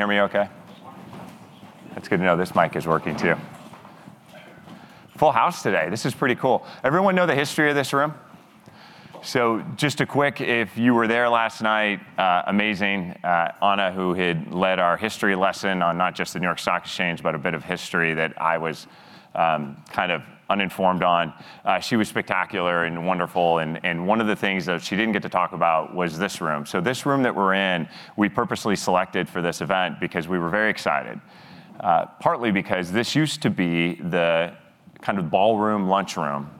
Can hear me okay? That's good to know this mic is working, too. Full house today. This is pretty cool. Everyone know the history of this room? Just a quick, if you were there last night, amazing, Elena, who had led our history lesson on not just the New York Stock Exchange, but a bit of history that I was kind of uninformed on. She was spectacular and wonderful, and one of the things that she didn't get to talk about was this room. This room that we're in, we purposely selected for this event because we were very excited. Partly because this used to be the kind of ballroom/lunchroom,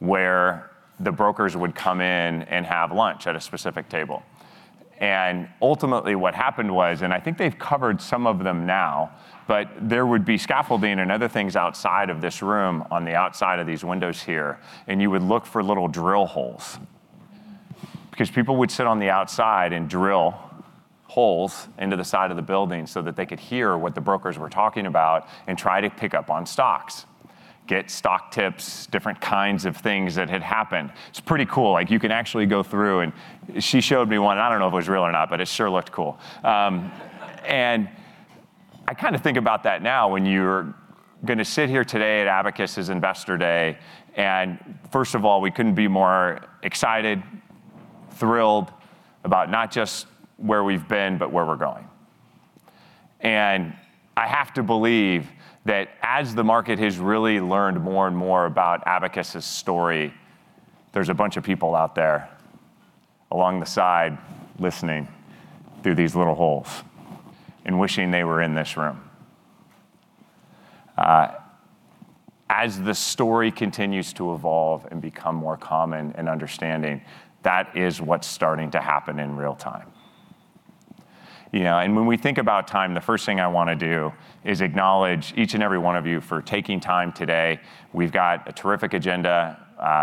where the brokers would come in and have lunch at a specific table. Ultimately what happened was, and I think they've covered some of them now, but there would be scaffolding and other things outside of this room, on the outside of these windows here, and you would look for little drill holes. People would sit on the outside and drill holes into the side of the building so that they could hear what the brokers were talking about and try to pick up on stocks, get stock tips, different kinds of things that had happened. It's pretty cool. You can actually go through and she showed me one, and I don't know if it was real or not, but it sure looked cool. I kind of think about that now when you're going to sit here today at Abacus's Investor Day, and first of all, we couldn't be more excited, thrilled about not just where we've been, but where we're going. I have to believe that as the market has really learned more and more about Abacus' story, there's a bunch of people out there along the side listening through these little holes and wishing they were in this room. As the story continues to evolve and become more common and understanding, that is what's starting to happen in real-time. When we think about time, the first thing I want to do is acknowledge each and every one of you for taking time today. We've got a terrific agenda.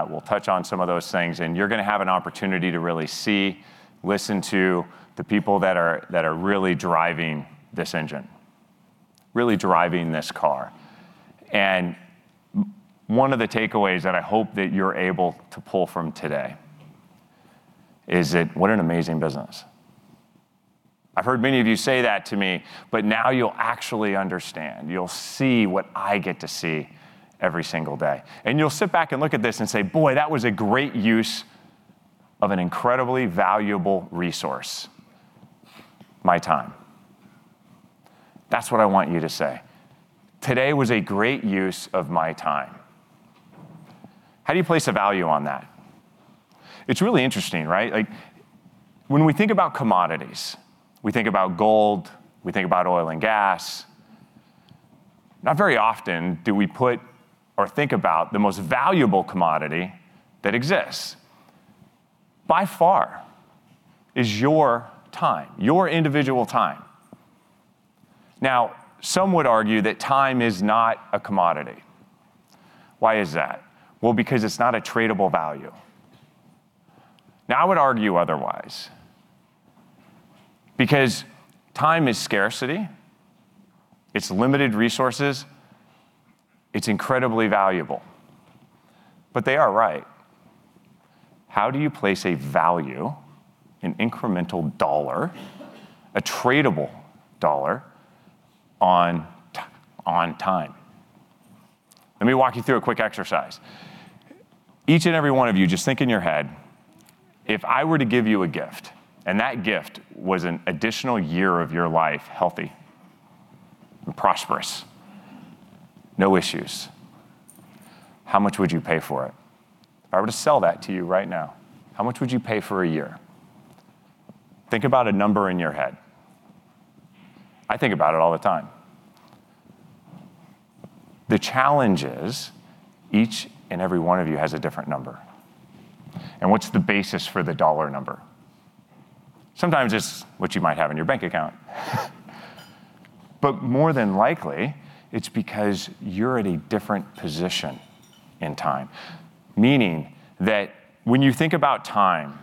We'll touch on some of those things, and you're going to have an opportunity to really see, listen to the people that are really driving this engine, really driving this car. One of the takeaways that I hope that you're able to pull from today is that what an amazing business. I've heard many of you say that to me, but now you'll actually understand. You'll see what I get to see every single day. You'll sit back and look at this and say, "Boy, that was a great use of an incredibly valuable resource, my time." That's what I want you to say. Today was a great use of my time. How do you place a value on that? It's really interesting, right? When we think about commodities, we think about gold, we think about oil and gas. Not very often do we put or think about the most valuable commodity that exists. By far is your time, your individual time. Some would argue that time is not a commodity. Why is that? Because it's not a tradable value. I would argue otherwise. Because time is scarcity, it's limited resources, it's incredibly valuable. They are right. How do you place a value, an incremental dollar, a tradable dollar, on time? Let me walk you through a quick exercise. Each and every one of you, just think in your head, if I were to give you a gift, and that gift was an additional year of your life, healthy and prosperous, no issues, how much would you pay for it? If I were to sell that to you right now, how much would you pay for a year? Think about a number in your head. I think about it all the time. The challenge is each and every one of you has a different number. What's the basis for the dollar number? Sometimes it's what you might have in your bank account. More than likely, it's because you're at a different position in time. Meaning that when you think about time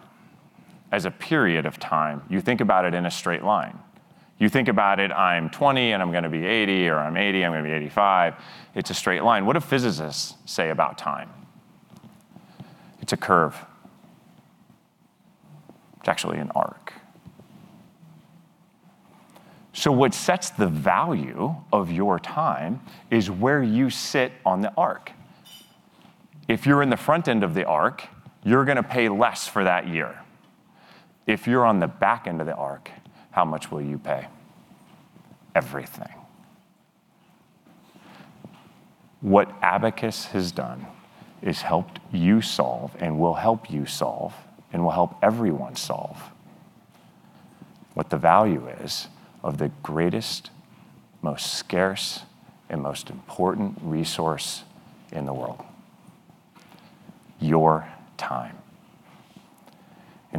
as a period of time, you think about it in a straight line. You think about it, I'm 20 and I'm going to be 80, or I'm 80, I'm going to be 85. It's a straight line. What do physicists say about time? It's a curve. It's actually an arc. What sets the value of your time is where you sit on the arc. If you're in the front end of the arc, you're going to pay less for that year. If you're on the back end of the arc, how much will you pay? Everything. What Abacus has done is helped you solve and will help you solve and will help everyone solve what the value is of the greatest, most scarce, and most important resource in the world, your time.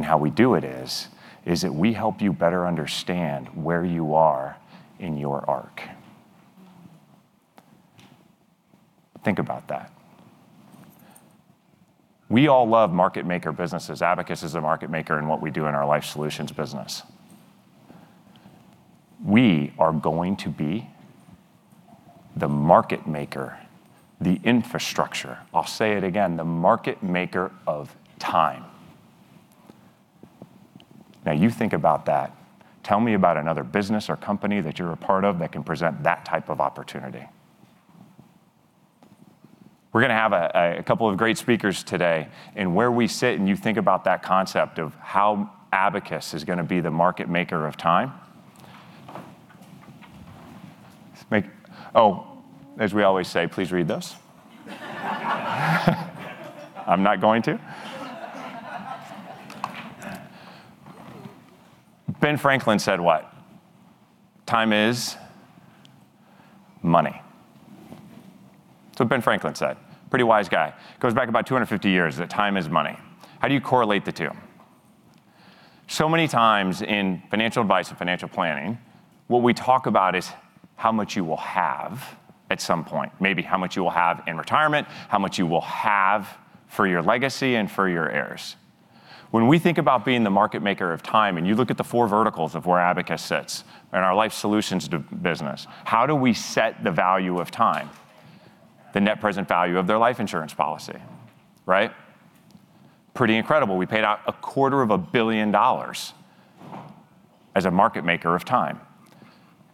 How we do it is that we help you better understand where you are in your arc. Think about that. We all love market maker businesses. Abacus is a market maker in what we do in our Life Solutions business. We are going to be the market maker, the infrastructure. I'll say it again, the market maker of time. You think about that. Tell me about another business or company that you're a part of that can present that type of opportunity. We're going to have a couple of great speakers today, where we sit and you think about that concept of how Abacus is going to be the market maker of time. As we always say, please read this. I'm not going to. Ben Franklin said what? Time is money. That's what Ben Franklin said. Pretty wise guy. Goes back about 250 years, that time is money. How do you correlate the two? Many times in financial advice and financial planning, what we talk about is how much you will have at some point, maybe how much you will have in retirement, how much you will have for your legacy and for your heirs. When we think about being the market maker of time and you look at the four verticals of where Abacus sits and our Life Solutions business, how do we set the value of time, the net present value of their life insurance policy, right? Pretty incredible. We paid out a quarter of a billion dollars as a market maker of time.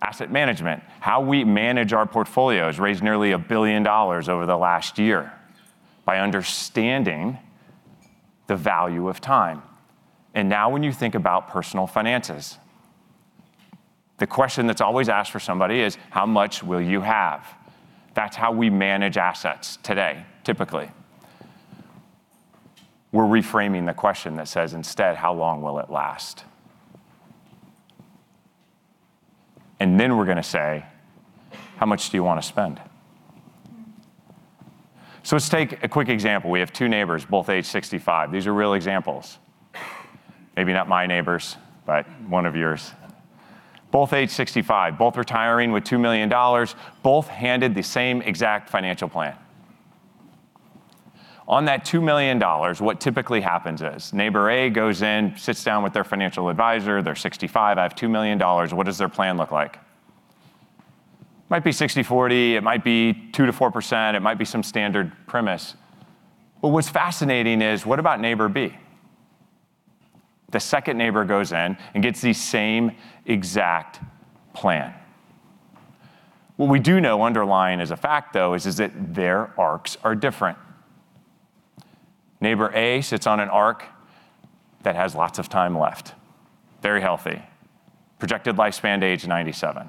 Asset management, how we manage our portfolios, raised nearly $1 billion over the last year by understanding the value of time. Now when you think about personal finances, the question that's always asked for somebody is: How much will you have? That's how we manage assets today, typically. We're reframing the question that says instead, "How long will it last?" Then we're going to say, "How much do you want to spend?" Let's take a quick example. We have two neighbors, both age 65. These are real examples. Maybe not my neighbors, but one of yours. Both age 65, both retiring with $2 million, both handed the same exact financial plan. On that $2 million, what typically happens is neighbor A goes in, sits down with their financial advisor. They're 65. "I have $2 million." What does their plan look like? Might be 60/40, it might be 2%-4%, it might be some standard premise. What's fascinating is what about neighbor B? The second neighbor goes in and gets the same exact plan. What we do know underlying as a fact, though, is that their arcs are different. Neighbor A sits on an arc that has lots of time left. Very healthy. Projected lifespan to age 97.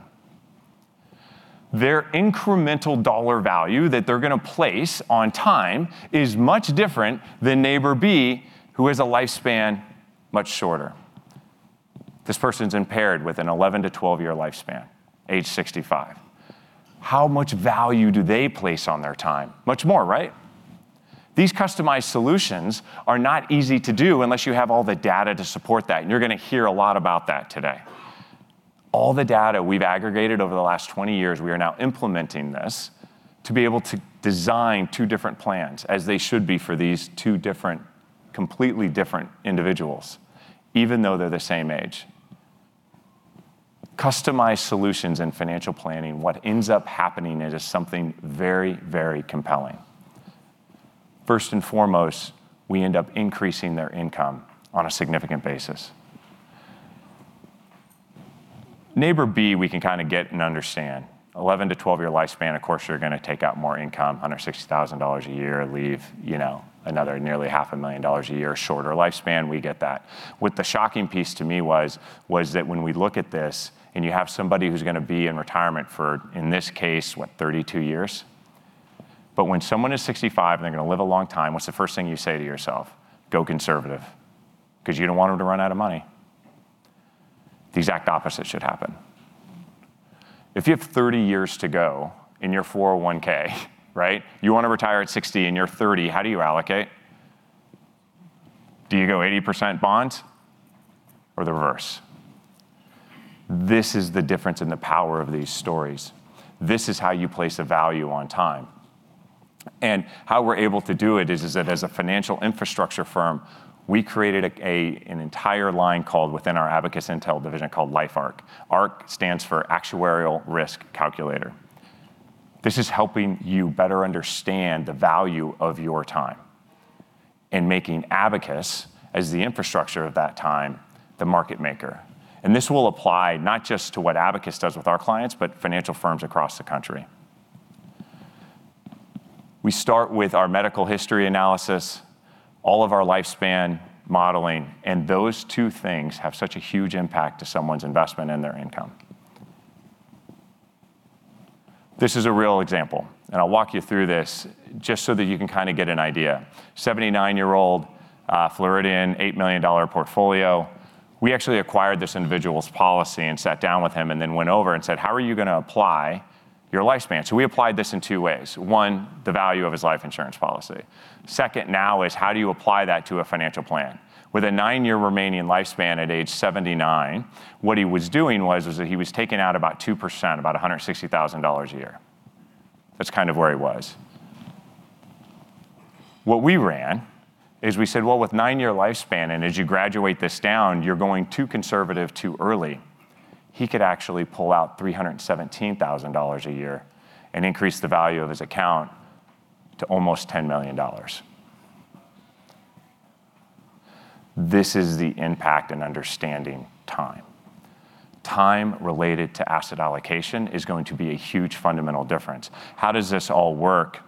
Their incremental dollar value that they're going to place on time is much different than neighbor B, who has a lifespan much shorter. This person's impaired with an 11-12 year lifespan, age 65. How much value do they place on their time? Much more, right? These customized solutions are not easy to do unless you have all the data to support that, and you're going to hear a lot about that today. All the data we've aggregated over the last 20 years, we are now implementing this to be able to design two different plans, as they should be for these two completely different individuals, even though they're the same age. Customized solutions in financial planning, what ends up happening is something very compelling. First and foremost, we end up increasing their income on a significant basis. Neighbor B, we can kind of get and understand. 11-12 year lifespan, of course, you're going to take out more income, $160,000 a year, leave another nearly half a million dollars a year, shorter lifespan. We get that. What the shocking piece to me was that when we look at this and you have somebody who's going to be in retirement for, in this case, what, 32 years. When someone is 65 and they're going to live a long time, what's the first thing you say to yourself? Go conservative, because you don't want them to run out of money. The exact opposite should happen. If you have 30 years to go in your 401(k), right? You want to retire at 60 and you're 30, how do you allocate? Do you go 80% bonds or the reverse? This is the difference in the power of these stories. This is how you place a value on time. How we're able to do it is that as a financial infrastructure firm, we created an entire line within our Abacus Intel division called LifeARC. ARC stands for Actuarial Risk Calculator. This is helping you better understand the value of your time and making Abacus, as the infrastructure of that time, the market maker. This will apply not just to what Abacus does with our clients, but financial firms across the country. We start with our medical history analysis, all of our lifespan modeling, and those two things have such a huge impact to someone's investment and their income. This is a real example, and I'll walk you through this just so that you can kind of get an idea. 79-year-old Floridian, $8 million portfolio. We actually acquired this individual's policy and sat down with him. Then went over and said, "How are you going to apply your lifespan?" We applied this in two ways. One, the value of his life insurance policy. Second now is how do you apply that to a financial plan? With a nine-year remaining lifespan at age 79, what he was doing was that he was taking out about 2%, about $160,000 a year. That's kind of where he was. What we ran is we said, well, with nine-year lifespan and as you graduate this down, you're going too conservative too early. He could actually pull out $317,000 a year and increase the value of his account to almost $10 million. This is the impact in understanding time. Time related to asset allocation is going to be a huge fundamental difference. How does this all work?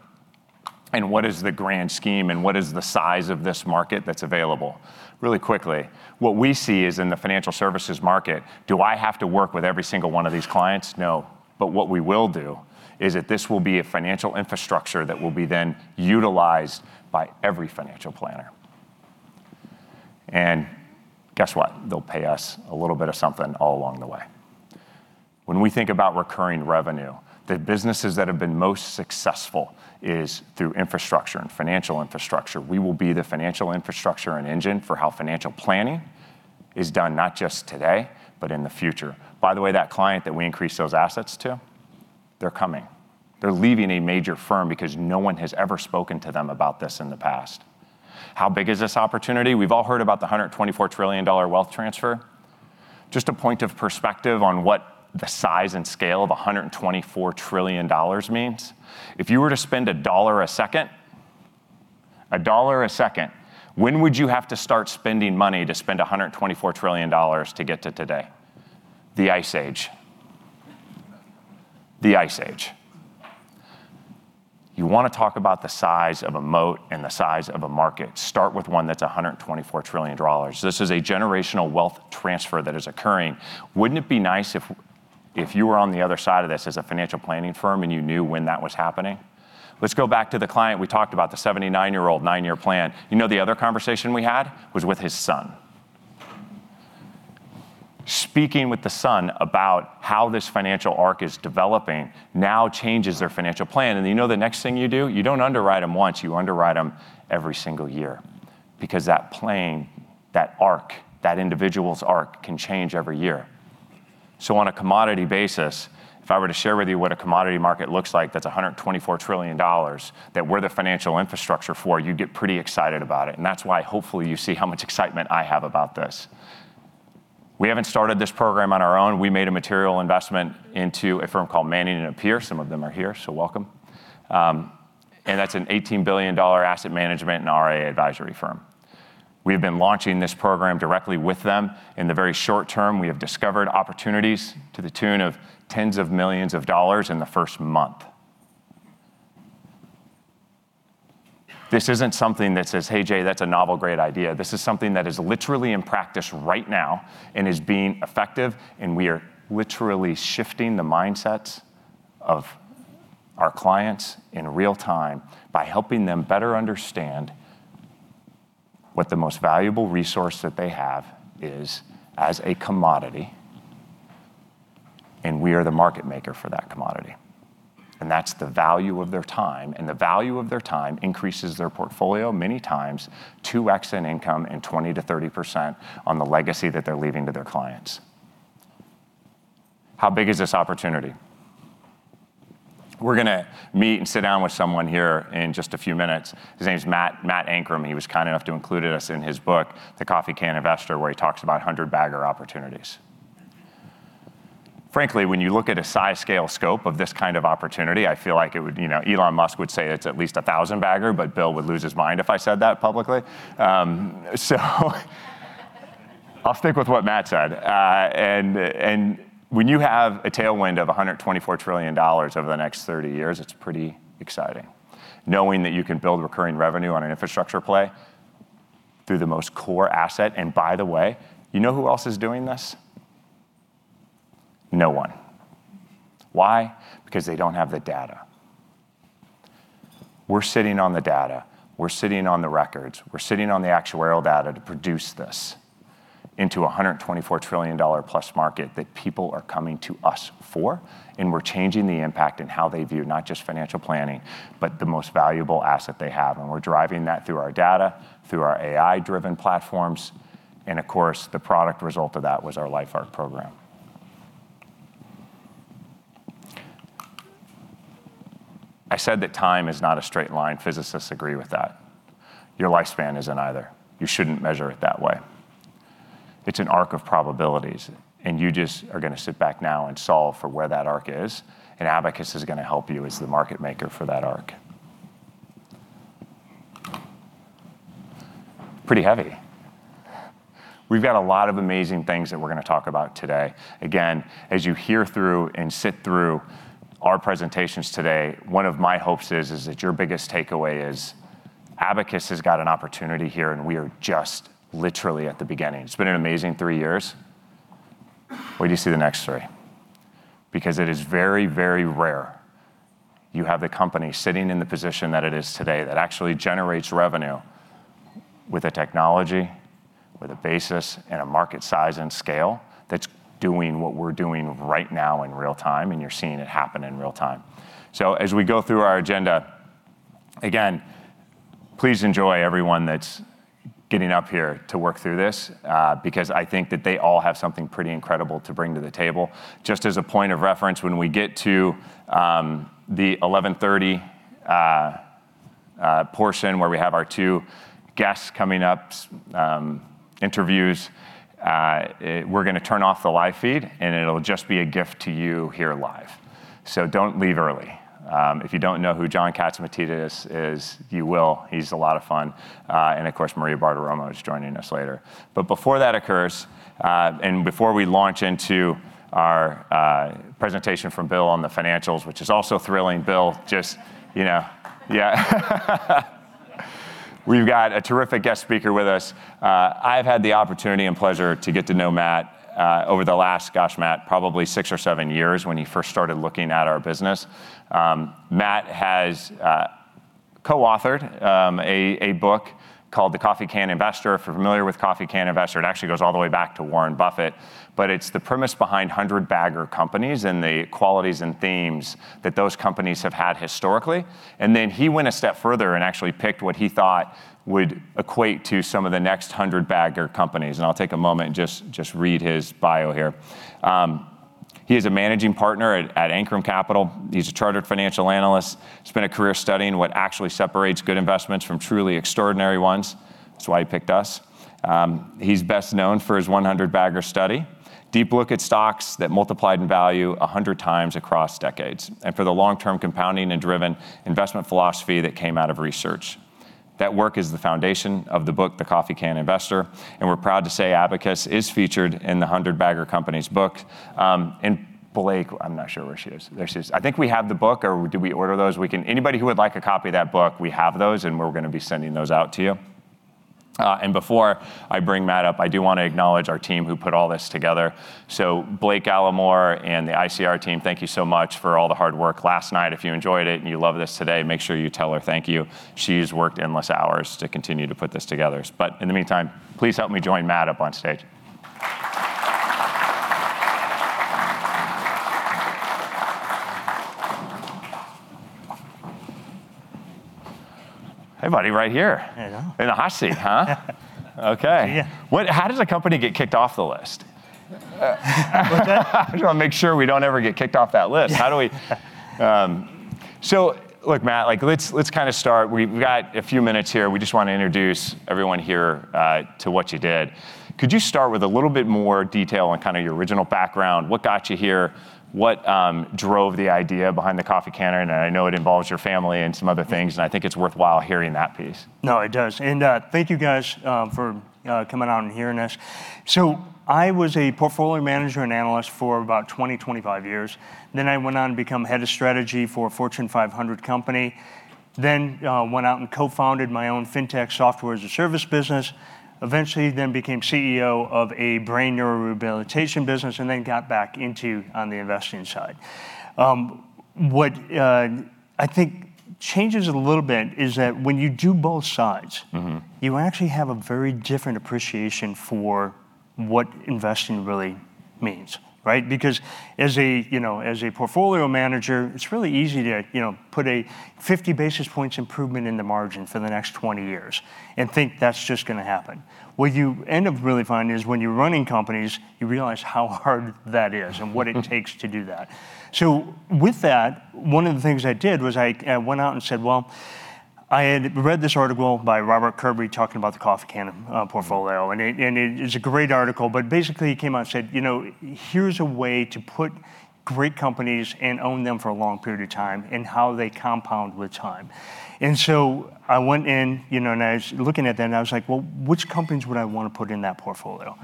What is the grand scheme, and what is the size of this market that's available? Really quickly, what we see is in the financial services market, do I have to work with every single one of these clients? No. What we will do is that this will be a financial infrastructure that will be then utilized by every financial planner. Guess what? They'll pay us a little bit of something all along the way. When we think about recurring revenue, the businesses that have been most successful is through infrastructure and financial infrastructure. We will be the financial infrastructure and engine for how financial planning is done, not just today, but in the future. By the way, that client that we increased those assets to, they're coming. They're leaving a major firm because no one has ever spoken to them about this in the past. How big is this opportunity? We've all heard about the $124 trillion wealth transfer. Just a point of perspective on what the size and scale of $124 trillion means. If you were to spend a dollar a second, when would you have to start spending money to spend $124 trillion to get to today? The Ice Age. You want to talk about the size of a moat and the size of a market, start with one that's $124 trillion. This is a generational wealth transfer that is occurring. Wouldn't it be nice if you were on the other side of this as a financial planning firm, and you knew when that was happening? Let's go back to the client we talked about, the 79-year-old, nine-year plan. You know the other conversation we had was with his son. Speaking with the son about how this financial arc is developing now changes their financial plan. You know the next thing you do? You don't underwrite them once, you underwrite them every single year because that plane, that arc, that individual's arc can change every year. On a commodity basis, if I were to share with you what a commodity market looks like that's $124 trillion that we're the financial infrastructure for, you'd get pretty excited about it. That's why hopefully you see how much excitement I have about this. We haven't started this program on our own. We made a material investment into a firm called Manning & Napier. Some of them are here, so welcome. That's an $18 billion asset management and RIA advisory firm. We have been launching this program directly with them. In the very short term, we have discovered opportunities to the tune of tens of millions of dollars in the first month. This isn't something that says, "Hey, Jay, that's a novel great idea." This is something that is literally in practice right now and is being effective, and we are literally shifting the mindsets of our clients in real-time by helping them better understand what the most valuable resource that they have is as a commodity, and we are the market maker for that commodity. That's the value of their time, and the value of their time increases their portfolio many times, 2x in income and 20%-30% on the legacy that they're leaving to their clients. How big is this opportunity? We're going to meet and sit down with someone here in just a few minutes. His name is Matt Ankrum. He was kind enough to include us in his book, "The Coffee Can Investor," where he talks about 100-bagger opportunities. Frankly, when you look at a size, scale, scope of this kind of opportunity, I feel like Elon Musk would say it's at least 1,000-bagger, but Bill would lose his mind if I said that publicly. I'll stick with what Matt said. When you have a tailwind of $124 trillion over the next 30 years, it's pretty exciting knowing that you can build recurring revenue on an infrastructure play through the most core asset, and by the way, you know who else is doing this? No one. Why? Because they don't have the data. We're sitting on the data, we're sitting on the records, we're sitting on the actuarial data to produce this into $124+ trillion market that people are coming to us for, we're changing the impact in how they view not just financial planning, but the most valuable asset they have. We're driving that through our data, through our AI-driven platforms, and of course, the product result of that was our LifeARC program. I said that time is not a straight line. Physicists agree with that. Your lifespan isn't either. You shouldn't measure it that way. It's an arc of probabilities, and you just are going to sit back now and solve for where that arc is, and Abacus is going to help you as the market maker for that arc. Pretty heavy. We've got a lot of amazing things that we're going to talk about today. As you hear through and sit through our presentations today, one of my hopes is that your biggest takeaway is Abacus has got an opportunity here, and we are just literally at the beginning. It's been an amazing three years. Wait till you see the next three. It is very rare you have the company sitting in the position that it is today that actually generates revenue with a technology, with a basis, and a market size and scale that's doing what we're doing right now in real time, and you're seeing it happen in real time. As we go through our agenda, again, please enjoy everyone that's getting up here to work through this, because I think that they all have something pretty incredible to bring to the table. Just as a point of reference, when we get to the 11:30 A.M. portion, where we have our two guests coming up, interviews, we're going to turn off the live feed and it'll just be a gift to you here live. Don't leave early. If you don't know who John Catsimatidis is, you will. He's a lot of fun. Maria Bartiromo is joining us later. Before that occurs, and before we launch into our presentation from Bill on the financials, which is also thrilling. Bill, you know. We've got a terrific guest speaker with us. I've had the opportunity and pleasure to get to know Matt, over the last, gosh, Matt, probably six or seven years when he first started looking at our business. Matt has co-authored a book called "The Coffee Can Investor." If you're familiar with Coffee Can Investor, it actually goes all the way back to Warren Buffett, but it's the premise behind 100-bagger companies and the qualities and themes that those companies have had historically. He went a step further and actually picked what he thought would equate to some of the next 100-bagger companies. I'll take a moment and just read his bio here. He is a Managing Partner at Ankrum Capital. He's a chartered financial analyst. He spent a career studying what actually separates good investments from truly extraordinary ones. That's why he picked us. He's best known for 100-Bagger Study, deep look at stocks that multiplied in value 100 times across decades, and for the long-term compounding and driven investment philosophy that came out of research. That work is the foundation of the book, "The Coffee Can Investor," and we're proud to say Abacus is featured in the "100-bagger Companies" book. Blake, I'm not sure where she is. There she is. I think we have the book, or do we order those? Anybody who would like a copy of that book, we have those and we're going to be sending those out to you. Before I bring Matt up, I do want to acknowledge our team who put all this together. Blake Gallimore and the ICR team, thank you so much for all the hard work last night. If you enjoyed it and you love this today, make sure you tell her thank you. She's worked endless hours to continue to put this together. In the meantime, please help me join Matt up on stage. Hey, buddy. Right here. There you go. In the hot seat, huh? Okay. Yeah. How does a company get kicked off the list? What's that? I just want to make sure we don't ever get kicked off that list. Yeah. Look, Matt, let's kind of start. We've got a few minutes here. We just want to introduce everyone here to what you did. Could you start with a little bit more detail on kind of your original background, what got you here, what drove the idea behind the Coffee Can? I know it involves your family and some other things, and I think it's worthwhile hearing that piece. No, it does. Thank you guys for coming out and hearing this. I was a portfolio manager and analyst for about 20, 25 years. I went on to become head of strategy for a Fortune 500 company. Went out and co-founded my own fintech software as a service business. Eventually then became CEO of a brain neurorehabilitation business and then got back into on the investing side. What I think changes a little bit is that when you do both sides. You actually have a very different appreciation for what investing really means, right? Because as a portfolio manager, it's really easy to put a 50 basis points improvement in the margin for the next 20 years and think that's just going to happen. What you end up really finding is when you're running companies, you realize how hard that is and what it takes to do that. With that, one of the things I did was I went out and said, well, I had read this article by Robert Kirby talking about the Coffee Can portfolio. It is a great article, basically he came out and said, "Here's a way to put great companies and own them for a long period of time and how they compound with time." I went in and I was looking at that and I was like, "Well, which companies would I want to put in that portfolio?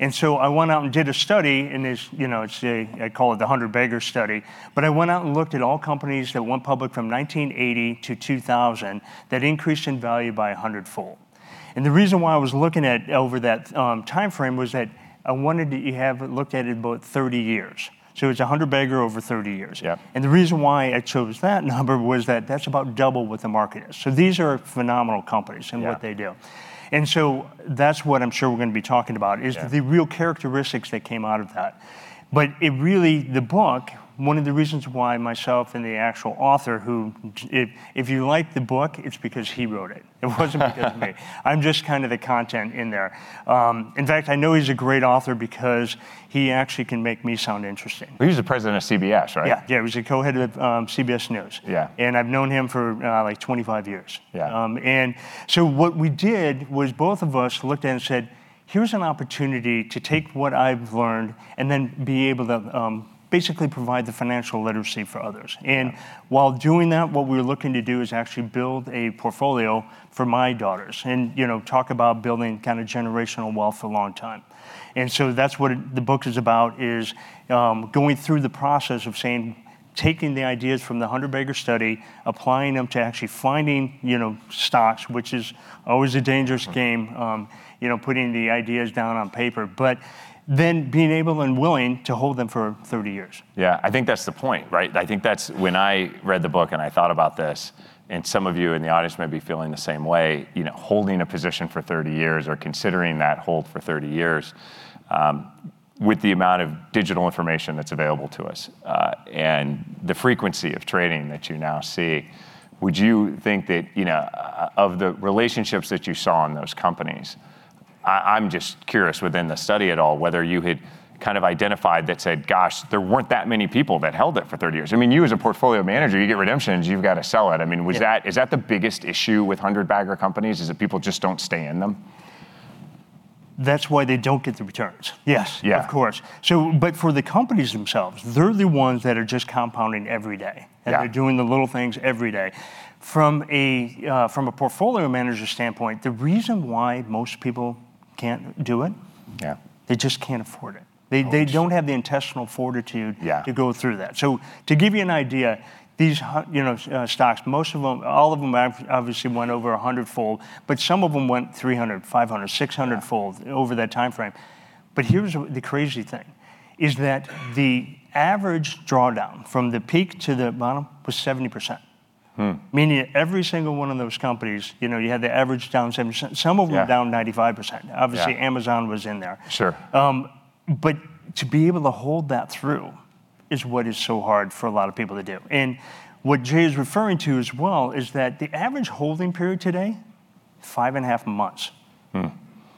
I went out and did a study, and I call it 100-Bagger Study. i went out and looked at all companies that went public from 1980 to 2000 that increased in value by 100-fold. The reason why I was looking at over that timeframe was that I wanted to have it looked at in about 30 years. It's 100-bagger over 30 years. Yeah. The reason why I chose that number was that that's about double what the market is. These are phenomenal companies and what they do. Yeah. That's what I'm sure we're going to be talking about- Yeah. Is the real characteristics that came out of that. Really, the book, one of the reasons why myself and the actual author, who if you like the book, it's because he wrote it. It wasn't because of me. I'm just kind of the content in there. In fact, I know he's a great author because he actually can make me sound interesting. Well, he's the president of CBS, right? Yeah. He was the co-head of CBS News. Yeah. I've known him for, like 25 years. Yeah. What we did was both of us looked at it and said, "Here's an opportunity to take what I've learned and then be able to basically provide the financial literacy for others. Yeah. While doing that, what we were looking to do is actually build a portfolio for my daughters and talk about building generational wealth for a long time. That's what the book is about, is going through the process of saying, taking the ideas from 100-Bagger Study, applying them to actually finding stocks, which is always a dangerous game. Putting the ideas down on paper, being able and willing to hold them for 30 years. Yeah, I think that's the point, right? I think that's when I read the book and I thought about this, and some of you in the audience might be feeling the same way. Holding a position for 30 years or considering that hold for 30 years. With the amount of digital information that's available to us, and the frequency of trading that you now see, would you think that, of the relationships that you saw in those companies, I'm just curious within the study at all, whether you had identified that, said, "Gosh, there weren't that many people that held it for 30 years." You as a portfolio manager, you get redemptions, you've got to sell it. Yeah. Is that the biggest issue with 100-bagger companies, is that people just don't stay in them? That's why they don't get the returns. Yes. Yeah. Of course. For the companies themselves, they're the ones that are just compounding every day. Yeah. They're doing the little things every day. From a portfolio manager standpoint, the reason why most people can't do it- Yeah. They just can't afford it. Of course. They don't have the intestinal fortitude- Yeah. To go through that. To give you an idea, these stocks, all of them obviously went over a 100-fold, but some of them went 300, 500, 600-fold. Yeah. Over that timeframe. Here's the crazy thing, is that the average drawdown from the peak to the bottom was 70%. Meaning that every single one of those companies, you had the average down 70%. Some of them. Yeah. Down 95%. Obviously. Yeah. Amazon was in there. Sure. To be able to hold that through is what is so hard for a lot of people to do. What Jay is referring to as well, is that the average holding period today, five and a half months.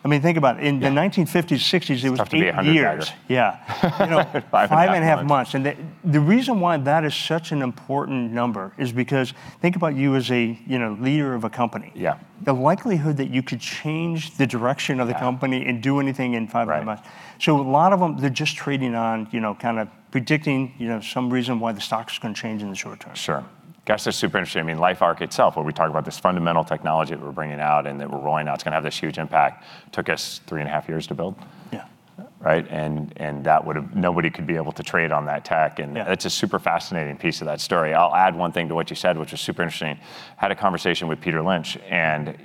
Think about it. In the 1950s, 1960s, it was eight years. It's tough to be a 100-bagger. Yeah. Five and a half months. Five and a half months. The reason why that is such an important number is because think about you as a leader of a company. Yeah. The likelihood that you could change the direction of the company. Yeah. Do anything in five and a half months. Right. A lot of them, they're just trading on predicting some reason why the stock's going to change in the short term. Sure. Gosh, that's super interesting. LifeARC itself, where we talk about this fundamental technology that we're bringing out and that we're rolling out, it's going to have this huge impact. Took us three and a half years to build. Yeah. Right? Nobody could be able to trade on that tech. Yeah. That's a super fascinating piece of that story. I'll add one thing to what you said, which was super interesting. Had a conversation with Peter Lynch, and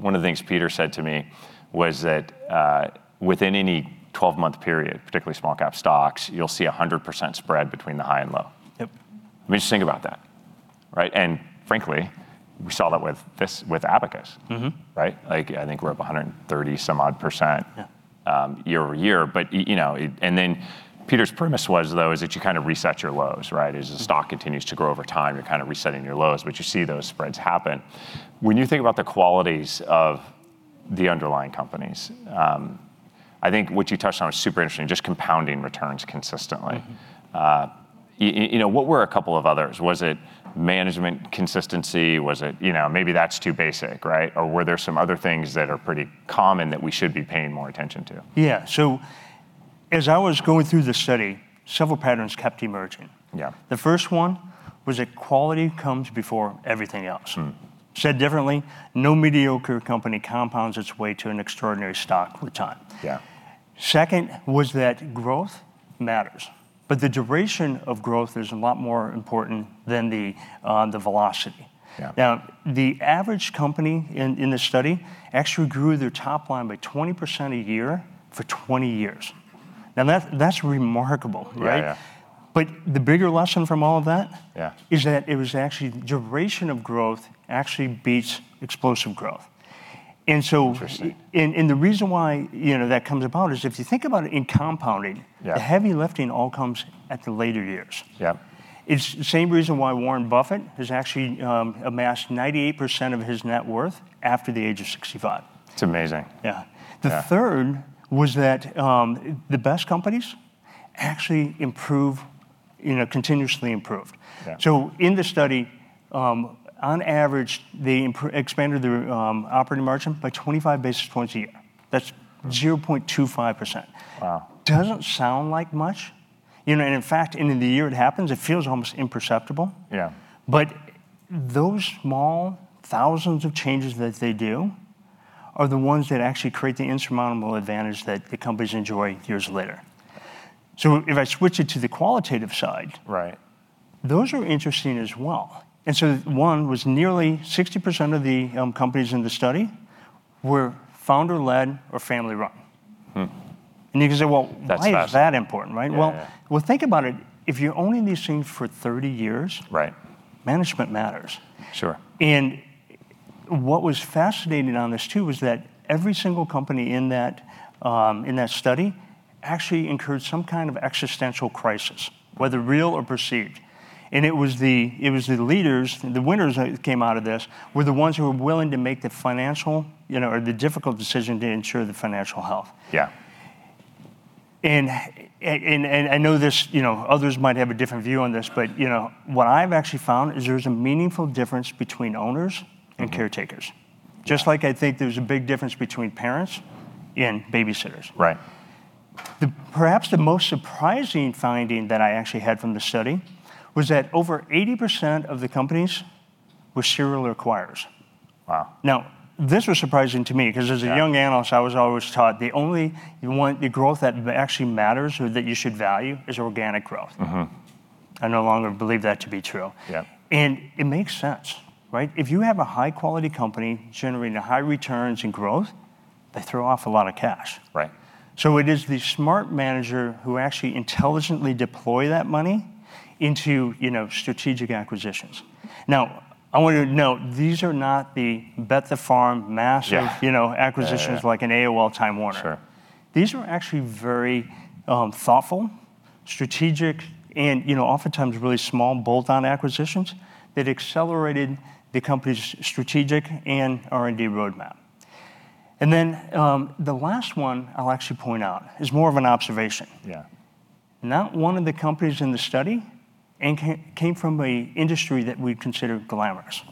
one of the things Peter said to me was that, within any 12-month period, particularly small cap stocks, you'll see 100% spread between the high and low. Yep. Just think about that. Right? Frankly, we saw that with Abacus. Right? I think we're up some odd 130%- Yeah. Year-over-year. Peter's premise was, though, is that you kind of reset your lows, right? As the stock continues to grow over time, you're kind of resetting your lows, but you see those spreads happen. When you think about the qualities of the underlying companies, I think what you touched on was super interesting, just compounding returns consistently. What were a couple of others? Was it management consistency? Maybe that's too basic, right? Were there some other things that are pretty common that we should be paying more attention to? Yeah. As I was going through the study, several patterns kept emerging. Yeah. The first one was that quality comes before everything else. Said differently, no mediocre company compounds its way to an extraordinary stock with time. Yeah. Second was that growth matters. The duration of growth is a lot more important than the velocity. Yeah. The average company in this study actually grew their top line by 20% a year for 20 years. That's remarkable, right? Yeah. The bigger lesson from all of that. Yeah. Is that it was actually duration of growth actually beats explosive growth. Interesting. The reason why that comes about is if you think about it in compounding. Yeah. The heavy lifting all comes at the later years. Yeah. It's the same reason why Warren Buffett has actually amassed 98% of his net worth after the age of 65. It's amazing. Yeah. Yeah. The third was that the best companies actually continuously improved. Yeah. In the study, on average, they expanded their operating margin by 25 basis points a year. That's 0.25%. Wow. Doesn't sound like much. In fact, end of the year it happens, it feels almost imperceptible. Yeah. Those small thousands of changes that they do are the ones that actually create the insurmountable advantage that the companies enjoy years later. If I switch it to the qualitative side. Right. Those are interesting as well. One was nearly 60% of the companies in the study were founder-led or family-run. You can say, well. That's fascinating. Why is that important, right? Yeah. Well, think about it. If you're owning these things for 30 years. Right. Management matters. Sure. What was fascinating on this, too, was that every single company in that study actually incurred some kind of existential crisis, whether real or perceived. It was the leaders, the winners that came out of this, were the ones who were willing to make the financial or the difficult decision to ensure the financial health. Yeah. I know others might have a different view on this, but what I've actually found is there's a meaningful difference between owners and caretakers. Yeah. Just like I think there's a big difference between parents and babysitters. Right. Perhaps the most surprising finding that I actually had from the study was that over 80% of the companies were serial acquirers. Wow. This was surprising to me, because as a young analyst, I was always taught the only growth that actually matters or that you should value is organic growth. I no longer believe that to be true. Yeah. It makes sense, right? If you have a high quality company generating high returns and growth, they throw off a lot of cash. Right. It is the smart manager who actually intelligently deploy that money into strategic acquisitions. I want you to note, these are not the bet the farm- Yeah. Acquisitions like an AOL Time Warner. These were actually very thoughtful, strategic, and oftentimes really small bolt-on acquisitions that accelerated the company's strategic and R&D roadmap. The last one I'll actually point out is more of an observation. Yeah. Not one of the companies in the study came from an industry that we'd consider glamorous.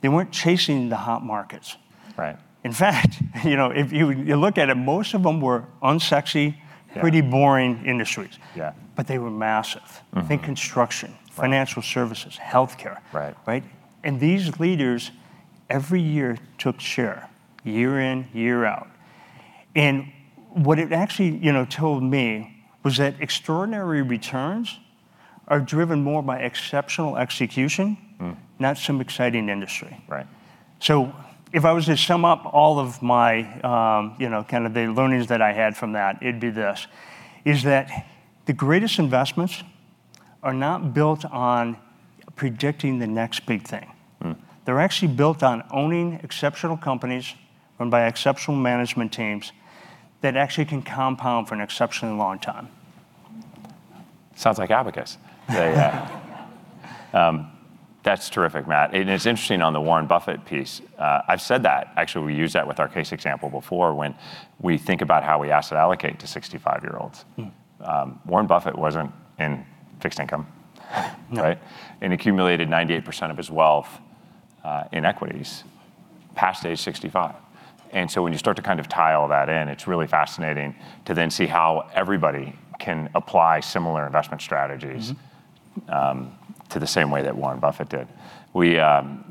They weren't chasing the hot markets. Right. In fact, if you look at it, most of them were unsexy. Yeah Pretty boring industries. Yeah. They were massive. Think construction. Right. Financial services, healthcare. Right. Right. These leaders, every year, took share, year in, year out. What it actually told me was that extraordinary returns are driven more by exceptional execution, not some exciting industry. Right. If I was to sum up all of my kind of the learnings that I had from that, it would be this: Is that the greatest investments are not built on predicting the next big thing. They are actually built on owning exceptional companies run by exceptional management teams that actually can compound for an exceptionally long time. Sounds like Abacus. Yeah, yeah. That's terrific, Matt, it's interesting on the Warren Buffett piece. I've said that. Actually, we used that with our case example before when we think about how we asset allocate to 65-year-olds. Warren Buffett wasn't in fixed income, right? No. Accumulated 98% of his wealth in equities past age 65. When you start to kind of tie all that in, it's really fascinating to then see how everybody can apply similar investment strategies to the same way that Warren Buffett did. I'll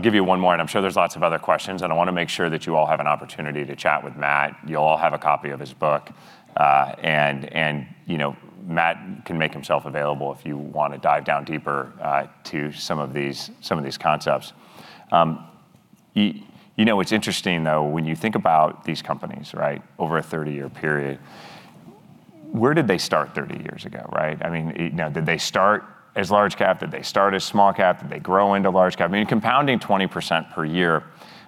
give you one more, and I'm sure there's lots of other questions, and I want to make sure that you all have an opportunity to chat with Matt. You'll all have a copy of his book. Matt can make himself available if you want to dive down deeper to some of these concepts. It's interesting, though. When you think about these companies over a 30-year period, where did they start 30 years ago, right? Did they start as large cap? Did they start as small cap? Did they grow into large cap? Compounding 20% per year,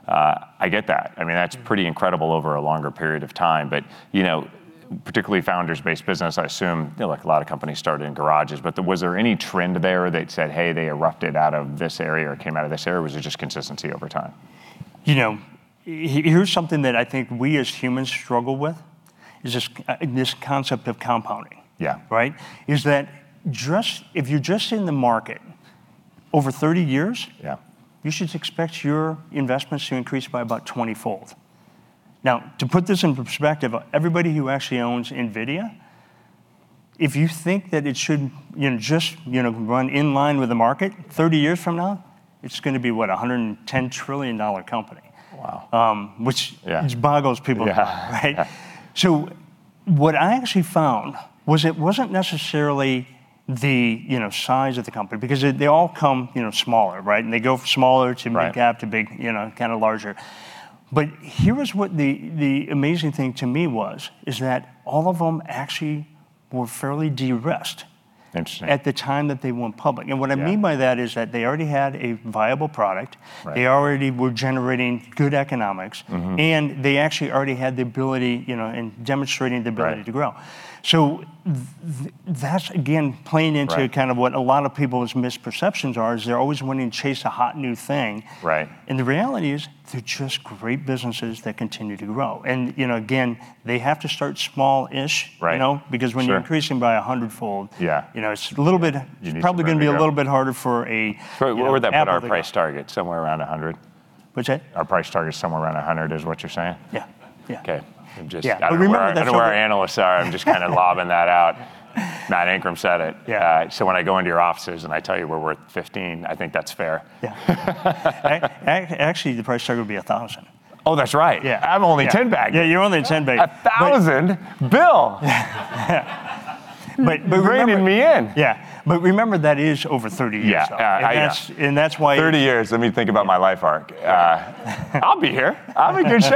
I get that. That's pretty incredible over a longer period of time. Particularly founders-based business, I assume, like a lot of companies started in garages. Was there any trend there that said, hey, they erupted out of this area or came out of this area, or was it just consistency over time? Here's something that I think we as humans struggle with, is this concept of compounding. Yeah. Right? Is that if you're just in the market, over 30 years. Yeah. You should expect your investments to increase by about twentyfold. To put this in perspective, everybody who actually owns NVIDIA, if you think that it should just run in line with the market, 30 years from now, it's going to be what? $110 trillion company. Wow. Which- Yeah. Just boggles people's mind. Yeah. Right? What I actually found was it wasn't necessarily the size of the company because they all come smaller. They go smaller to mid-cap- Right. To big, kind of larger. Here is what the amazing thing to me was, is that all of them actually were fairly derisked- Interesting. At the time that they went public. Yeah. What I mean by that is that they already had a viable product- Right. They already were generating good economics. They actually already had the ability and demonstrating the ability- Right. To grow. That's, again, playing into- Right. Kind of what a lot of people's misperceptions are, is they're always wanting to chase a hot new thing. Right. The reality is they're just great businesses that continue to grow. Again, they have to start smallish. Right. Because when you're- Sure. Increasing by a hundredfold- Yeah. It's a little bit- You need some room to go- Probably going to be a little bit harder for- Where would that put our price target? Somewhere around $100? What's that? Our price target's somewhere around $100, is what you're saying? Yeah. Okay. Yeah. Remember that's over- I don't know where our analysts are. I'm just kind of lobbing that out. Matt Ankrum said it. Yeah. When I go into your offices and I tell you we're worth $15, I think that's fair. Yeah. Actually, the price target would be $1,000. Oh, that's right. Yeah. I'm only 10-bagging. Yeah, you're only 10-bagging. $1,000? Bill. Yeah. You're reining me in. Yeah. Remember, that is over 30 years, though. Yeah. That's why. 30 years, let me think about my life arc. Yeah. I'll be here. I'm in good shape.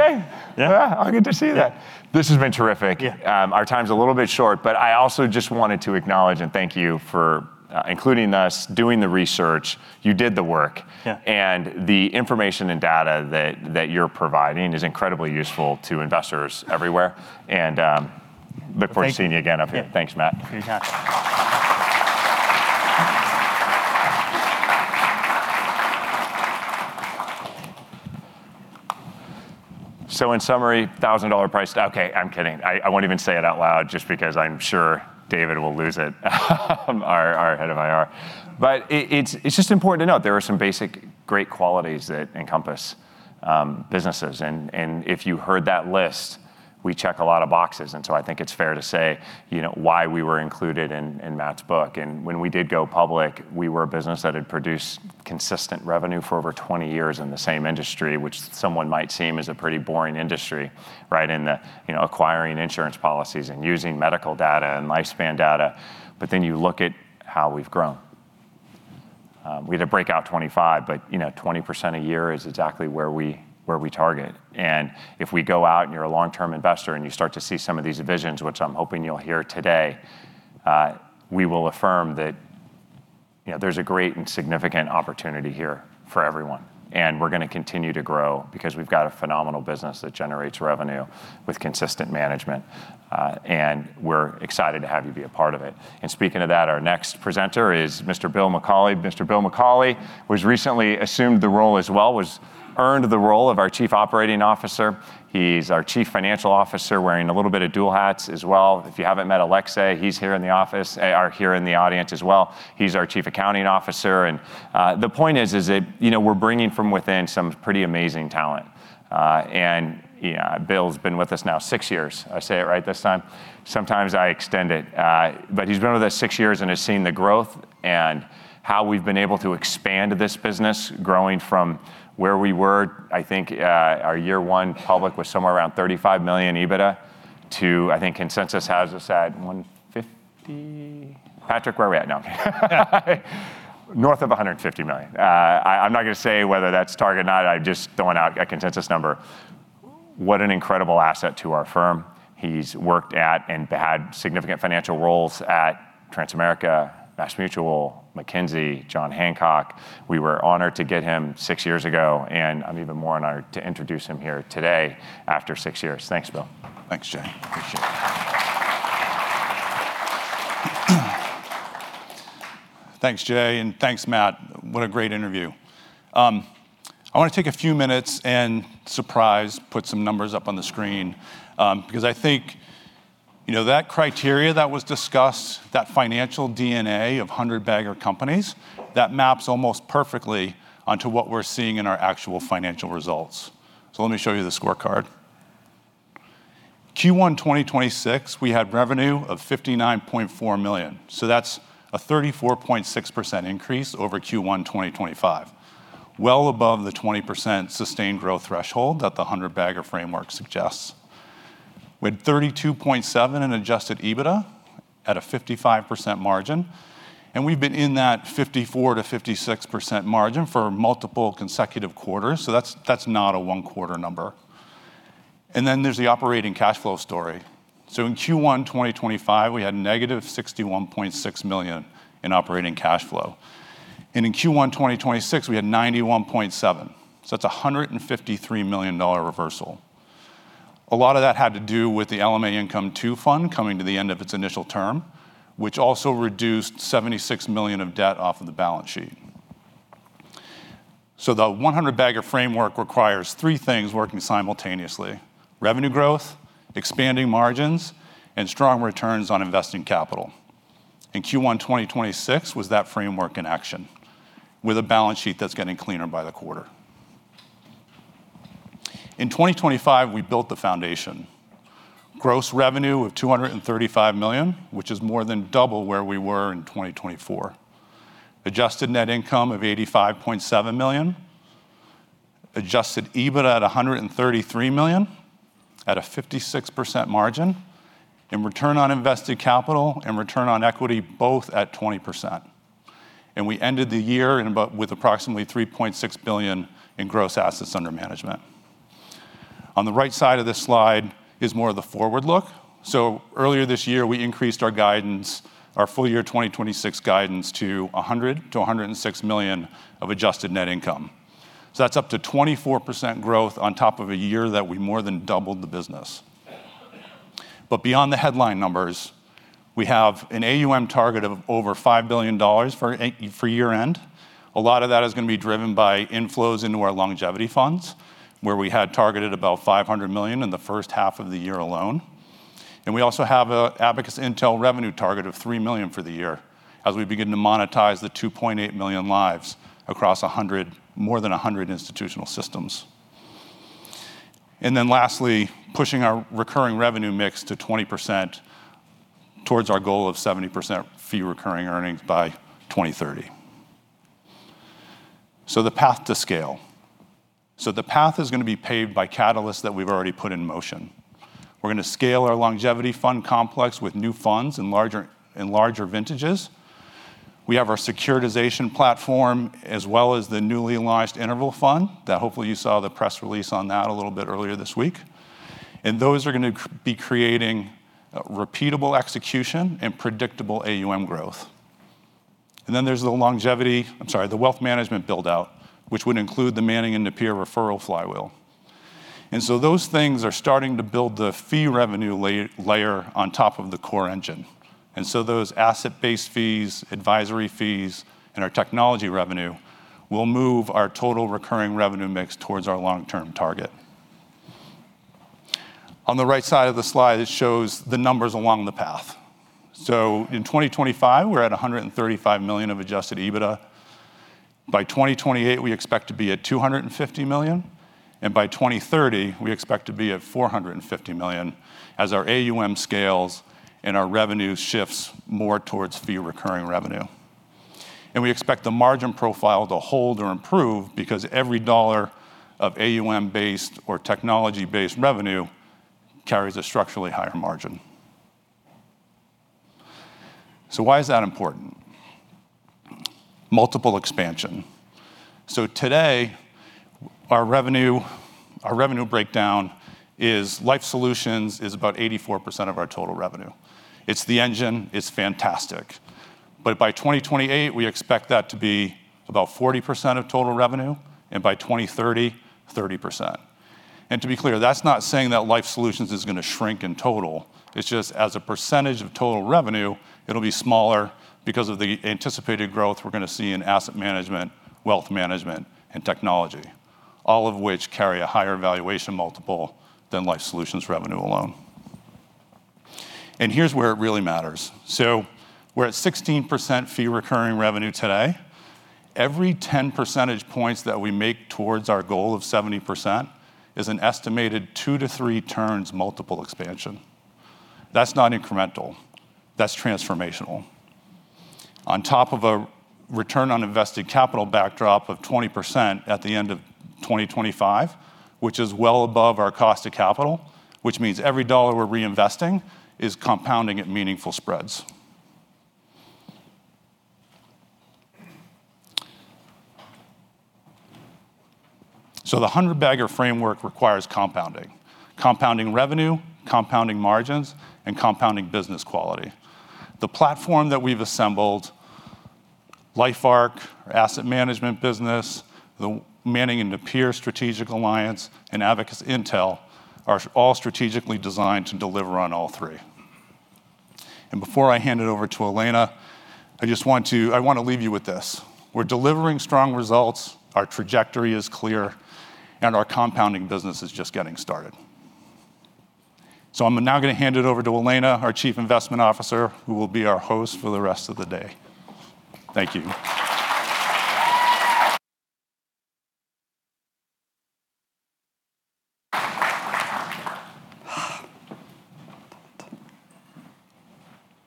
Yeah. Yeah, I'll get to see that. This has been terrific. Yeah. Our time's a little bit short, but I also just wanted to acknowledge and thank you for including us, doing the research. You did the work. Yeah. The information and data that you're providing is incredibly useful to investors everywhere. Look forward. Thank you. To seeing you again up here. Yeah. Thanks, Matt. Yeah. In summary, $1,000 price. I'm kidding. I won't even say it out loud just because I'm sure David will lose it, our head of IR. It's just important to note, there are some basic great qualities that encompass businesses. If you heard that list, we check a lot of boxes, I think it's fair to say why we were included in Matt's book. When we did go public, we were a business that had produced consistent revenue for over 20 years in the same industry, which someone might seem is a pretty boring industry. In the acquiring insurance policies and using medical data and lifespan data. You look at how we've grown. We had a breakout 2025, 20% a year is exactly where we target. If we go out and you're a long-term investor, you start to see some of these visions, which I'm hoping you'll hear today, we will affirm that there's a great and significant opportunity here for everyone, we're going to continue to grow because we've got a phenomenal business that generates revenue with consistent management. We're excited to have you be a part of it. Speaking of that, our next presenter is Mr. Bill McCauley. Mr. Bill McCauley recently assumed the role as well, earned the role of our Chief Operating Officer. He's our Chief Financial Officer, wearing a little bit of dual hats as well. If you haven't met Alexei, he's here in the office here in the audience as well. He's our Chief Accounting Officer. The point is that we're bringing from within some pretty amazing talent. Bill's been with us now six years. Did I say it right this time? Sometimes I extend it. He's been with us six years and has seen the growth and how we've been able to expand this business, growing from where we were. I think our year one public was somewhere around $35 million EBITDA to, I think consensus has us at $150 million. Patrick, where are we at now? North of $150 million. I'm not going to say whether that's target or not. I'm just throwing out a consensus number. What an incredible asset to our firm. He's worked at and had significant financial roles at Transamerica, MassMutual, McKinsey, John Hancock. We were honored to get him six years ago, and I'm even more honored to introduce him here today after six years. Thanks, Bill. Thanks, Jay. Appreciate it. Thanks, Jay, and thanks, Matt. What a great interview. I want to take a few minutes and, surprise, put some numbers up on the screen, because I think that criteria that was discussed, that financial DNA of 100-bagger companies, that maps almost perfectly onto what we're seeing in our actual financial results. Let me show you the scorecard. Q1 2026, we had revenue of $59.4 million. That's a 34.6% increase over Q1 2025, well above the 20% sustained growth threshold that the 100-bagger framework suggests. We had $32.7 million in adjusted EBITDA at a 55% margin, we've been in that 54%-56% margin for multiple consecutive quarters, that's not a one-quarter number. Then there's the operating cash flow story. In Q1 2025, we had -$61.6 million in operating cash flow. In Q1 2026, we had $91.7, so that's a $153 million reversal. A lot of that had to do with the LMA Income II Fund coming to the end of its initial term, which also reduced $76 million of debt off of the balance sheet. The 100-bagger framework requires three things working simultaneously, revenue growth, expanding margins, and strong returns on investing capital. Q1 2026 was that framework in action with a balance sheet that's getting cleaner by the quarter. In 2025, we built the foundation. Gross revenue of $235 million, which is more than double where we were in 2024. Adjusted net income of $85.7 million. Adjusted EBITDA at $133 million at a 56% margin. Return on invested capital and return on equity both at 20%. We ended the year with approximately $3.6 billion in gross assets under management. On the right side of this slide is more of the forward look. Earlier this year, we increased our guidance, our full year 2026 guidance to $100 million-$106 million of adjusted net income. That's up to 24% growth on top of a year that we more than doubled the business. Beyond the headline numbers, we have an AUM target of over $5 billion for year-end. A lot of that is going to be driven by inflows into our longevity funds, where we had targeted about $500 million in the first half of the year alone. We also have an Abacus Intel revenue target of $3 million for the year as we begin to monetize the 2.8 million lives across more than 100 institutional systems. Lastly, pushing our recurring revenue mix to 20% towards our goal of 70% fee-recurring earnings by 2030. The path to scale. The path is going to be paved by catalysts that we've already put in motion. We're going to scale our longevity fund complex with new funds in larger vintages. We have our securitization platform as well as the newly launched interval fund. Hopefully, you saw the press release on that a little bit earlier this week. Those are going to be creating repeatable execution and predictable AUM growth. There's the wealth management build-out, which would include the Manning & Napier referral flywheel. Those things are starting to build the fee revenue layer on top of the core engine. Those asset-based fees, advisory fees, and our technology revenue will move our total recurring revenue mix towards our long-term target. On the right side of the slide, it shows the numbers along the path. In 2025, we're at $135 million of adjusted EBITDA. By 2028, we expect to be at $250 million, and by 2030, we expect to be at $450 million as our AUM scales and our revenue shifts more towards fee-recurring revenue. We expect the margin profile to hold or improve because every dollar of AUM-based or technology-based revenue carries a structurally higher margin. Why is that important? Multiple expansion. Our revenue breakdown is Abacus Life Solutions is about 84% of our total revenue. It's the engine, it's fantastic. By 2028, we expect that to be about 40% of total revenue, and by 2030, 30%. To be clear, that's not saying that Abacus Life Solutions is going to shrink in total. It's just as a percentage of total revenue, it'll be smaller because of the anticipated growth we're going to see in asset management, wealth management, and technology, all of which carry a higher valuation multiple than Life Solutions revenue alone. Here's where it really matters. We're at 16% fee recurring revenue today. Every 10 percentage points that we make towards our goal of 70% is an estimated two to three turns multiple expansion. That's not incremental. That's transformational. On top of a return on invested capital backdrop of 20% at the end of 2025, which is well above our cost of capital, which means every dollar we're reinvesting is compounding at meaningful spreads. The 100-bagger framework requires compounding. Compounding revenue, compounding margins, and compounding business quality. The platform that we've assembled, LifeARC, our asset management business, the Manning & Napier strategic alliance, and Abacus Intel are all strategically designed to deliver on all three. Before I hand it over to Elena, I want to leave you with this. We're delivering strong results, our trajectory is clear, and our compounding business is just getting started. I'm now going to hand it over to Elena, our Chief Investment Officer, who will be our host for the rest of the day. Thank you.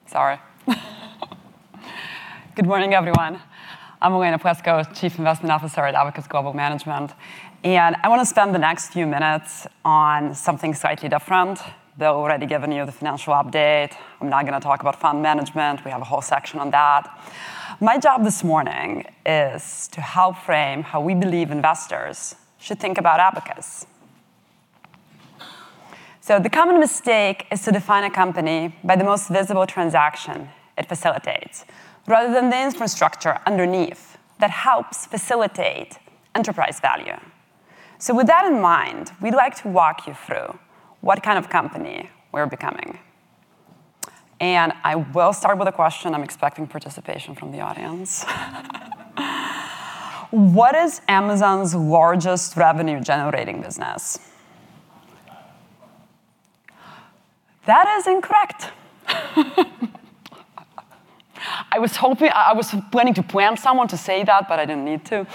Sorry. Good morning, everyone. I'm Elena Plesco, Chief Investment Officer at Abacus Global Management, and I want to spend the next few minutes on something slightly different, Bill already given you the financial update. I'm not going to talk about fund management. We have a whole section on that. My job this morning is to help frame how we believe investors should think about Abacus. The common mistake is to define a company by the most visible transaction it facilitates, rather than the infrastructure underneath that helps facilitate enterprise value. With that in mind, we'd like to walk you through what kind of company we're becoming. I will start with a question. I'm expecting participation from the audience. What is Amazon's largest revenue-generating business? That is incorrect. I was planning to plant someone to say that, but I didn't need to.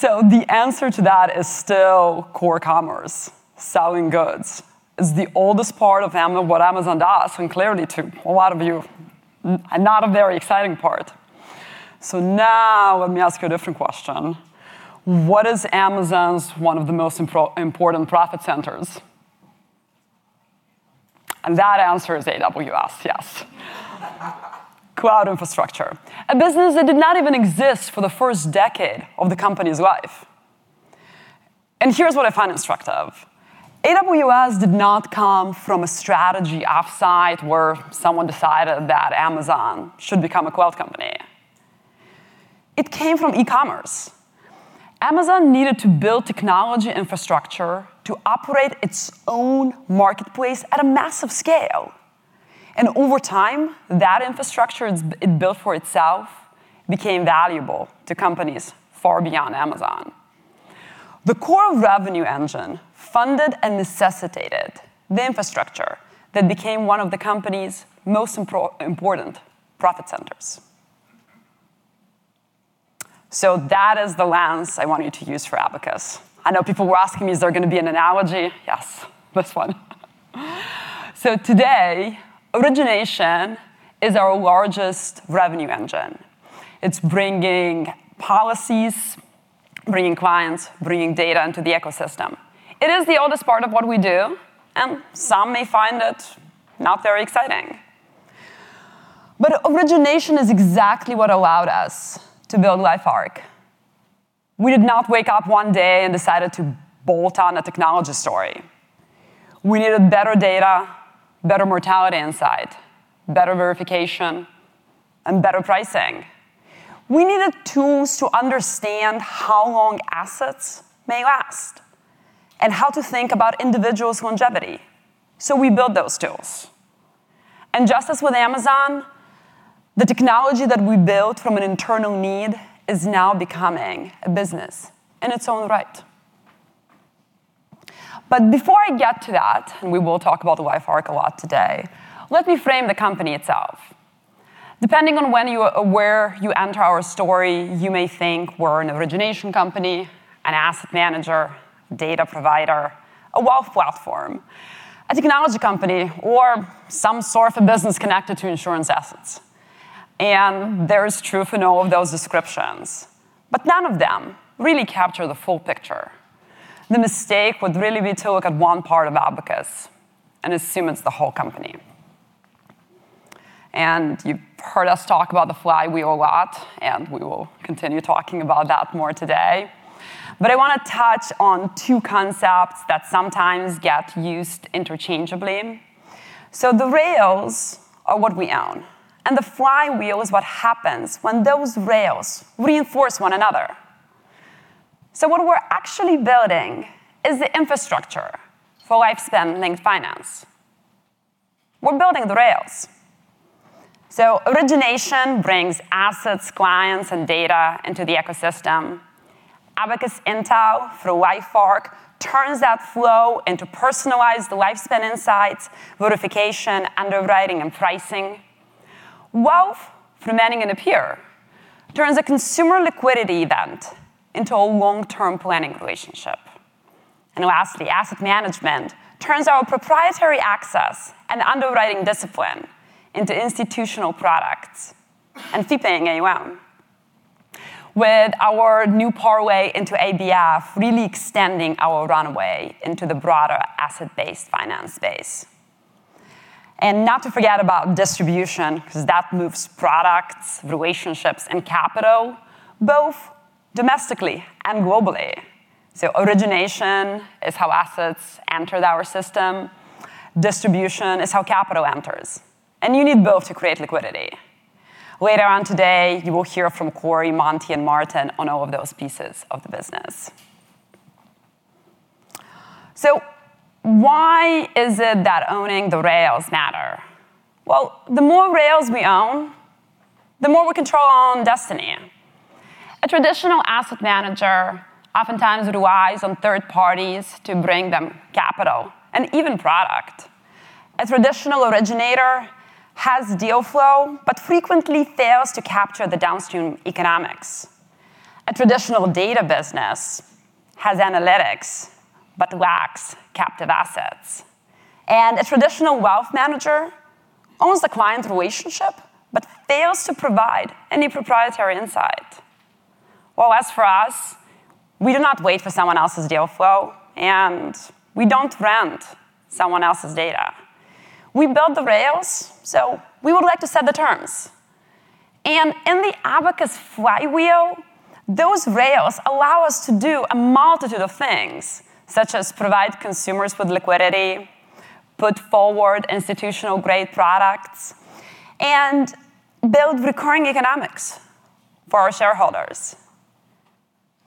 The answer to that is still core commerce. Selling goods is the oldest part of what Amazon does, and clearly to a lot of you, not a very exciting part. Now let me ask you a different question. What is Amazon's one of the most important profit centers? That answer is AWS, yes. Cloud infrastructure, a business that did not even exist for the first decade of the company's life. Here's what I find instructive. AWS did not come from a strategy offsite where someone decided that Amazon should become a cloud company. It came from e-commerce. Amazon needed to build technology infrastructure to operate its own marketplace at a massive scale, and over time, that infrastructure it built for itself became valuable to companies far beyond Amazon. The core revenue engine funded and necessitated the infrastructure that became one of the company's most important profit centers. That is the lens I want you to use for Abacus. I know people were asking me, is there going to be an analogy? Yes, this one. Today, origination is our largest revenue engine. It's bringing policies, bringing clients, bringing data into the ecosystem. It is the oldest part of what we do, and some may find it not very exciting. Origination is exactly what allowed us to build LifeARC. We did not wake up one day and decided to bolt on a technology story. We needed better data, better mortality insight, better verification, and better pricing. We needed tools to understand how long assets may last and how to think about individuals' longevity. We built those tools. Just as with Amazon, the technology that we built from an internal need is now becoming a business in its own right. Before I get to that, and we will talk about LifeARC a lot today, let me frame the company itself. Depending on where you enter our story, you may think we're an origination company, an asset manager, data provider, a wealth platform, a technology company, or some sort of business connected to insurance assets. There is truth in all of those descriptions. None of them really capture the full picture. The mistake would really be to look at one part of Abacus and assume it's the whole company. You've heard us talk about the flywheel a lot, and we will continue talking about that more today. I want to touch on two concepts that sometimes get used interchangeably. The rails are what we own, and the flywheel is what happens when those rails reinforce one another. What we're actually building is the infrastructure for lifespan linked finance. We're building the rails. Origination brings assets, clients, and data into the ecosystem. Abacus Intel through LifeARC turns that flow into personalized lifespan insights, notification, underwriting, and pricing. Wealth from Manning & Napier turns a consumer liquidity event into a long-term planning relationship. Lastly, asset management turns our proprietary access and underwriting discipline into institutional products and fee-paying AUM. With our new pathway into ABF really extending our runway into the broader asset-based finance space. Not to forget about distribution because that moves products, relationships, and capital both domestically and globally. Origination is how assets enter our system. Distribution is how capital enters. You need both to create liquidity. Later on today, you will hear from Corey, Monty, and Martin on all of those pieces of the business. Why is it that owning the rails matter? Well, the more rails we own, the more we control our own destiny. A traditional asset manager oftentimes relies on third parties to bring them capital and even product. A traditional originator has deal flow but frequently fails to capture the downstream economics. A traditional data business has analytics but lacks captive assets. A traditional wealth manager owns the client relationship but fails to provide any proprietary insight. Well, as for us, we do not wait for someone else's deal flow, and we don't rent someone else's data. We build the rails, we would like to set the terms. In the Abacus flywheel, those rails allow us to do a multitude of things, such as provide consumers with liquidity, put forward institutional-grade products, and build recurring economics for our shareholders.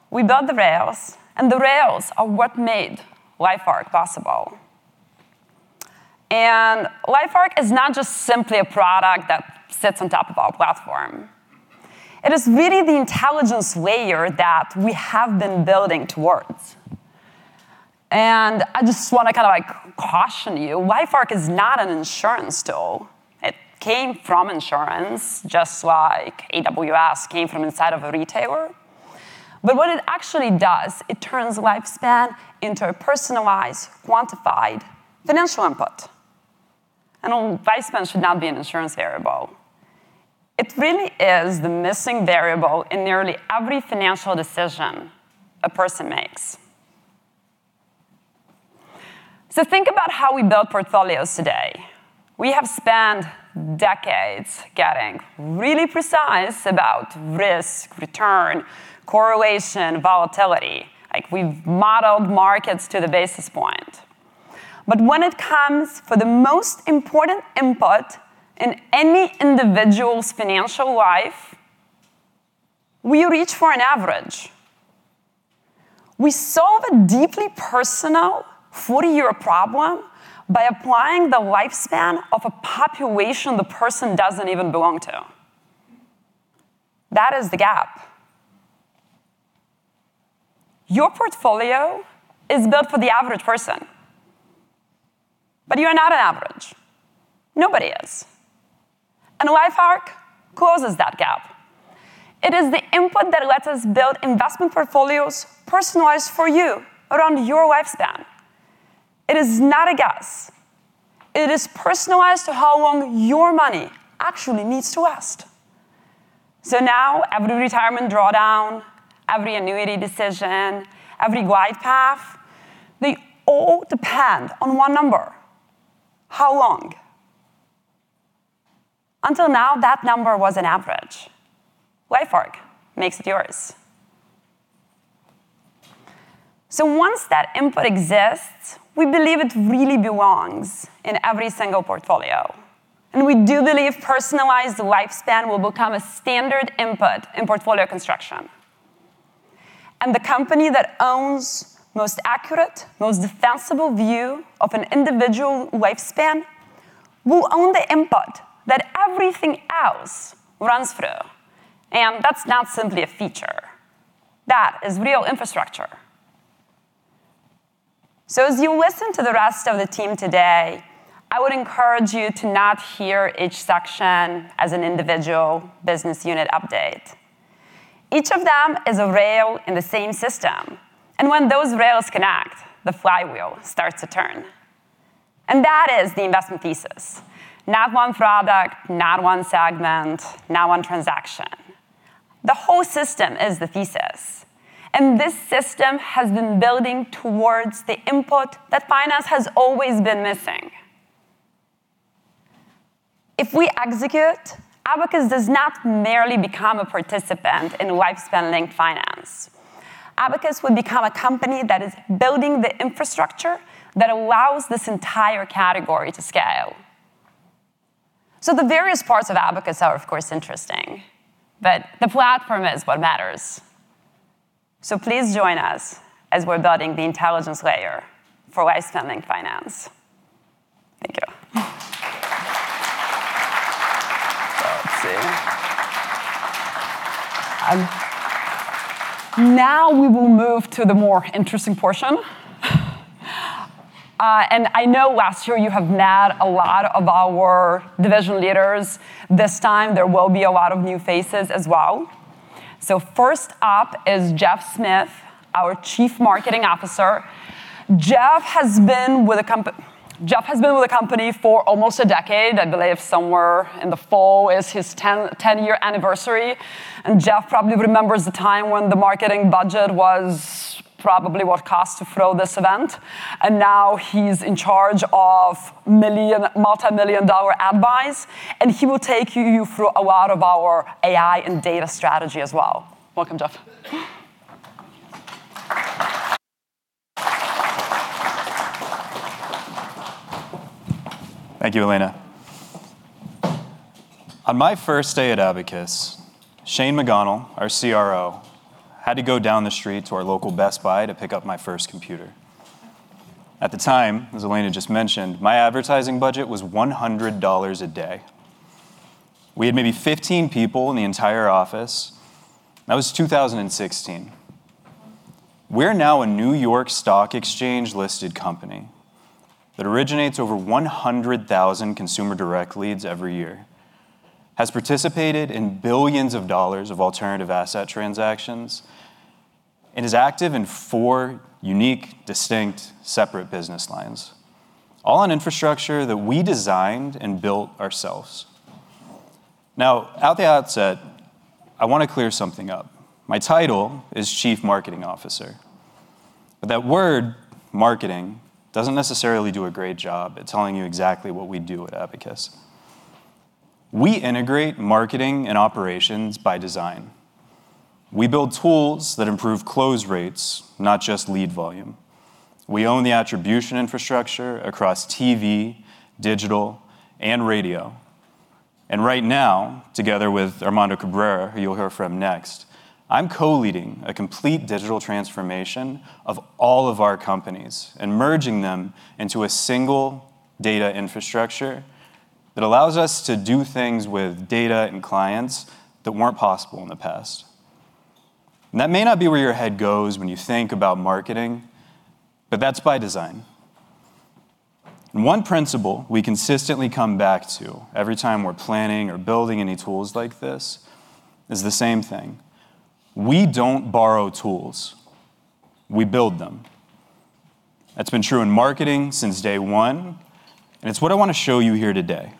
We build the rails, and the rails are what made LifeARC possible. LifeARC is not just simply a product that sits on top of our platform. It is really the intelligence layer that we have been building towards. I just want to kind of caution you, LifeARC is not an insurance tool. It came from insurance, just like AWS came from inside of a retailer. What it actually does, it turns lifespan into a personalized, quantified financial input. Lifespan should not be an insurance variable. It really is the missing variable in nearly every financial decision a person makes. Think about how we build portfolios today. We have spent decades getting really precise about risk, return, correlation, volatility. We've modeled markets to the basis point. When it comes for the most important input in any individual's financial life, we reach for an average. We solve a deeply personal 40-year problem by applying the lifespan of a population the person doesn't even belong to. That is the gap. Your portfolio is built for the average person, but you're not an average. Nobody is. LifeARC closes that gap. It is the input that lets us build investment portfolios personalized for you around your lifespan. It is not a guess. It is personalized to how long your money actually needs to last. Now every retirement drawdown, every annuity decision, every glide path, they all depend on one number. How long? Until now, that number was an average. LifeARC makes it yours. Once that input exists, we believe it really belongs in every single portfolio. We do believe personalized lifespan will become a standard input in portfolio construction. The company that owns most accurate, most defensible view of an individual lifespan will own the input that everything else runs through. That's not simply a feature. That is real infrastructure. As you listen to the rest of the team today, I would encourage you to not hear each section as an individual business unit update. Each of them is a rail in the same system, and when those rails connect, the flywheel starts to turn. That is the investment thesis. Not one product, not one segment, not one transaction. The whole system is the thesis. This system has been building towards the input that finance has always been missing. If we execute, Abacus does not merely become a participant in lifespan-linked finance. Abacus would become a company that is building the infrastructure that allows this entire category to scale. The various parts of Abacus are, of course, interesting, but the platform is what matters. Please join us as we're building the intelligence layer for lifespan-linked finance. Thank you. Let's see. Now we will move to the more interesting portion. I know last year you have met a lot of our division leaders. This time there will be a lot of new faces as well. First up is Jeff Smith, our Chief Marketing Officer. Jeff has been with the company for almost a decade. I believe somewhere in the fall is his 10-year anniversary. Jeff probably remembers the time when the marketing budget was probably what it cost to throw this event. Now he's in charge of multimillion-dollar ad buys. He will take you through a lot of our AI and data strategy as well. Welcome, Jeff. Thank you, Elena. On my first day at Abacus, Shane McGonnell, our CRO, had to go down the street to our local Best Buy to pick up my first computer. At the time, as Elena just mentioned, my advertising budget was $100 a day. We had maybe 15 people in the entire office. That was 2016. We are now a New York Stock Exchange-listed company that originates over 100,000 consumer direct leads every year, has participated in billions of dollars of alternative asset transactions, and is active in four unique, distinct, separate business lines, all on infrastructure that we designed and built ourselves. At the outset, I want to clear something up. My title is Chief Marketing Officer, but that word, marketing, doesn't necessarily do a great job at telling you exactly what we do at Abacus. We integrate marketing and operations by design. We build tools that improve close rates, not just lead volume. We own the attribution infrastructure across TV, digital, and radio. Right now, together with Armando Cabrera, who you will hear from next, I am co-leading a complete digital transformation of all of our companies and merging them into a single data infrastructure that allows us to do things with data and clients that weren't possible in the past. That may not be where your head goes when you think about marketing, but that's by design. One principle we consistently come back to every time we are planning or building any tools like this is the same thing. We don't borrow tools, we build them. That's been true in marketing since day one, and it's what I want to show you here today.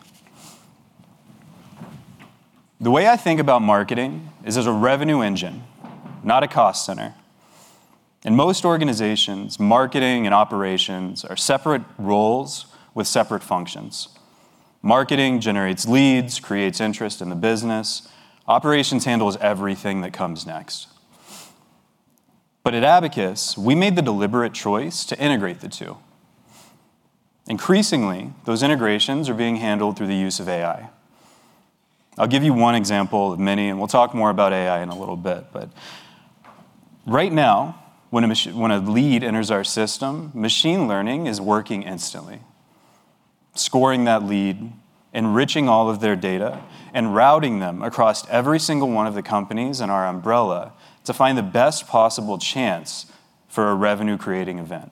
The way I think about marketing is as a revenue engine, not a cost center. In most organizations, marketing and operations are separate roles with separate functions. Marketing generates leads, creates interest in the business. Operations handles everything that comes next. At Abacus, we made the deliberate choice to integrate the two. Increasingly, those integrations are being handled through the use of AI. I will give you one example of many, and we will talk more about AI in a little bit. Right now, when a lead enters our system, machine learning is working instantly, scoring that lead, enriching all of their data, and routing them across every single one of the companies in our umbrella to find the best possible chance for a revenue-creating event.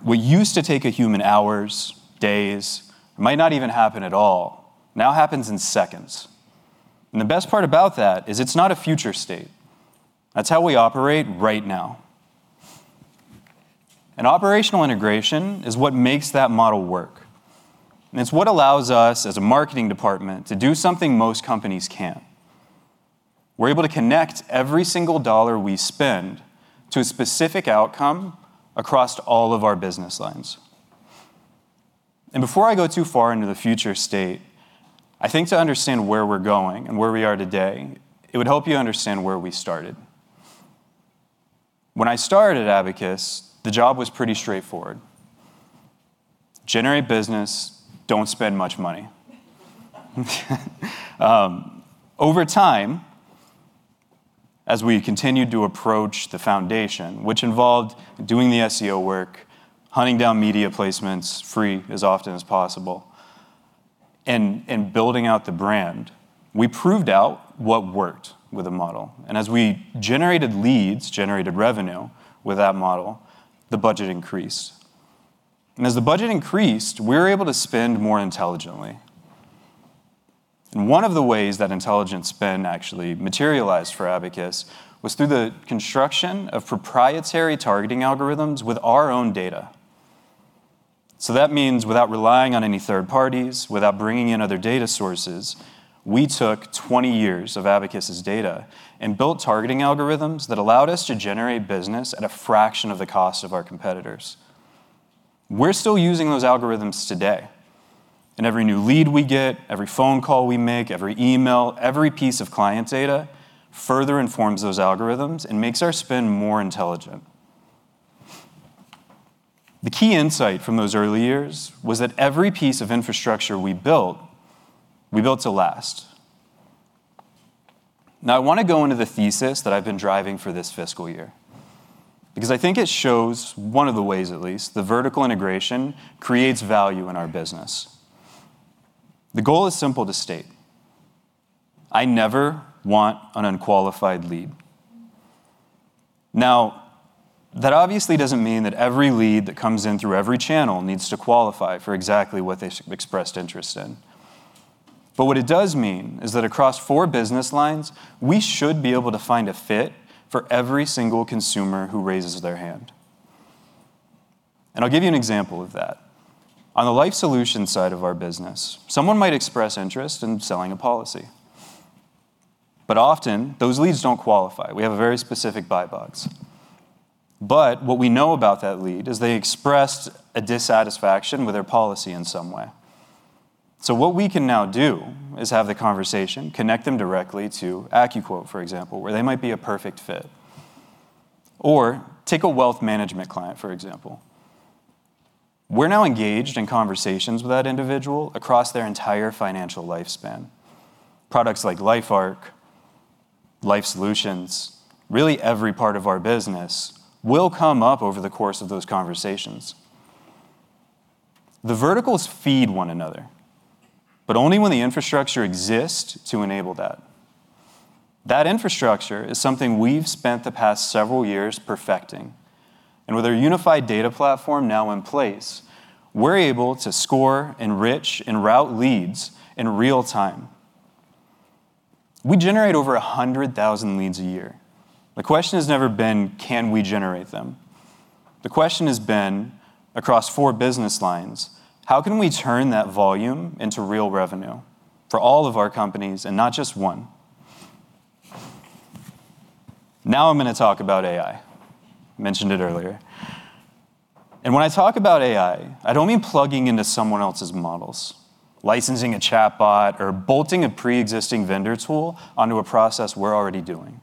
What used to take a human hours, days, might not even happen at all, now happens in seconds. The best part about that is it's not a future state. That's how we operate right now. An operational integration is what makes that model work, it's what allows us as a marketing department to do something most companies can't. We're able to connect every single dollar we spend to a specific outcome across all of our business lines. Before I go too far into the future state, I think to understand where we're going and where we are today, it would help you understand where we started. When I started Abacus, the job was pretty straightforward. Generate business, don't spend much money. Over time, as we continued to approach the foundation, which involved doing the SEO work, hunting down media placements free as often as possible, and building out the brand, we proved out what worked with the model. As we generated leads, generated revenue with that model, the budget increased. As the budget increased, we were able to spend more intelligently. One of the ways that intelligent spend actually materialized for Abacus was through the construction of proprietary targeting algorithms with our own data. That means without relying on any third parties, without bringing in other data sources, we took 20 years of Abacus' data and built targeting algorithms that allowed us to generate business at a fraction of the cost of our competitors. We're still using those algorithms today, and every new lead we get, every phone call we make, every email, every piece of client data further informs those algorithms and makes our spend more intelligent. The key insight from those early years was that every piece of infrastructure we built, we built to last. Now I want to go into the thesis that I've been driving for this fiscal year, because I think it shows one of the ways, at least, the vertical integration creates value in our business. The goal is simple to state. I never want an unqualified lead. That obviously doesn't mean that every lead that comes in through every channel needs to qualify for exactly what they expressed interest in. What it does mean is that across four business lines, we should be able to find a fit for every single consumer who raises their hand. I'll give you an example of that. On the Life Solutions side of our business, someone might express interest in selling a policy. Often those leads don't qualify. We have a very specific buy box. What we know about that lead is they expressed a dissatisfaction with their policy in some way. What we can now do is have the conversation, connect them directly to AccuQuote, for example, where they might be a perfect fit. Take a wealth management client, for example. We're now engaged in conversations with that individual across their entire financial lifespan. Products like LifeARC, Life Solutions, really every part of our business will come up over the course of those conversations. The verticals feed one another, but only when the infrastructure exists to enable that. That infrastructure is something we've spent the past several years perfecting, and with our unified data platform now in place, we're able to score, enrich, and route leads in real time. We generate over 100,000 leads a year. The question has never been, can we generate them? The question has been, across four business lines, how can we turn that volume into real revenue for all of our companies and not just one? I'm going to talk about AI. Mentioned it earlier. When I talk about AI, I don't mean plugging into someone else's models, licensing a chatbot, or bolting a preexisting vendor tool onto a process we're already doing.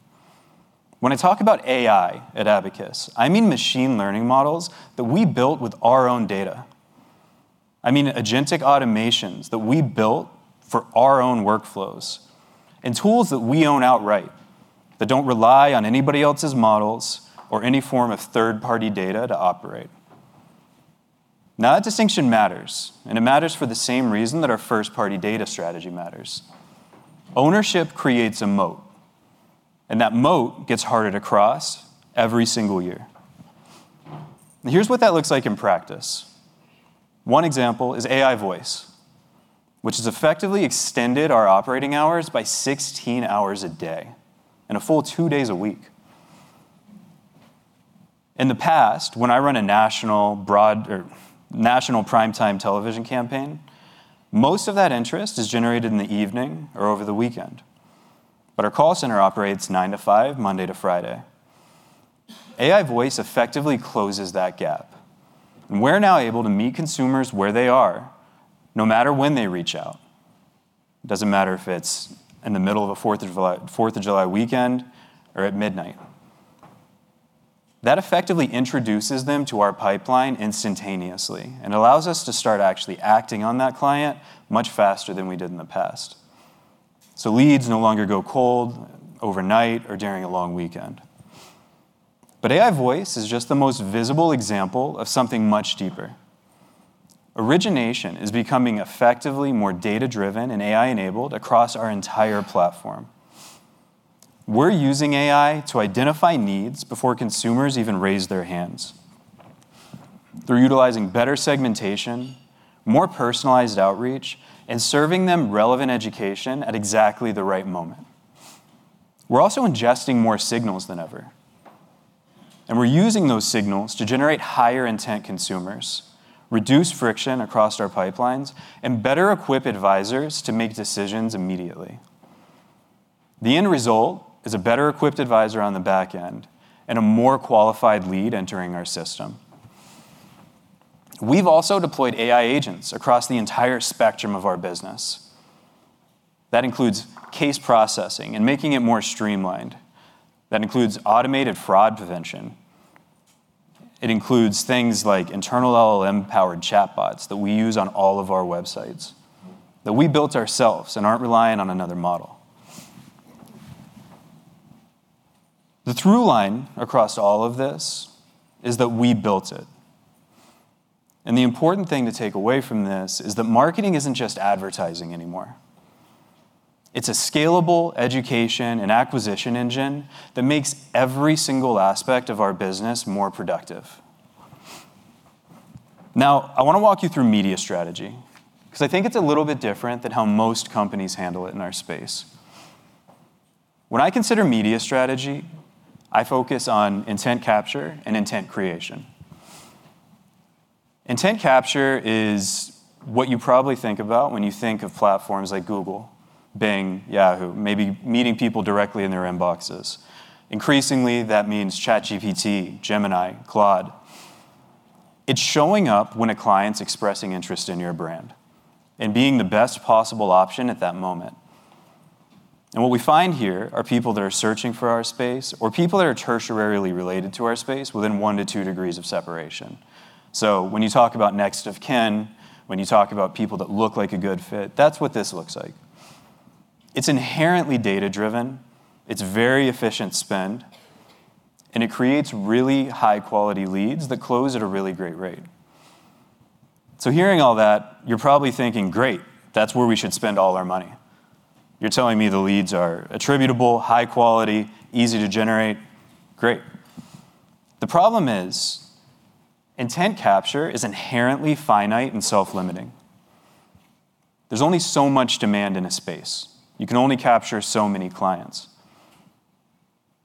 When I talk about AI at Abacus, I mean machine learning models that we built with our own data. I mean agentic automations that we built for our own workflows and tools that we own outright, that don't rely on anybody else's models or any form of third-party data to operate. That distinction matters, and it matters for the same reason that our first-party data strategy matters. Ownership creates a moat, and that moat gets harder to cross every single year. Here's what that looks like in practice. One example is AI Voice, which has effectively extended our operating hours by 16 hours a day and a full two days a week. In the past, when I run a national prime time television campaign, most of that interest is generated in the evening or over the weekend. Our call center operates 9:00 A.M. to 5:00 P.M., Monday to Friday. AI Voice effectively closes that gap, and we're now able to meet consumers where they are, no matter when they reach out. It doesn't matter if it's in the middle of a Fourth of July weekend or at midnight. That effectively introduces them to our pipeline instantaneously and allows us to start actually acting on that client much faster than we did in the past. Leads no longer go cold overnight or during a long weekend. AI Voice is just the most visible example of something much deeper. Origination is becoming effectively more data-driven and AI-enabled across our entire platform. We're using AI to identify needs before consumers even raise their hands. Through utilizing better segmentation, more personalized outreach, and serving them relevant education at exactly the right moment. We're also ingesting more signals than ever, we're using those signals to generate higher intent consumers, reduce friction across our pipelines, and better equip advisors to make decisions immediately. The end result is a better equipped advisor on the back end and a more qualified lead entering our system. We've also deployed AI agents across the entire spectrum of our business. That includes case processing and making it more streamlined. That includes automated fraud prevention. It includes things like internal LLM-powered chatbots that we use on all of our websites, that we built ourselves and aren't reliant on another model. The through line across all of this is that we built it. The important thing to take away from this is that marketing isn't just advertising anymore. It's a scalable education and acquisition engine that makes every single aspect of our business more productive. I want to walk you through media strategy, because I think it's a little bit different than how most companies handle it in our space. When I consider media strategy, I focus on intent capture and intent creation. Intent capture is what you probably think about when you think of platforms like Google, Bing, Yahoo, maybe meeting people directly in their inboxes. Increasingly, that means ChatGPT, Gemini, Claude. It's showing up when a client's expressing interest in your brand and being the best possible option at that moment. What we find here are people that are searching for our space or people that are tertiarily related to our space within one to two degrees of separation. When you talk about next of kin, when you talk about people that look like a good fit, that's what this looks like. It's inherently data-driven, it's very efficient spend, and it creates really high-quality leads that close at a really great rate. Hearing all that, you're probably thinking, "Great, that's where we should spend all our money." You're telling me the leads are attributable, high quality, easy to generate. Great. The problem is intent capture is inherently finite and self-limiting. There's only so much demand in a space. You can only capture so many clients.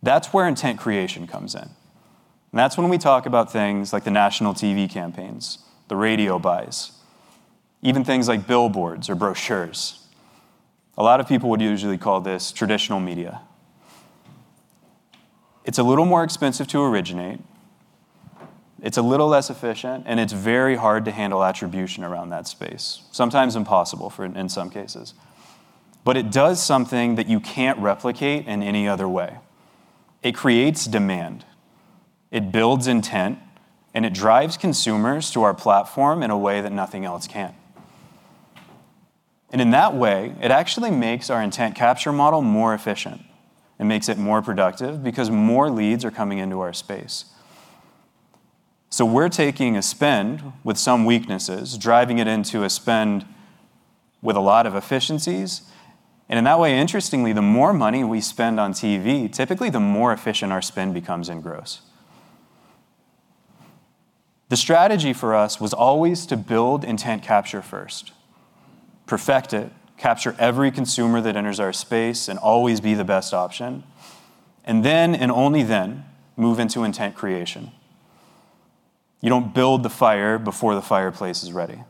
That's where intent creation comes in, and that's when we talk about things like the national TV campaigns, the radio buys, even things like billboards or brochures. A lot of people would usually call this traditional media. It's a little more expensive to originate, it's a little less efficient, and it's very hard to handle attribution around that space. Sometimes impossible in some cases. It does something that you can't replicate in any other way. It creates demand, it builds intent, and it drives consumers to our platform in a way that nothing else can. In that way, it actually makes our intent capture model more efficient. It makes it more productive because more leads are coming into our space. We're taking a spend with some weaknesses, driving it into a spend with a lot of efficiencies, and in that way, interestingly, the more money we spend on TV, typically, the more efficient our spend becomes in gross. The strategy for us was always to build intent capture first, perfect it, capture every consumer that enters our space, and always be the best option, and then, and only then, move into intent creation. You don't build the fire before the fireplace is ready,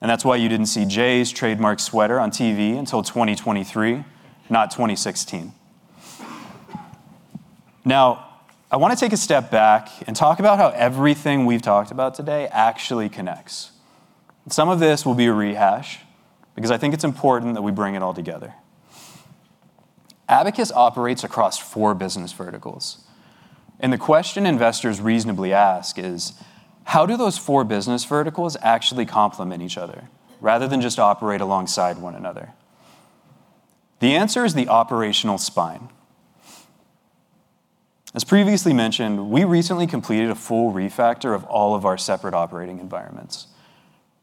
and that's why you didn't see Jay's trademark sweater on TV until 2023, not 2016. I want to take a step back and talk about how everything we've talked about today actually connects. Some of this will be a rehash because I think it's important that we bring it all together. Abacus operates across four business verticals, and the question investors reasonably ask is: how do those four business verticals actually complement each other rather than just operate alongside one another? The answer is the operational spine. As previously mentioned, we recently completed a full refactor of all of our separate operating environments,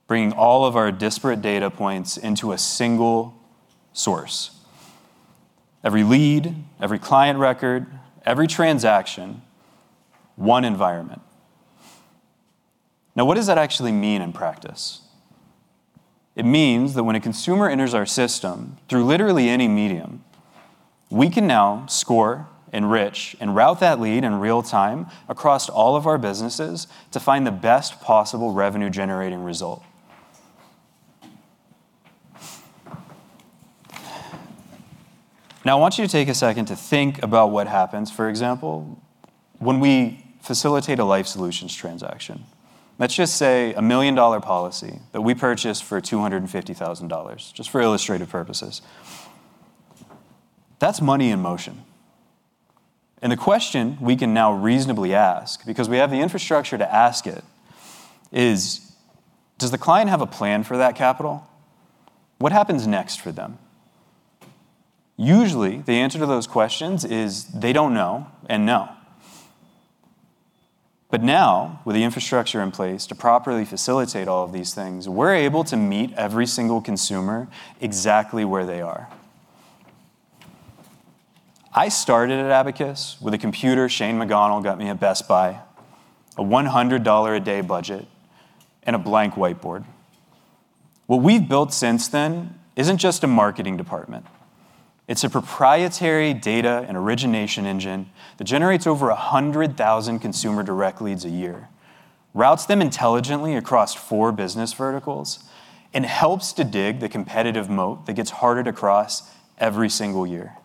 bringing all of our disparate data points into a single source. Every lead, every client record, every transaction, one environment. What does that actually mean in practice? It means that when a consumer enters our system through literally any medium, we can now score, enrich, and route that lead in real time across all of our businesses to find the best possible revenue-generating result. I want you to take a second to think about what happens, for example, when we facilitate a Life Solutions transaction. Let's just say a million-dollar policy that we purchased for $250,000, just for illustrative purposes. That's money in motion. The question we can now reasonably ask, because we have the infrastructure to ask it is: does the client have a plan for that capital? What happens next for them? Usually, the answer to those questions is they don't know, and no. Now, with the infrastructure in place to properly facilitate all of these things, we're able to meet every single consumer exactly where they are. I started at Abacus with a computer Shane McGonnell got me at Best Buy, a $100 a day budget, and a blank whiteboard. What we've built since then isn't just a marketing department. It's a proprietary data and origination engine that generates over 100,000 consumer direct leads a year, routes them intelligently across four business verticals, and helps to dig the competitive moat that gets harder to cross every single year.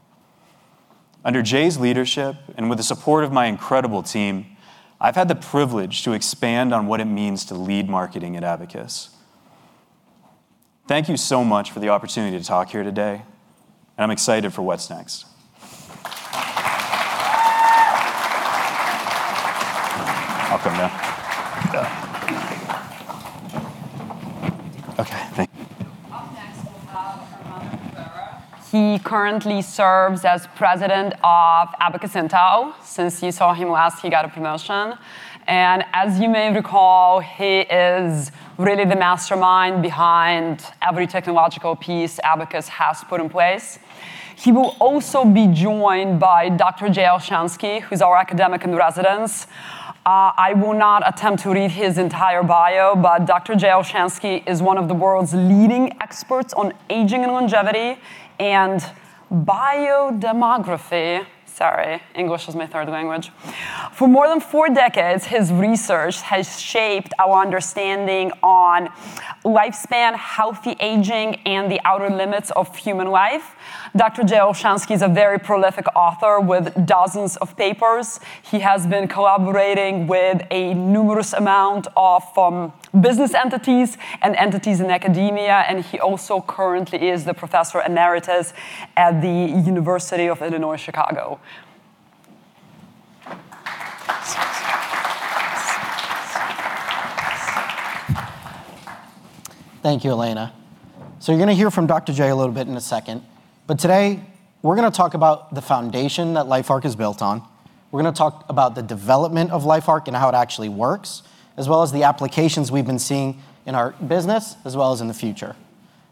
Under Jay's leadership and with the support of my incredible team, I've had the privilege to expand on what it means to lead marketing at Abacus. Thank you so much for the opportunity to talk here today, and I'm excited for what's next. I'll come down. Okay, thank you. Up next, we have Armando Cabrera. He currently serves as President of Abacus Intel. Since you saw him last, he got a promotion, and as you may recall, he is really the mastermind behind every technological piece Abacus has put in place. He will also be joined by Dr. Jay Olshansky, who's our Academic in Residence. I will not attempt to read his entire bio, but Dr. Jay Olshansky is one of the world's leading experts on aging and longevity and biodemography. Sorry, English is my third language. For more than four decades, his research has shaped our understanding on lifespan, healthy aging, and the outer limits of human life. Dr. Jay Olshansky is a very prolific author with dozens of papers. He has been collaborating with a numerous amount of business entities and entities in academia, and he also currently is the Professor Emeritus at the University of Illinois Chicago. Thank you, Elena. You're going to hear from Dr. Jay a little bit in a second, but today we're going to talk about the foundation that LifeARC is built on. We're going to talk about the development of LifeARC and how it actually works, as well as the applications we've been seeing in our business, as well as in the future.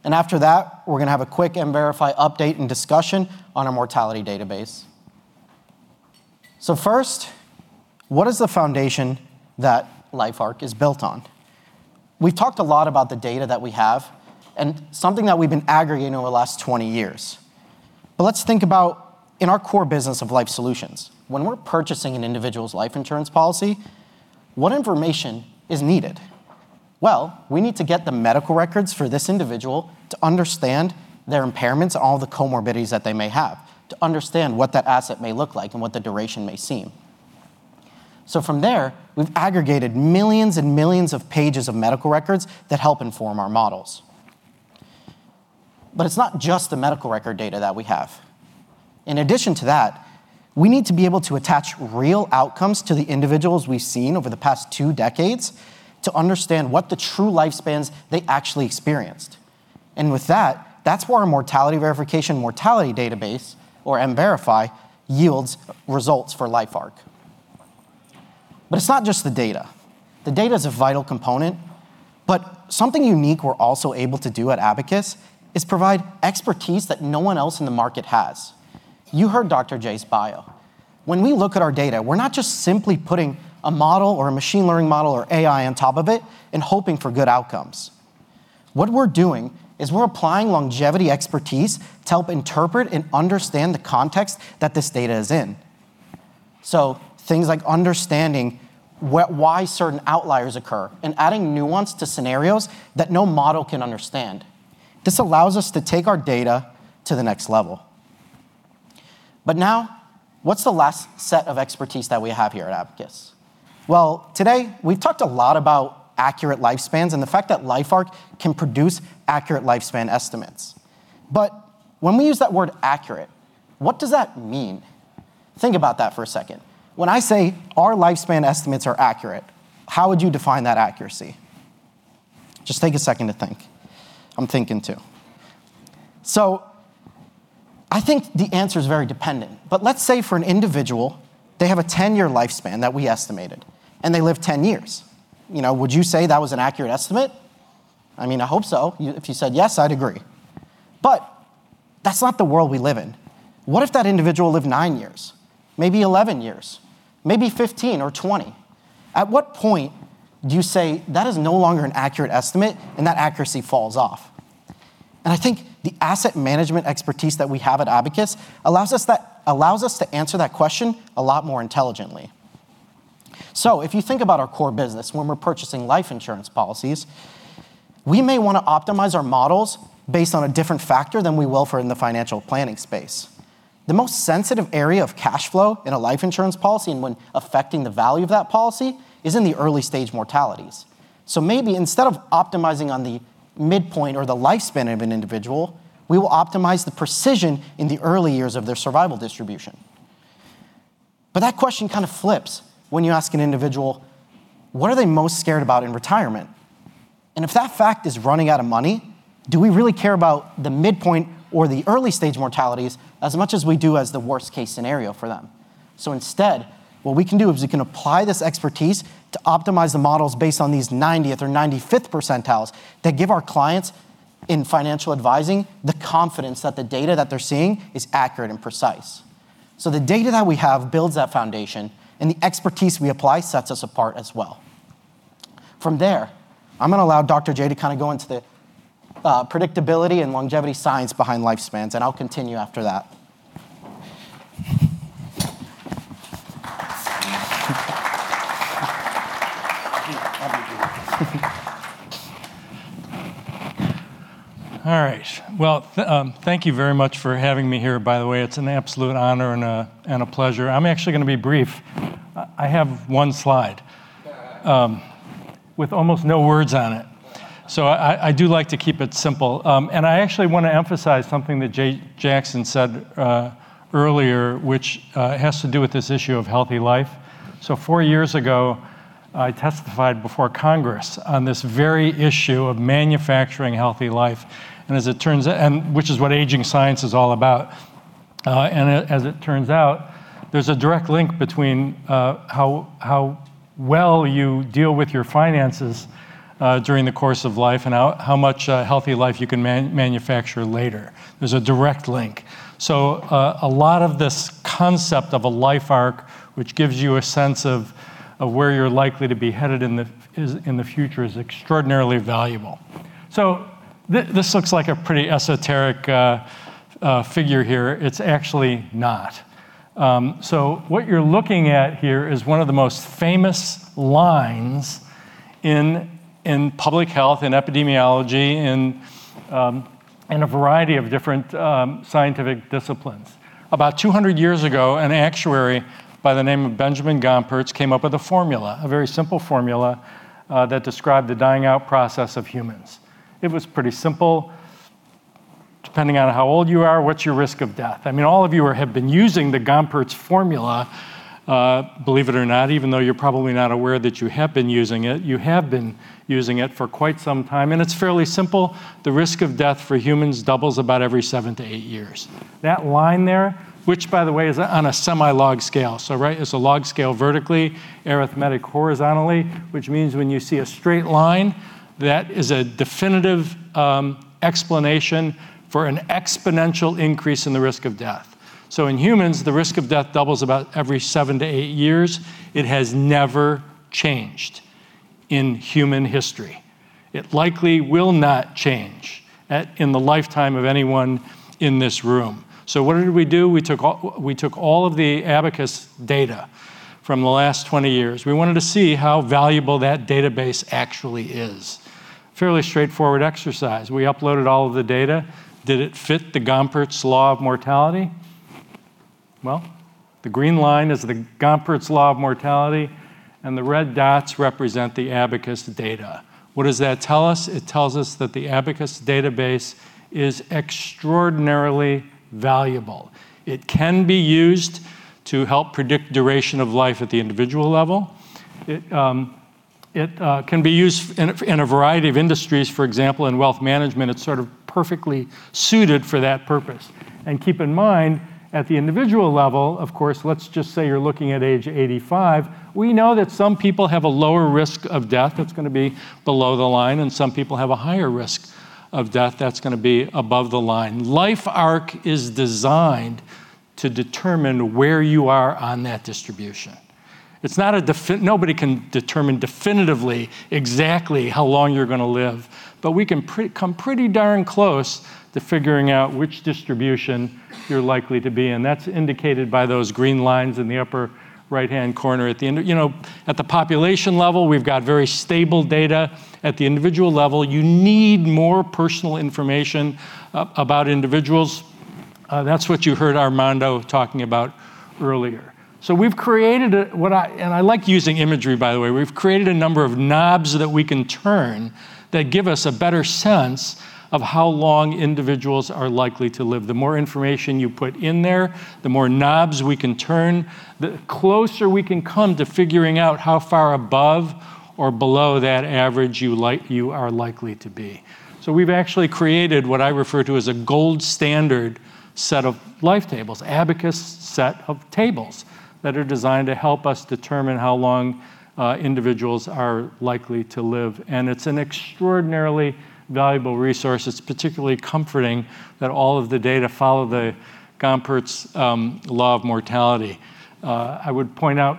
After that, we're going to have a quick MVerify update and discussion on our mortality database. First, what is the foundation that LifeARC is built on? We've talked a lot about the data that we have and something that we've been aggregating over the last 20 years. Let's think about in our core business of Life Solutions. When we're purchasing an individual's life insurance policy, what information is needed? Well, we need to get the medical records for this individual to understand their impairments, all the comorbidities that they may have, to understand what that asset may look like and what the duration may seem. From there, we've aggregated millions and millions of pages of medical records that help inform our models. It's not just the medical record data that we have. In addition to that, we need to be able to attach real outcomes to the individuals we've seen over the past two decades to understand what the true lifespans they actually experienced. With that's where our mortality verification mortality database, or MVerify, yields results for LifeARC. It's not just the data. The data is a vital component, but something unique we're also able to do at Abacus is provide expertise that no one else in the market has. You heard Dr. Jay's bio. When we look at our data, we're not just simply putting a model or a machine learning model or AI on top of it and hoping for good outcomes. What we're doing is we're applying longevity expertise to help interpret and understand the context that this data is in. Things like understanding why certain outliers occur and adding nuance to scenarios that no model can understand. This allows us to take our data to the next level. Now, what's the last set of expertise that we have here at Abacus? Well, today we've talked a lot about accurate lifespans and the fact that LifeARC can produce accurate lifespan estimates. When we use that word accurate, what does that mean? Think about that for a second. When I say our lifespan estimates are accurate, how would you define that accuracy? Just take a second to think. I'm thinking, too. I think the answer is very dependent, but let's say for an individual, they have a 10-year lifespan that we estimated, and they live 10 years. Would you say that was an accurate estimate? I hope so. If you said yes, I'd agree. That's not the world we live in. What if that individual lived nine years, maybe 11 years, maybe 15 or 20? At what point do you say that is no longer an accurate estimate and that accuracy falls off? I think the asset management expertise that we have at Abacus allows us to answer that question a lot more intelligently. If you think about our core business, when we're purchasing life insurance policies, we may want to optimize our models based on a different factor than we will for in the financial planning space. The most sensitive area of cash flow in a life insurance policy and when affecting the value of that policy is in the early-stage mortalities. Maybe instead of optimizing on the midpoint or the lifespan of an individual, we will optimize the precision in the early years of their survival distribution. That question kind of flips when you ask an individual what are they most scared about in retirement. If that fact is running out of money, do we really care about the midpoint or the early-stage mortalities as much as we do as the worst case scenario for them? Instead, what we can do is we can apply this expertise to optimize the models based on these 90th or 95th percentiles that give our clients in financial advising the confidence that the data that they're seeing is accurate and precise. The data that we have builds that foundation, and the expertise we apply sets us apart as well. From there, I'm going to allow Dr. Jay to go into the predictability and longevity science behind lifespans, and I'll continue after that. All right. Thank you very much for having me here, by the way. It's an absolute honor and a pleasure. I'm actually going to be brief. I have one slide with almost no words on it. I do like to keep it simple. I actually want to emphasize something that Jackson said earlier, which has to do with this issue of healthy life. Four years ago, I testified before Congress on this very issue of manufacturing healthy life, which is what aging science is all about. As it turns out, there's a direct link between how well you deal with your finances during the course of life and how much healthy life you can manufacture later. There's a direct link. A lot of this concept of a LifeARC, which gives you a sense of where you're likely to be headed in the future, is extraordinarily valuable. This looks like a pretty esoteric figure here. It's actually not. What you're looking at here is one of the most famous lines in public health, in epidemiology, in a variety of different scientific disciplines. About 200 years ago, an actuary by the name of Benjamin Gompertz came up with a formula, a very simple formula, that described the dying out process of humans. It was pretty simple. Depending on how old you are, what's your risk of death? All of you have been using the Gompertz formula, believe it or not, even though you're probably not aware that you have been using it, you have been using it for quite some time, and it's fairly simple. The risk of death for humans doubles about every seven to eight years. That line there, which by the way, is on a semi-log scale. Right, it's a log scale vertically, arithmetic horizontally, which means when you see a straight line, that is a definitive explanation for an exponential increase in the risk of death. In humans, the risk of death doubles about every seven to eight years. It has never changed in human history. It likely will not change in the lifetime of anyone in this room. What did we do? We took all of the Abacus data from the last 20 years. We wanted to see how valuable that database actually is. Fairly straightforward exercise. We uploaded all of the data. Did it fit the Gompertz Law of Mortality? The green line is the Gompertz Law of Mortality, and the red dots represent the Abacus data. What does that tell us? It tells us that the Abacus database is extraordinarily valuable. It can be used to help predict duration of life at the individual level. It can be used in a variety of industries, for example, in wealth management. It's sort of perfectly suited for that purpose. Keep in mind, at the individual level, of course, let's just say you're looking at age 85, we know that some people have a lower risk of death, that's going to be below the line, and some people have a higher risk of death, that's going to be above the line. LifeARC is designed to determine where you are on that distribution. Nobody can determine definitively exactly how long you're going to live, but we can come pretty darn close to figuring out which distribution you're likely to be in. That's indicated by those green lines in the upper right-hand corner. At the population level, we've got very stable data. At the individual level, you need more personal information about individuals. That's what you heard Armando talking about earlier. We've created And I like using imagery, by the way. We've created a number of knobs that we can turn that give us a better sense of how long individuals are likely to live. The more information you put in there, the more knobs we can turn, the closer we can come to figuring out how far above or below that average you are likely to be. We've actually created what I refer to as a gold standard set of life tables, Abacus set of tables, that are designed to help us determine how long individuals are likely to live. It's an extraordinarily valuable resource. It's particularly comforting that all of the data follow the Gompertz Law of Mortality. I would point out,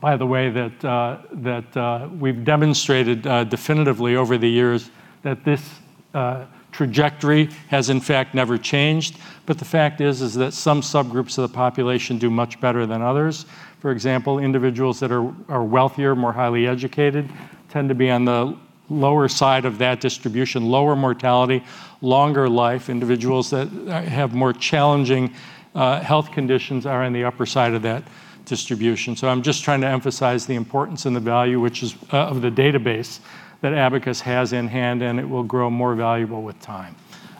by the way, that we've demonstrated definitively over the years that this trajectory has in fact never changed. The fact is that some subgroups of the population do much better than others. For example, individuals that are wealthier, more highly educated, tend to be on the lower side of that distribution, lower mortality, longer life. Individuals that have more challenging health conditions are in the upper side of that distribution. I'm just trying to emphasize the importance and the value of the database that Abacus has in hand, and it will grow more valuable with time.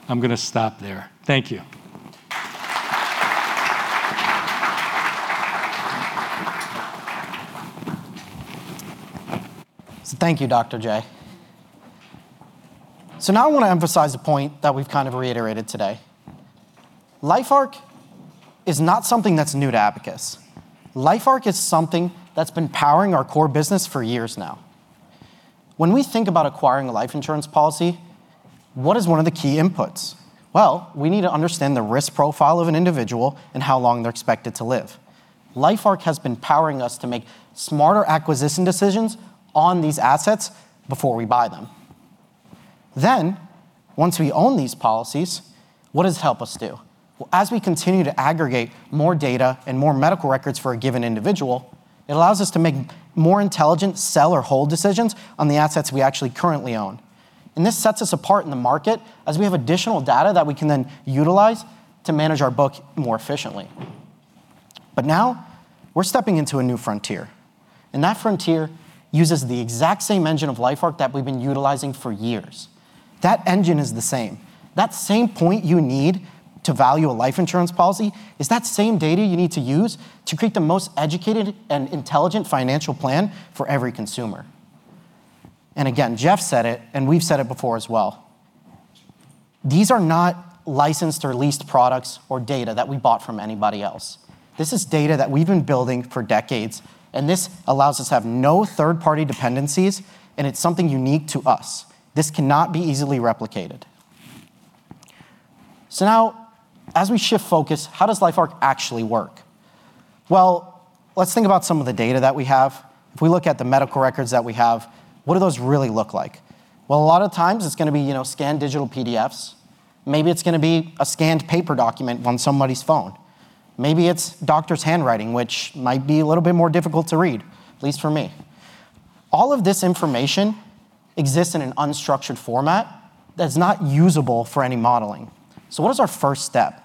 I'm going to stop there. Thank you. Thank you, Dr. Jay. Now I want to emphasize a point that we've kind of reiterated today. LifeARC is not something that's new to Abacus. LifeARC is something that's been powering our core business for years now. When we think about acquiring a life insurance policy, what is one of the key inputs? Well, we need to understand the risk profile of an individual and how long they're expected to live. LifeARC has been powering us to make smarter acquisition decisions on these assets before we buy them. Once we own these policies, what does it help us do? As we continue to aggregate more data and more medical records for a given individual, it allows us to make more intelligent sell or hold decisions on the assets we actually currently own. This sets us apart in the market as we have additional data that we can then utilize to manage our book more efficiently. Now, we're stepping into a new frontier, and that frontier uses the exact same engine of LifeARC that we've been utilizing for years. That engine is the same. That same point you need to value a life insurance policy is that same data you need to use to create the most educated and intelligent financial plan for every consumer. Again, Jeff said it, and we've said it before as well. These are not licensed or leased products or data that we bought from anybody else. This is data that we've been building for decades, and this allows us to have no third-party dependencies, and it's something unique to us. This cannot be easily replicated. Now as we shift focus, how does LifeARC actually work? Well, let's think about some of the data that we have. If we look at the medical records that we have, what do those really look like? Well, a lot of times it's going to be scanned digital PDFs. Maybe it's going to be a scanned paper document on somebody's phone. Maybe it's doctor's handwriting, which might be a little bit more difficult to read, at least for me. All of this information exists in an unstructured format that's not usable for any modeling. What is our first step?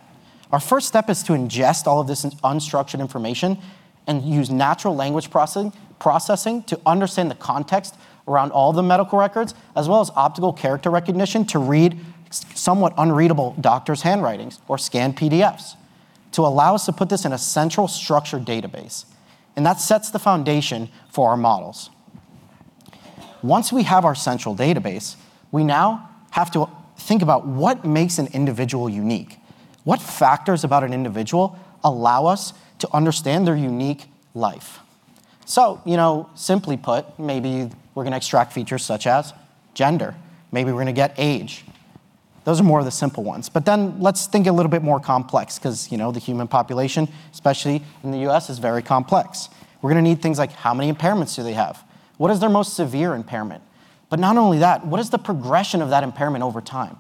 Our first step is to ingest all of this unstructured information and use natural language processing to understand the context around all the medical records, as well as optical character recognition to read somewhat unreadable doctor's handwriting or scanned PDFs to allow us to put this in a central structured database, and that sets the foundation for our models. Once we have our central database, we now have to think about what makes an individual unique, what factors about an individual allow us to understand their unique life. Simply put, maybe we're going to extract features such as gender, maybe we're going to get age. Those are more of the simple ones. Let's think a little bit more complex because the human population, especially in the U.S., is very complex. We're going to need things like how many impairments do they have? What is their most severe impairment? Not only that, what is the progression of that impairment over time?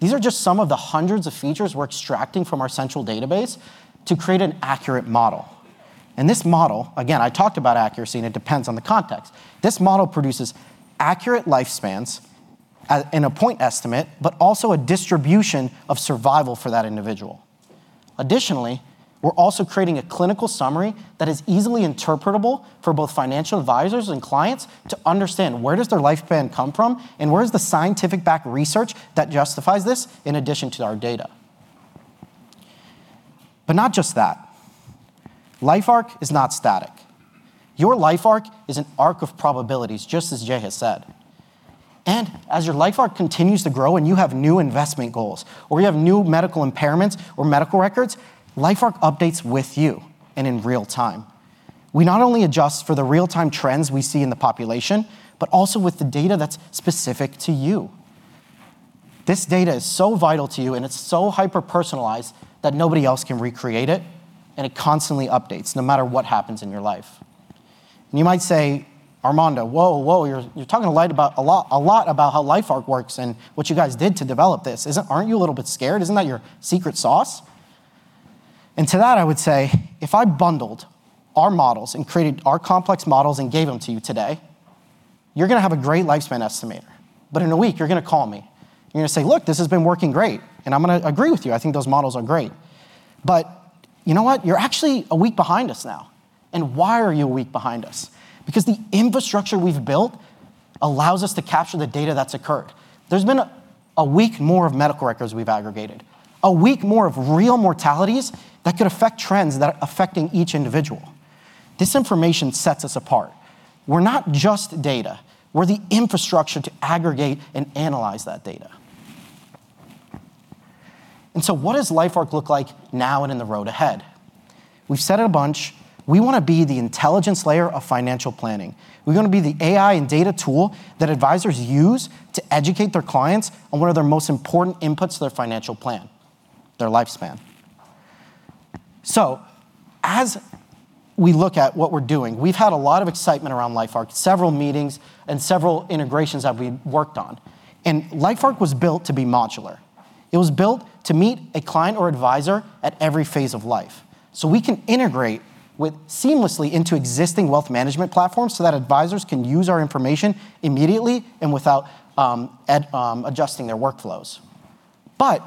These are just some of the hundreds of features we're extracting from our central database to create an accurate model. This model, again, I talked about accuracy, and it depends on the context. This model produces accurate lifespans in a point estimate, but also a distribution of survival for that individual. Additionally, we're also creating a clinical summary that is easily interpretable for both financial advisors and clients to understand where does their lifespan come from, and where is the scientific backed research that justifies this in addition to our data. Not just that. LifeARC is not static. Your LifeARC is an arc of probabilities, just as Jay has said. As your LifeARC continues to grow and you have new investment goals or you have new medical impairments or medical records, LifeARC updates with you and in real time. We not only adjust for the real-time trends we see in the population, but also with the data that's specific to you. This data is so vital to you, and it's so hyper-personalized that nobody else can recreate it, and it constantly updates no matter what happens in your life. You might say, "Armando, whoa. You're talking a lot about how LifeARC works and what you guys did to develop this. Aren't you a little bit scared? Isn't that your secret sauce?" To that, I would say, if I bundled our models and created our complex models and gave them to you today, you're going to have a great lifespan estimator. In a week, you're going to call me and you're going to say, "Look, this has been working great." I'm going to agree with you. I think those models are great. You know what? You're actually a week behind us now. Why are you a week behind us? Because the infrastructure we've built allows us to capture the data that's occurred. There's been a week more of medical records we've aggregated. A week more of real mortalities that could affect trends that are affecting each individual. This information sets us apart. We're not just data. We're the infrastructure to aggregate and analyze that data. What does LifeARC look like now and in the road ahead? We've said it a bunch. We want to be the intelligence layer of financial planning. We're going to be the AI and data tool that advisors use to educate their clients on one of their most important inputs to their financial plan, their lifespan. As we look at what we're doing, we've had a lot of excitement around LifeARC, several meetings, and several integrations that we worked on. LifeARC was built to be modular. It was built to meet a client or advisor at every phase of life. We can integrate seamlessly into existing wealth management platforms so that advisors can use our information immediately and without adjusting their workflows.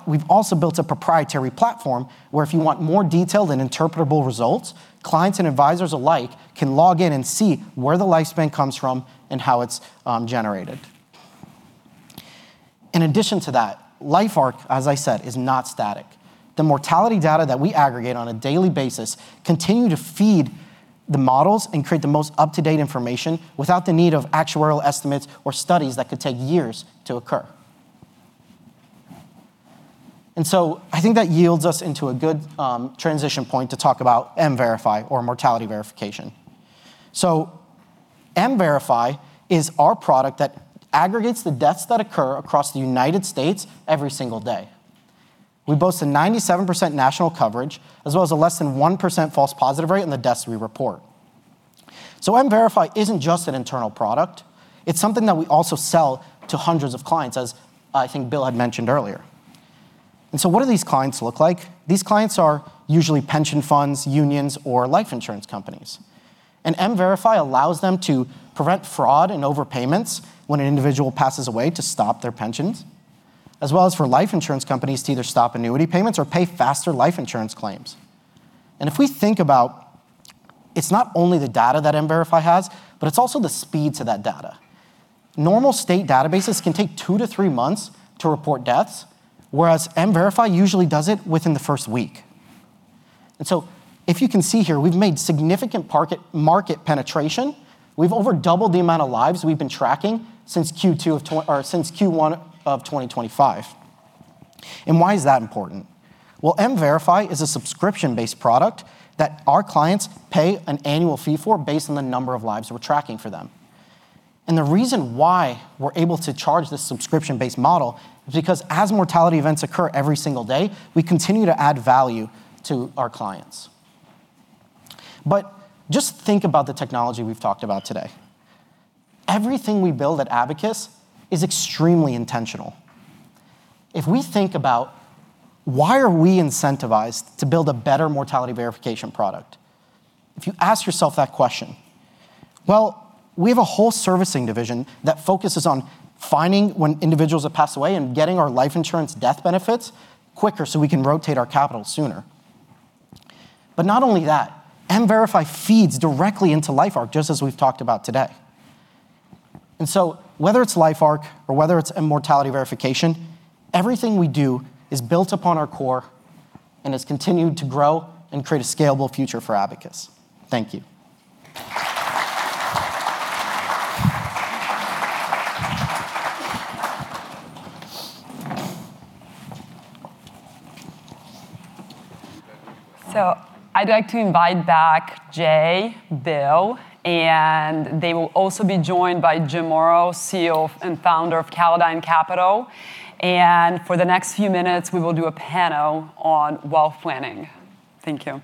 We've also built a proprietary platform where if you want more detailed and interpretable results, clients and advisors alike can log in and see where the lifespan comes from and how it's generated. In addition to that, LifeARC, as I said, is not static. The mortality data that we aggregate on a daily basis continue to feed the models and create the most up-to-date information without the need of actuarial estimates or studies that could take years to occur. I think that yields us into a good transition point to talk about MVerify or mortality verification. MVerify is our product that aggregates the deaths that occur across the United States every single day. We boast a 97% national coverage, as well as a less than 1% false positive rate in the deaths we report. MVerify isn't just an internal product. It's something that we also sell to hundreds of clients, as I think Bill had mentioned earlier. What do these clients look like? These clients are usually pension funds, unions, or life insurance companies. MVerify allows them to prevent fraud and overpayments when an individual passes away to stop their pensions, as well as for life insurance companies to either stop annuity payments or pay faster life insurance claims. If we think about it's not only the data that MVerify has, but it's also the speed to that data. Normal state databases can take two to three months to report deaths, whereas MVerify usually does it within the first week. If you can see here, we've made significant market penetration. We've over doubled the amount of lives we've been tracking since Q1 of 2025. Why is that important? Well, MVerify is a subscription-based product that our clients pay an annual fee for based on the number of lives we're tracking for them. The reason why we're able to charge this subscription-based model is because as mortality events occur every single day, we continue to add value to our clients. Just think about the technology we've talked about today. Everything we build at Abacus is extremely intentional. If we think about why are we incentivized to build a better mortality verification product? If you ask yourself that question, well, we have a whole servicing division that focuses on finding when individuals have passed away and getting our life insurance death benefits quicker so we can rotate our capital sooner. Not only that, MVerify feeds directly into LifeARC, just as we've talked about today. Whether it's LifeARC or whether it's mortality verification, everything we do is built upon our core and has continued to grow and create a scalable future for Abacus. Thank you. I'd like to invite back Jay, Bill, and they will also be joined by Jim Morrow, CEO and founder of Callodine Capital. For the next few minutes, we will do a panel on wealth planning. Thank you.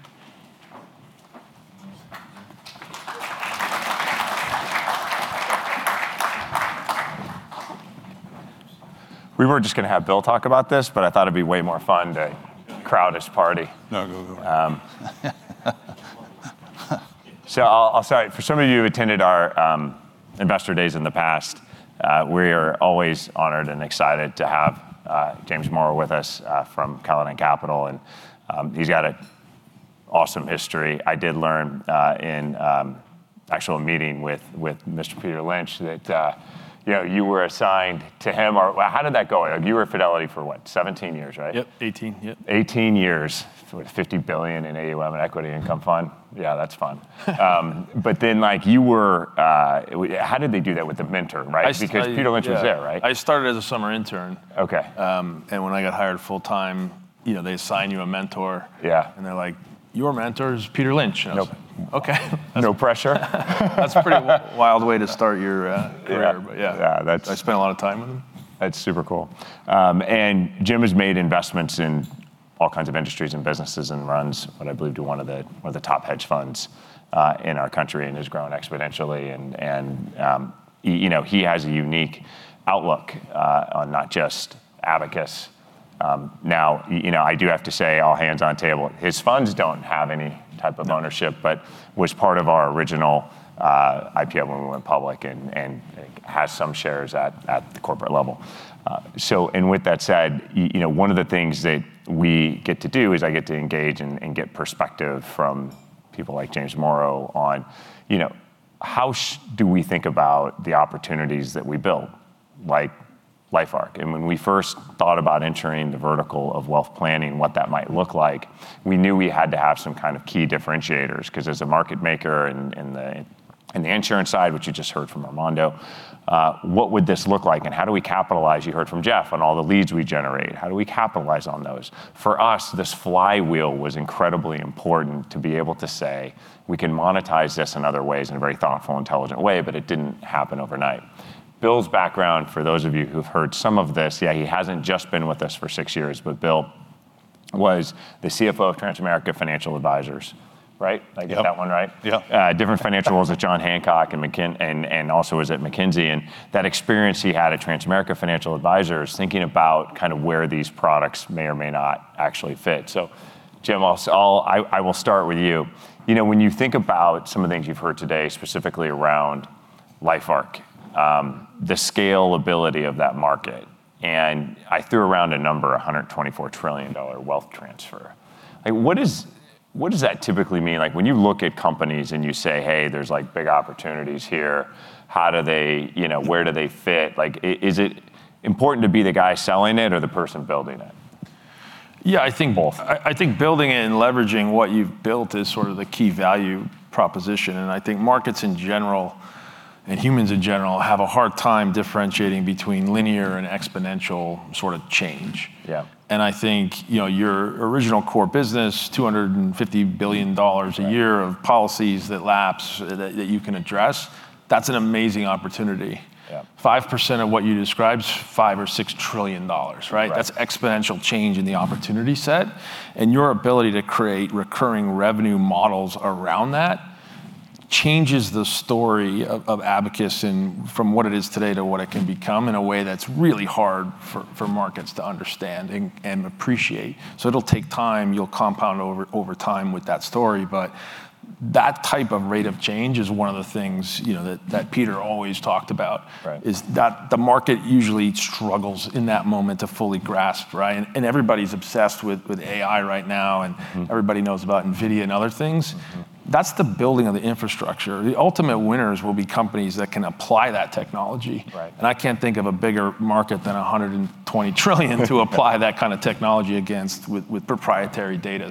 We were just going to have Bill talk about this, but I thought it'd be way more fun to crowd his party. No, go on. I'll start. For some of you who attended our investor days in the past, we are always honored and excited to have James Morrow with us from Callodine Capital, and he's got an awesome history. I did learn in an actual meeting with Mr. Peter Lynch that you were assigned to him. How did that go? You were at Fidelity for what, 17 years, right? Yep. 18, yep. 18 years. $50 billion in AUM and equity income fund. Yeah, that's fun. How did they do that with the mentor, right? Because Peter Lynch was there, right? I started as a summer intern. Okay. When I got hired full-time, they assign you a mentor. Yeah. They're like, "Your mentor is Peter Lynch." Nope. Okay. No pressure. That's a pretty wild way to start your career. Yeah. Yeah. Yeah. I spent a lot of time with him. That's super cool. Jim has made investments in all kinds of industries and businesses and runs what I believe to be one of the top hedge funds in our country and has grown exponentially. He has a unique outlook on not just Abacus. Now, I do have to say, all hands on table, his funds don't have any type of ownership, but was part of our original IPO when we went public, and has some shares at the corporate level. With that said, one of the things that we get to do is I get to engage and get perspective from people like James Morrow on how do we think about the opportunities that we build, like LifeARC. When we first thought about entering the vertical of wealth planning and what that might look like, we knew we had to have some kind of key differentiators, because as a market maker in the insurance side, which you just heard from Armando, what would this look like and how do we capitalize? You heard from Jeff on all the leads we generate. How do we capitalize on those? For us, this flywheel was incredibly important to be able to say, we can monetize this in other ways in a very thoughtful, intelligent way, but it didn't happen overnight. Bill's background, for those of you who've heard some of this, yeah, he hasn't just been with us for six years, but Bill was the CFO of Transamerica Financial Advisors, right? Yep. Did I get that one right? Yeah. Different financials at John Hancock and also was at McKinsey. That experience he had at Transamerica Financial Advisors, thinking about where these products may or may not actually fit. Jim, I will start with you. When you think about some of the things you've heard today, specifically around LifeARC, the scalability of that market, and I threw around a number, $124 trillion wealth transfer. What does that typically mean? When you look at companies and you say, "Hey, there's big opportunities here," where do they fit? Is it important to be the guy selling it or the person building it? Yeah, I think- Both. I think building it and leveraging what you've built is sort of the key value proposition. I think markets in general, and humans in general, have a hard time differentiating between linear and exponential sort of change. Yeah. I think your original core business, $250 billion a year of policies that lapse that you can address, that's an amazing opportunity. Yeah. 5% of what you described is $5 or $6 trillion, right? Right. That's exponential change in the opportunity set, and your ability to create recurring revenue models around that changes the story of Abacus from what it is today to what it can become in a way that's really hard for markets to understand and appreciate. It'll take time, you'll compound over time with that story, but that type of rate of change is one of the things that Peter always talked about. Right. Is that the market usually struggles in that moment to fully grasp, right? Everybody's obsessed with AI right now, everybody knows about NVIDIA and other things. That's the building of the infrastructure. The ultimate winners will be companies that can apply that technology. Right. I can't think of a bigger market than $120 trillion to apply that kind of technology against with proprietary data.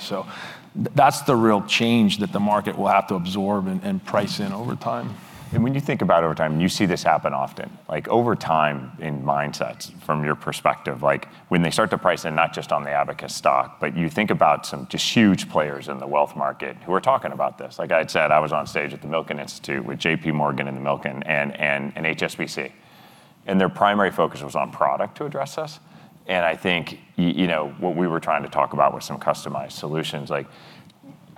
That's the real change that the market will have to absorb and price in over time. When you think about over time, you see this happen often, over time in mindsets from your perspective. When they start to price in not just on the Abacus stock, but you think about some just huge players in the wealth market who are talking about this. Like I had said, I was on stage at the Milken Institute with JP Morgan and the Milken and HSBC. Their primary focus was on product to address us. I think what we were trying to talk about were some customized solutions.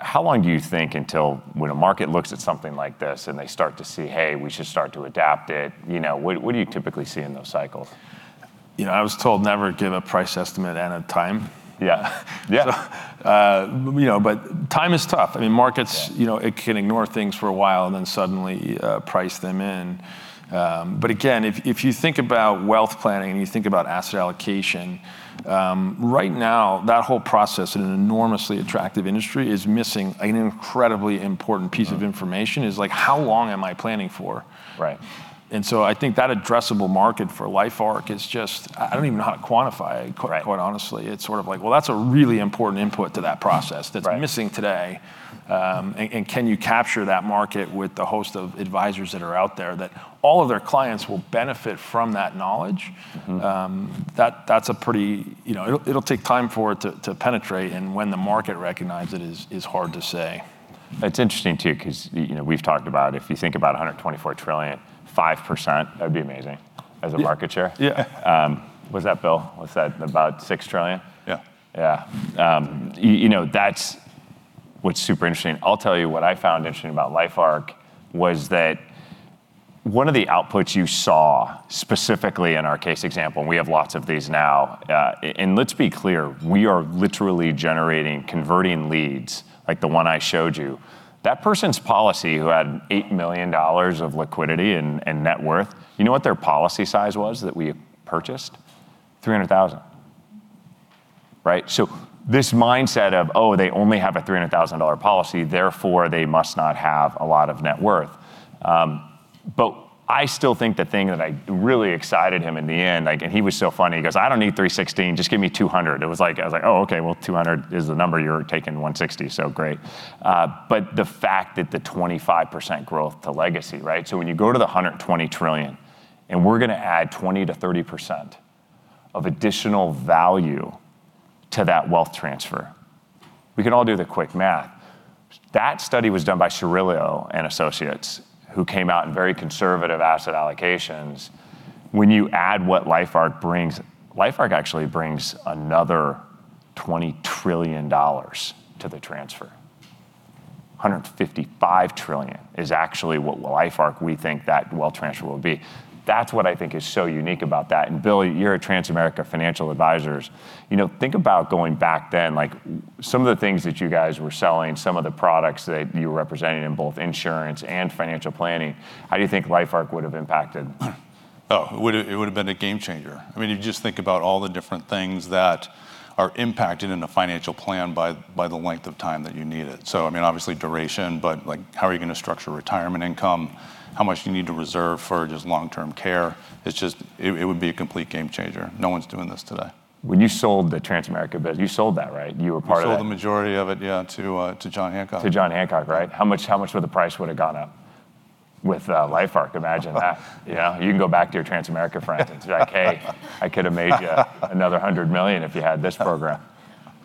How long do you think until when a market looks at something like this and they start to see, "Hey, we should start to adapt it." What do you typically see in those cycles? I was told never give a price estimate and a time. Yeah. Time is tough. Markets, it can ignore things for a while, and then suddenly price them in. Again, if you think about wealth planning and you think about asset allocation, right now that whole process in an enormously attractive industry is missing an incredibly important piece of information, is how long am I planning for? Right. I think that addressable market for LifeARC is just, I don't even know how to quantify it. Right. Quite honestly. It's a really important input to that process. Right. That's missing today. Can you capture that market with the host of advisors that are out there, that all of their clients will benefit from that knowledge? It'll take time for it to penetrate. When the market recognizes it is hard to say. It's interesting, too, because we've talked about if you think about $124 trillion, 5%, that'd be amazing as a market share. Yeah. What's that, Bill? What's that, about $6 trillion? Yeah. Yeah. That's what's super interesting. I'll tell you what I found interesting about LifeARC was that one of the outputs you saw specifically in our case example, we have lots of these now. Let's be clear, we are literally generating converting leads, like the one I showed you. That person's policy who had $8 million of liquidity and net worth, you know what their policy size was that we purchased? $300,000. Right? This mindset of, oh, they only have a $300,000 policy, therefore they must not have a lot of net worth. I still think the thing that really excited him in the end, and he was so funny, he goes, "I don't need $316 just give me $200." I was like, "Oh, okay, well, $200 is the number, you're taking $160, so great." The fact that the 25% growth to legacy, right? When you go to the $120 trillion and we're going to add 20%-30% of additional value to that wealth transfer, we can all do the quick math. That study was done by Cerulli Associates, who came out in very conservative asset allocations. When you add what LifeARC brings, LifeARC actually brings another $20 trillion to the transfer. $155 trillion is actually what LifeARC we think that wealth transfer will be. That's what I think is so unique about that. Bill, you're at Transamerica Financial Advisors. Think about going back then, some of the things that you guys were selling, some of the products that you were representing in both insurance and financial planning, how do you think LifeARC would've impacted? It would've been a game changer. You just think about all the different things that are impacted in a financial plan by the length of time that you need it. Obviously duration, but how are you going to structure retirement income? How much do you need to reserve for just long-term care? It would be a complete game changer. No one's doing this today. When you sold the Transamerica bit, you sold that, right? You were part of that. We sold the majority of it to John Hancock. To John Hancock, right? How much would the price would've gone up with LifeARC? Imagine that. You can go back to your Transamerica friends and say like "Hey, I could've made you another $100 million if you had this program."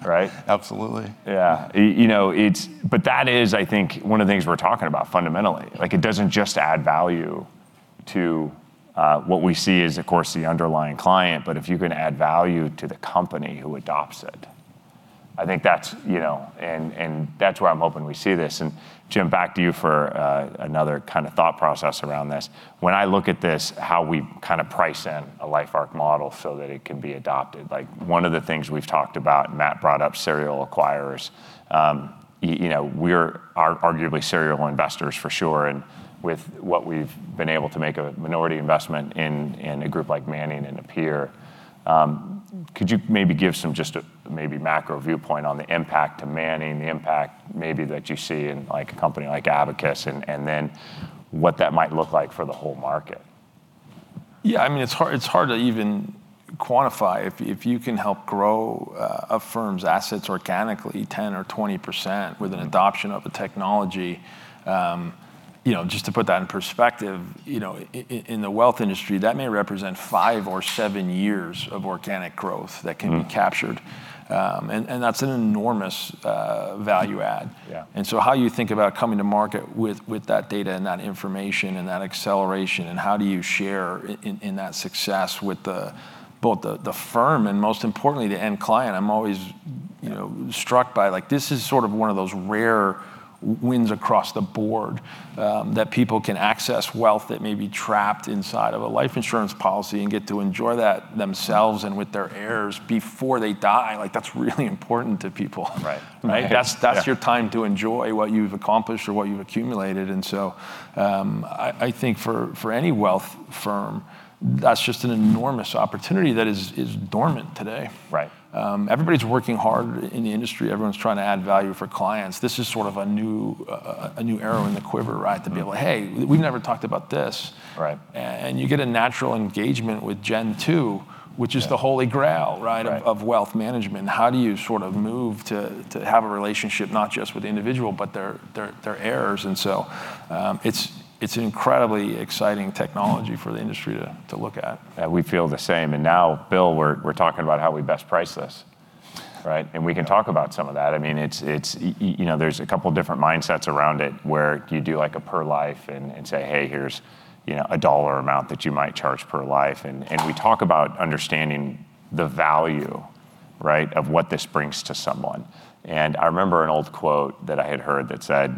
Right? Absolutely. Yeah. That is, I think, one of the things we're talking about fundamentally. It doesn't just add value to what we see as, of course, the underlying client, but if you can add value to the company who adopts it, and that's where I'm hoping we see this. Jim, back to you for another thought process around this. When I look at this, how we price in a LifeARC model so that it can be adopted. One of the things we've talked about, Matt brought up serial acquirers. We're arguably serial investors for sure, and with what we've been able to make a minority investment in a group like Manning & Napier. Could you maybe give some just maybe macro viewpoint on the impact to Manning, the impact maybe that you see in a company like Abacus, and then what that might look like for the whole market? Yeah, it's hard to even quantify. If you can help grow a firm's assets organically 10% or 20% with an adoption of a technology, just to put that in perspective, in the wealth industry, that may represent five or seven years of organic growth that can be captured. That's an enormous value add. Yeah. How you think about coming to market with that data and that information and that acceleration, and how do you share in that success with both the firm and most importantly, the end client? I'm always struck by this is sort of one of those rare wins across the board, that people can access wealth that may be trapped inside of a life insurance policy and get to enjoy that themselves and with their heirs before they die. That's really important to people. Right. Right? That's your time to enjoy what you've accomplished or what you've accumulated. I think for any wealth firm, that's just an enormous opportunity that is dormant today. Right. Everybody's working hard in the industry. Everyone's trying to add value for clients. This is sort of a new arrow in the quiver, right? To be like, "Hey, we've never talked about this. Right. You get a natural engagement with Gen Two, which is the holy grail- Right. Of wealth management. How do you sort of move to have a relationship not just with the individual, but their heirs? It's an incredibly exciting technology for the industry to look at. Yeah, we feel the same. Bill, we're talking about how we best price this. Right. We can talk about some of that. There's a couple of different mindsets around it where you do a per life and say, "Hey, here's a dollar amount that you might charge per life." We talk about understanding the value of what this brings to someone. I remember an old quote that I had heard that said,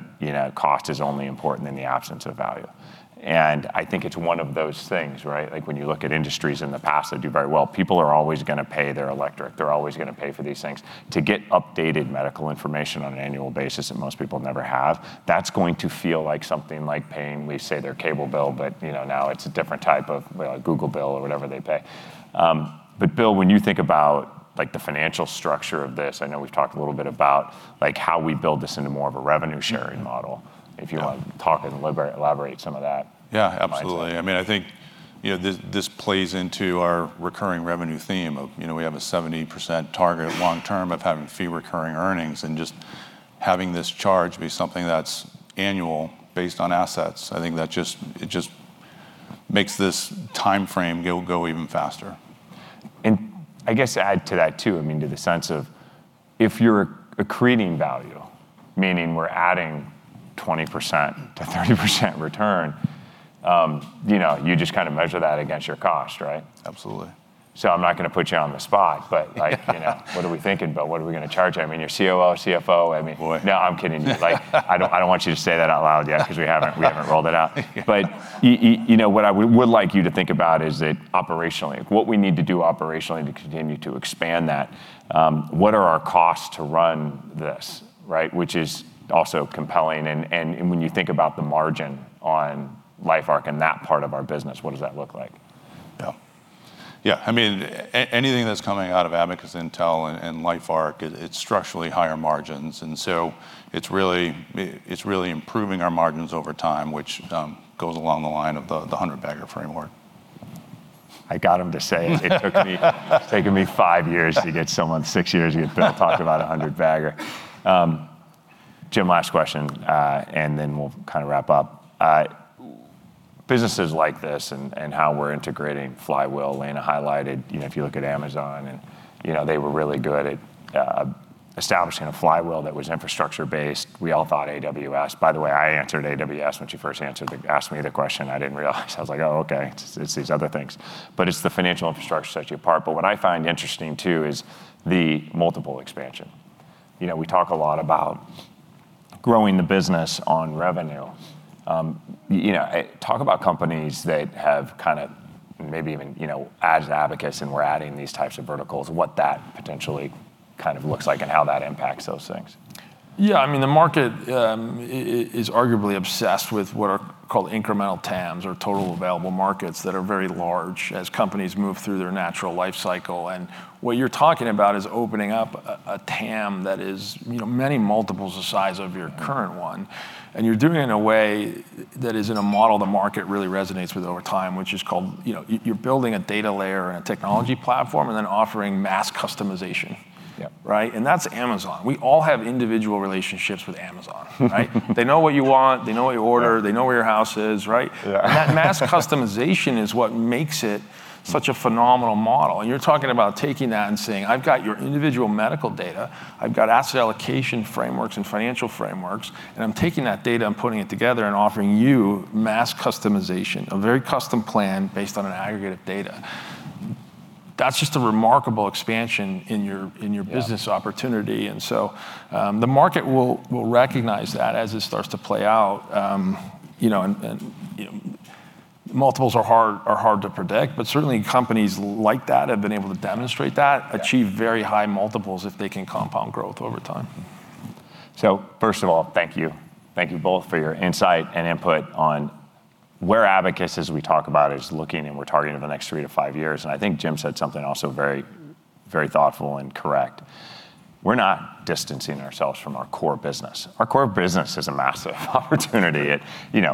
"Cost is only important in the absence of value." I think it's one of those things. When you look at industries in the past that do very well, people are always going to pay their electric, they're always going to pay for these things. To get updated medical information on an annual basis that most people never have, that's going to feel like something like paying, we say, their cable bill, but now it's a different type of Google bill or whatever they pay. Bill, when you think about the financial structure of this, I know we've talked a little bit about how we build this into more of a revenue-sharing model. If you want to talk and elaborate some of that. Yeah, absolutely. I think this plays into our recurring revenue theme of we have a 70% target long term of having fee recurring earnings, just having this charge be something that's annual based on assets. I think that just makes this timeframe go even faster. I guess add to that, too, to the sense of if you're accreting value, meaning we're adding 20%-30% return, you just measure that against your cost, right? Absolutely. I'm not going to put you on the spot, what are we thinking about? What are we going to charge? You're COO, CFO. Boy. No, I'm kidding you. I don't want you to say that out loud yet because we haven't rolled it out. What I would like you to think about is that operationally, what we need to do operationally to continue to expand that. What are our costs to run this? Which is also compelling and when you think about the margin on LifeARC and that part of our business, what does that look like, Bill? Anything that's coming out of Abacus Intel and LifeARC, it's structurally higher margins. It's really improving our margins over time, which goes along the line of the 100-bagger framework. I got him to say it. It's taken me five years to get someone, six years to get Bill to talk about 100-bagger. Jim, last question, then we'll wrap up. Businesses like this and how we're integrating flywheel, Elena highlighted, if you look at Amazon and they were really good at establishing a flywheel that was infrastructure-based. We all thought AWS. By the way, I answered AWS when she first asked me the question. I didn't realize. I was like, "Oh, okay." It's these other things. It's the financial infrastructure sets you apart. What I find interesting too is the multiple expansion. We talk a lot about growing the business on revenue. Talk about companies that have maybe even as Abacus and we're adding these types of verticals, what that potentially looks like and how that impacts those things. Yeah, the market is arguably obsessed with what are called incremental TAMs or total available markets that are very large as companies move through their natural life cycle. What you're talking about is opening up a TAM that is many multiples the size of your current one, and you're doing it in a way that is in a model the market really resonates with over time, which is called, you're building a data layer and a technology platform and then offering mass customization. Yeah. Right? That's Amazon. We all have individual relationships with Amazon, right? They know what you want, they know what you order, they know where your house is, right? Yeah. That mass customization is what makes it such a phenomenal model. You're talking about taking that and saying, "I've got your individual medical data. I've got asset allocation frameworks and financial frameworks, and I'm taking that data and putting it together and offering you mass customization, a very custom plan based on an aggregate of data." That's just a remarkable expansion in your business opportunity. The market will recognize that as it starts to play out. Multiples are hard to predict, but certainly companies like that have been able to demonstrate that, achieve very high multiples if they can compound growth over time. First of all, thank you. Thank you both for your insight and input on where Abacus, as we talk about, is looking, and we're targeting over the next three to five years. I think Jim said something also very thoughtful and correct. We're not distancing ourselves from our core business. Our core business is a massive opportunity. It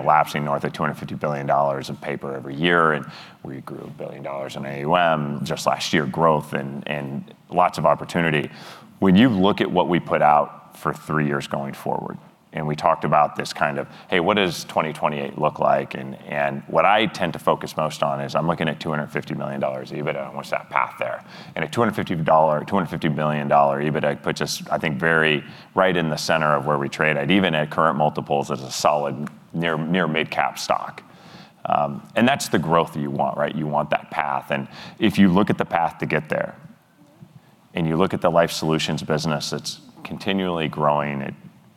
lapsing north of $250 billion in paper every year, and we grew $1 billion in AUM just last year, growth and lots of opportunity. When you look at what we put out for three years going forward, we talked about this kind of, "Hey, what does 2028 look like?" What I tend to focus most on is I'm looking at $250 million EBITDA and what's that path there. A $250 million EBITDA puts us, I think, very right in the center of where we trade at, even at current multiples as a solid, near mid-cap stock. That's the growth that you want. You want that path, if you look at the path to get there, you look at the Life Solutions business that's continually growing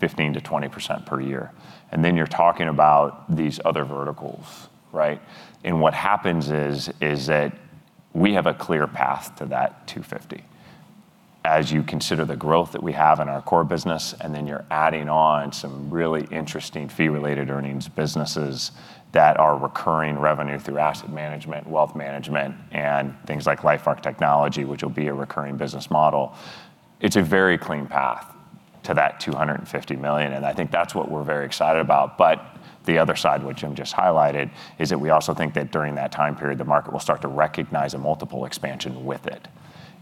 at 15%-20% per year, you're talking about these other verticals. What happens is that we have a clear path to that $250 million. As you consider the growth that we have in our core business, you're adding on some really interesting fee-related earnings businesses that are recurring revenue through asset management, wealth management, and things like LifeARC technology, which will be a recurring business model. It's a very clean path to that $250 million, I think that's what we're very excited about. The other side, which Jim just highlighted, is that we also think that during that time period, the market will start to recognize a multiple expansion with it.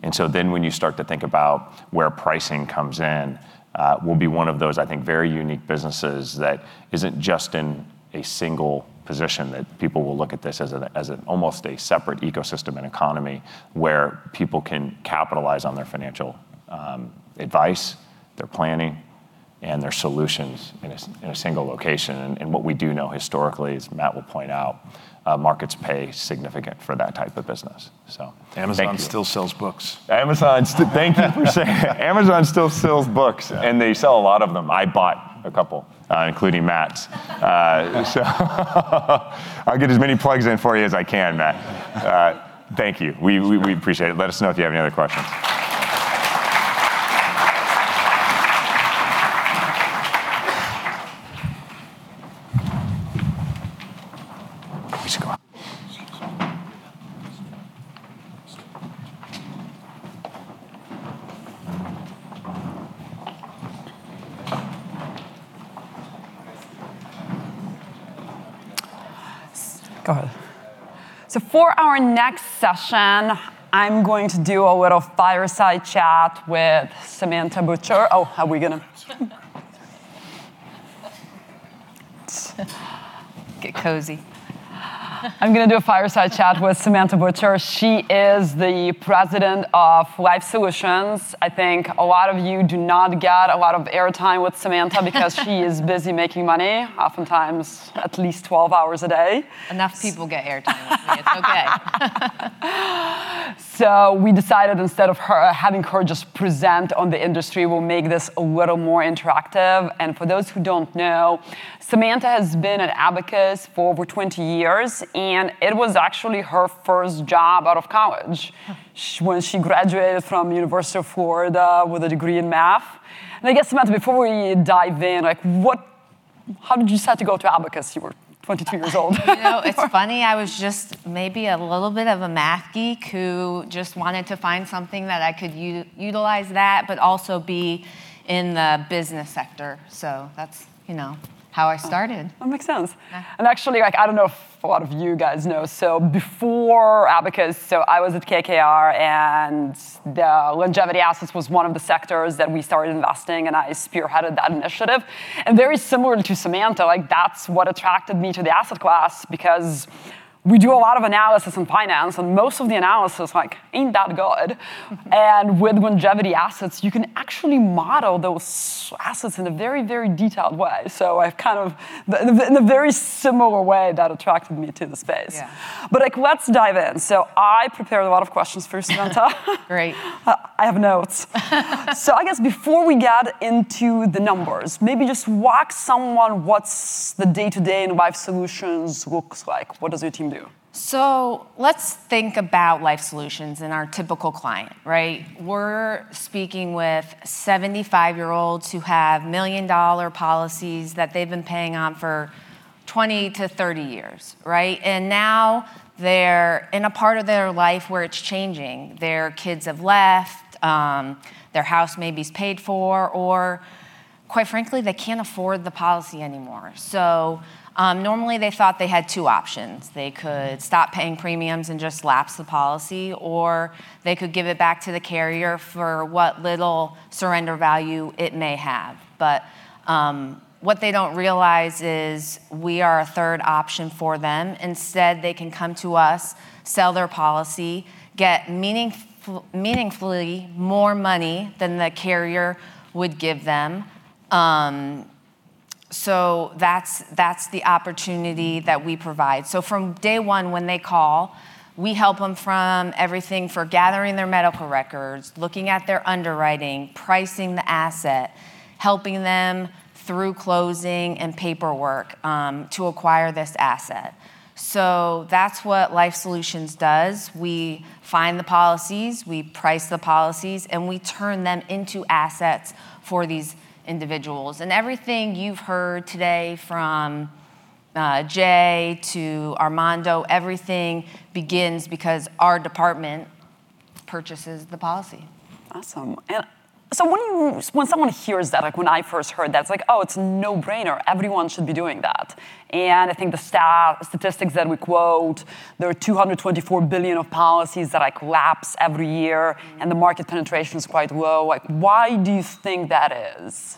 When you start to think about where pricing comes in, we'll be one of those, I think, very unique businesses that isn't just in a single position that people will look at this as almost a separate ecosystem and economy where people can capitalize on their financial advice, their planning and their solutions in a single location. What we do know historically, as Matt will point out, markets pay significant for that type of business, so thank you. Amazon still sells books. Amazon, thank you for saying that. Amazon still sells books, and they sell a lot of them. I bought a couple, including Matt's. I'll get as many plugs in for you as I can, Matt. Thank you. We appreciate it. Let us know if you have any other questions. Go ahead. For our next session, I'm going to do a little fireside chat with Samantha Butcher. Oh, are we going to- Get cozy. I'm going to do a fireside chat with Samantha Butcher. She is the President of Life Solutions. I think a lot of you do not get a lot of airtime with Samantha because she is busy making money, oftentimes at least 12 hours a day. Enough people get airtime with me. It's okay. We decided instead of having her just present on the industry, we'll make this a little more interactive. For those who don't know, Samantha has been at Abacus for over 20 years, and it was actually her first job out of college when she graduated from University of Florida with a degree in math. I guess, Samantha, before we dive in, how did you decide to go to Abacus? You were 22 years old. You know, it's funny, I was just maybe a little bit of a math geek who just wanted to find something that I could utilize that, but also be in the business sector. That's how I started. That makes sense. Yeah. Actually, I don't know if a lot of you guys know, so before Abacus, so I was at KKR, and the longevity assets was one of the sectors that we started investing, and I spearheaded that initiative. Very similar to Samantha, that's what attracted me to the asset class because we do a lot of analysis in finance, Most of the analysis ain't that good. With longevity assets, you can actually model those assets in a very detailed way. In a very similar way, that attracted me to the space. Yeah. Let's dive in. I prepared a lot of questions for Samantha. Great. I have notes. I guess before we get into the numbers, maybe just walk someone what's the day-to-day in Life Solutions looks like. What does your team do? Let's think about Abacus Life Solutions and our typical client, right? We're speaking with 75-year-olds who have million-dollar policies that they've been paying on for 20 to 30 years, right? Now they're in a part of their life where it's changing. Their kids have left, their house maybe is paid for, or quite frankly, they can't afford the policy anymore. Normally they thought they had two options. They could stop paying premiums and just lapse the policy, or they could give it back to the carrier for what little surrender value it may have. What they don't realize is we are a third option for them. Instead, they can come to us, sell their policy, get meaningfully more money than the carrier would give them. That's the opportunity that we provide. From day one when they call, we help them from everything, from gathering their medical records, looking at their underwriting, pricing the asset, helping them through closing and paperwork to acquire this asset. That's what Abacus Life Solutions does. We find the policies, we price the policies, and we turn them into assets for these individuals. Everything you've heard today from Jay to Armando, everything begins because our department purchases the policy. Awesome. When someone hears that, like when I first heard that, it's like, "Oh, it's a no-brainer. Everyone should be doing that." I think the statistics that we quote, there are $224 billion of policies that lapse every year- The market penetration is quite low. Why do you think that is?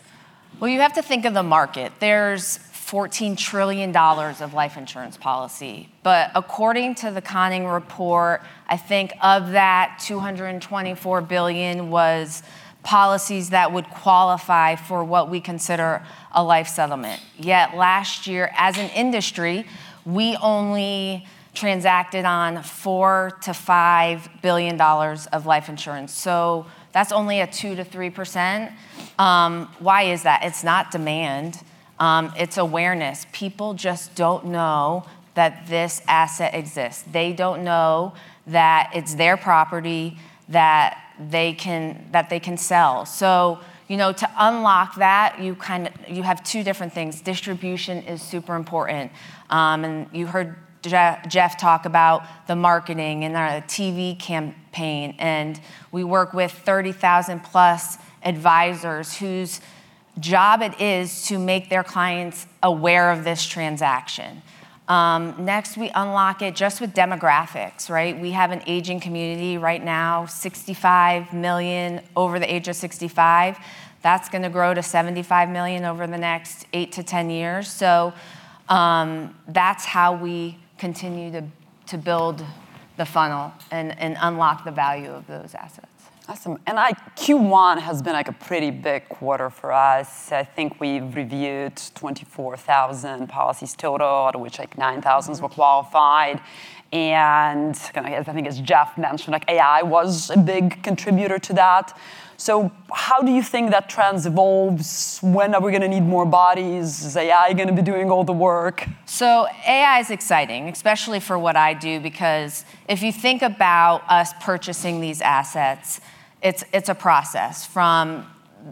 You have to think of the market. There's $14 trillion of life insurance policy. According to the Conning Report, I think of that $224 billion was policies that would qualify for what we consider a life settlement. Last year, as an industry, we only transacted on $4 billion-$5 billion of life insurance. That's only a 2%-3%. Why is that? It's not demand, it's awareness. People just don't know that this asset exists. They don't know that it's their property that they can sell. To unlock that, you have two different things. Distribution is super important. You heard Jeff talk about the marketing and our TV campaign, and we work with 30,000+ advisors whose job it is to make their clients aware of this transaction. Next, we unlock it just with demographics, right? We have an aging community right now, 65 million over the age of 65. That's going to grow to 75 million over the next 8-10 years. That's how we continue to build the funnel and unlock the value of those assets. Awesome. Q1 has been a pretty big quarter for us. I think we've reviewed 24,000 policies total, out of which 9,000 were qualified. I think as Jeff mentioned, AI was a big contributor to that. How do you think that trend evolves? When are we going to need more bodies? Is AI going to be doing all the work? AI is exciting, especially for what I do, because if you think about us purchasing these assets, it's a process from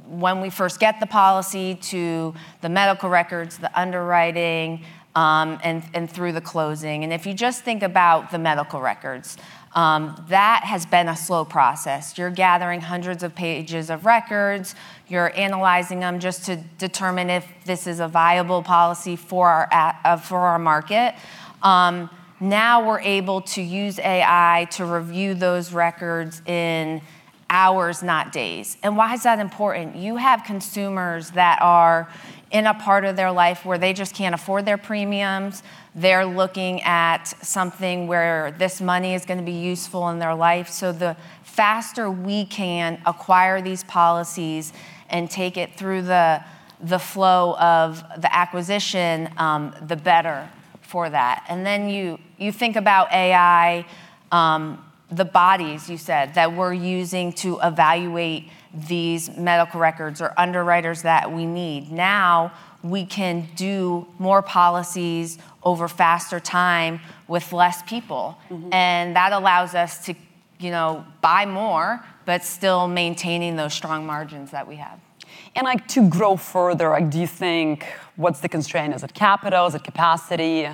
when we first get the policy to the medical records, the underwriting, and through the closing. If you just think about the medical records, that has been a slow process. You're gathering hundreds of pages of records. You're analyzing them just to determine if this is a viable policy for our market. Now we're able to use AI to review those records in hours, not days. Why is that important? You have consumers that are in a part of their life where they just can't afford their premiums. They're looking at something where this money is going to be useful in their life. The faster we can acquire these policies and take it through the flow of the acquisition, the better for that. You think about AI, the bodies you said that we're using to evaluate these medical records or underwriters that we need. Now, we can do more policies over faster time with less people. That allows us to buy more, but still maintaining those strong margins that we have. To grow further, do you think what's the constraint? Is it capital? Is it capacity?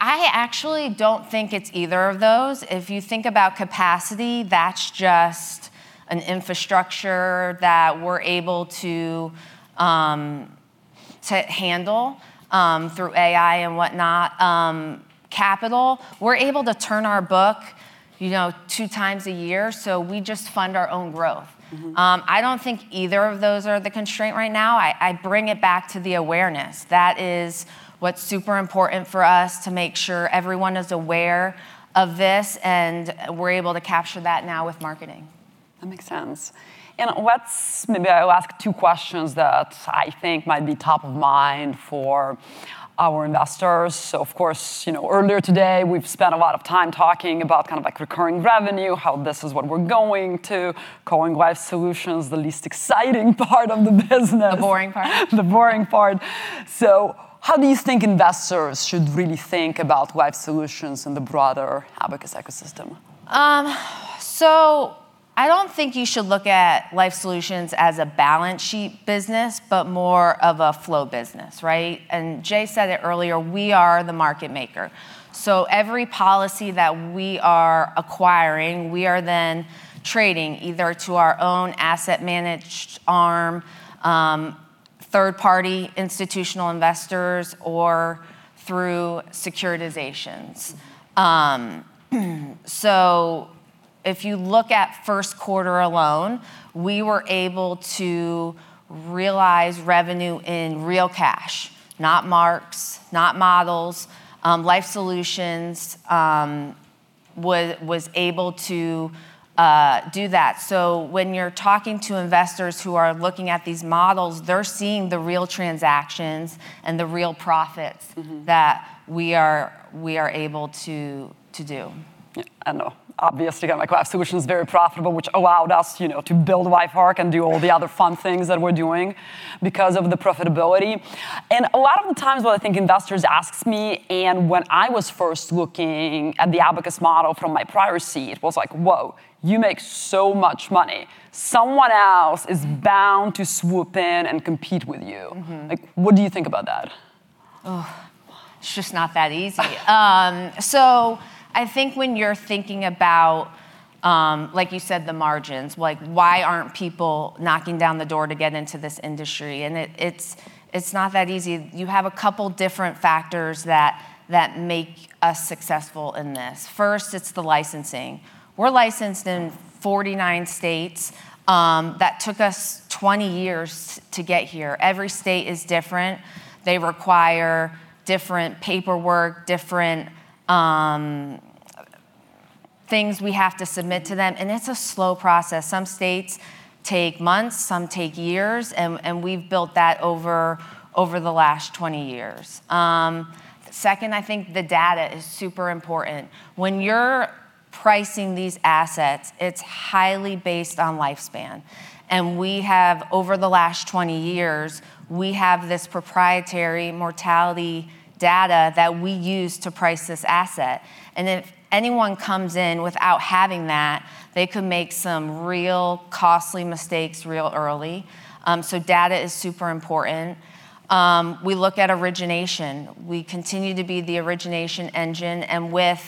I actually don't think it's either of those. If you think about capacity, that's just an infrastructure that we're able to handle through AI and whatnot. Capital, we're able to turn our book two times a year, so we just fund our own growth. I don't think either of those are the constraint right now. I bring it back to the awareness. That is what's super important for us to make sure everyone is aware of this, and we're able to capture that now with marketing. That makes sense. Maybe I'll ask two questions that I think might be top of mind for our investors. Of course, earlier today, we've spent a lot of time talking about recurring revenue, how this is what we're calling Abacus Life Solutions the least exciting part of the business. The boring part. The boring part. How do you think investors should really think about Abacus Life Solutions in the broader Abacus ecosystem? I don't think you should look at Life Solutions as a balance sheet business, but more of a flow business, right? Jay said it earlier, we are the market maker. Every policy that we are acquiring, we are then trading either to our own asset managed arm, third party institutional investors, or through securitizations. If you look at first quarter alone, we were able to realize revenue in real cash, not marks, not models. Life Solutions was able to do that. When you're talking to investors who are looking at these models, they're seeing the real transactions and the real profits that we are able to do. Yeah. I know. Obviously, again, Life Solutions is very profitable, which allowed us to build LifeARC and do all the other fun things that we're doing because of the profitability. A lot of the times what I think investors ask me, and when I was first looking at the Abacus model from my prior seat, was like, "Whoa, you make so much money. Someone else is bound to swoop in and compete with you. What do you think about that? Ugh. It's just not that easy. I think when you're thinking about, like you said, the margins, why aren't people knocking down the door to get into this industry? It's not that easy. You have a couple different factors that make us successful in this. First, it's the licensing. We're licensed in 49 states. That took us 20 years to get here. Every state is different. They require different paperwork, different things we have to submit to them, and it's a slow process. Some states take months, some take years, and we've built that over the last 20 years. Second, I think the data is super important. When you're pricing these assets, it's highly based on lifespan, and over the last 20 years, we have this proprietary mortality data that we use to price this asset. If anyone comes in without having that, they could make some real costly mistakes real early. Data is super important. We look at origination. We continue to be the origination engine, and with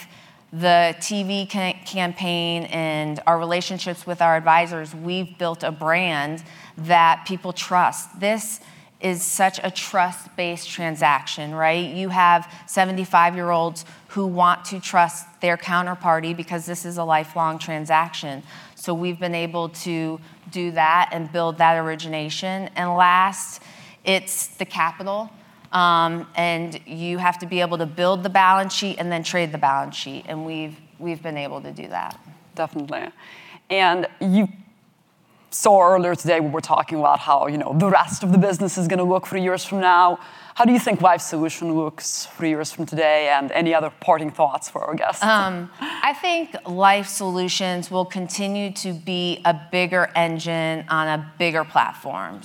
the TV campaign and our relationships with our advisors, we've built a brand that people trust. This is such a trust-based transaction, right? You have 75-year-olds who want to trust their counterparty because this is a lifelong transaction. Last, it's the capital. You have to be able to build the balance sheet and then trade the balance sheet, and we've been able to do that. Definitely. Earlier today we were talking about how the rest of the business is going to look three years from now. How do you think Life Solutions looks three years from today? Any other parting thoughts for our guests? I think Life Solutions will continue to be a bigger engine on a bigger platform.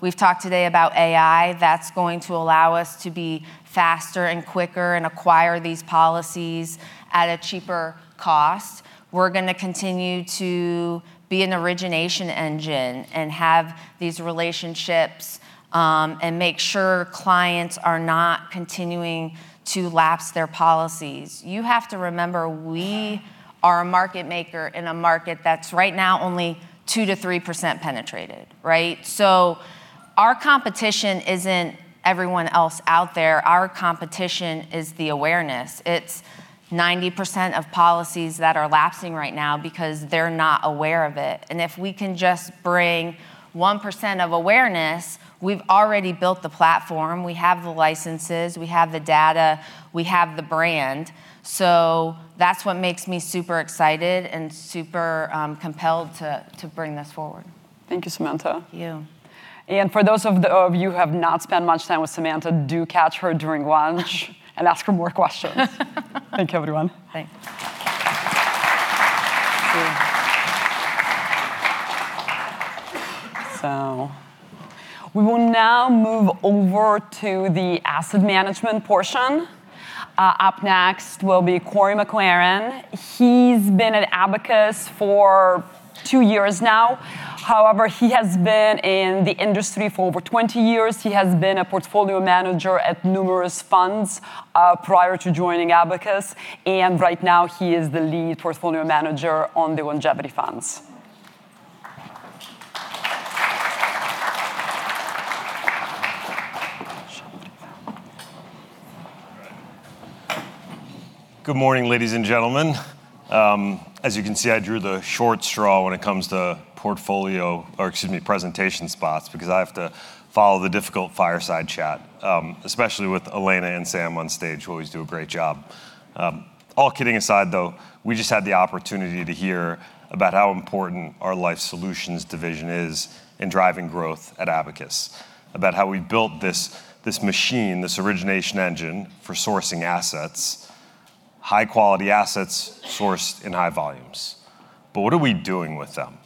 We've talked today about AI, that's going to allow us to be faster and quicker and acquire these policies at a cheaper cost. We're going to continue to be an origination engine and have these relationships and make sure clients are not continuing to lapse their policies. You have to remember, we are a market maker in a market that's right now only 2%-3% penetrated. Right? Our competition isn't everyone else out there. Our competition is the awareness. It's 90% of policies that are lapsing right now because they're not aware of it. If we can just bring 1% of awareness, we've already built the platform, we have the licenses, we have the data, we have the brand. That's what makes me super excited and super compelled to bring this forward. Thank you, Samantha. Thank you. For those of you who have not spent much time with Samantha, do catch her during lunch and ask her more questions. Thank you everyone. Thanks. We will now move over to the asset management portion. Up next will be Corey McLaren. He's been at Abacus for two years now. However, he has been in the industry for over 20 years. He has been a portfolio manager at numerous funds prior to joining Abacus, and right now he is the lead portfolio manager on the Longevity funds. Good morning, ladies and gentlemen. As you can see, I drew the short straw when it comes to portfolio, or excuse me, presentation spots, because I have to follow the difficult fireside chat, especially with Elena and Sam on stage who always do a great job. All kidding aside though, we just had the opportunity to hear about how important our Life Solutions division is in driving growth at Abacus. About how we built this machine, this origination engine for sourcing assets, high quality assets sourced in high volumes. What are we doing with them?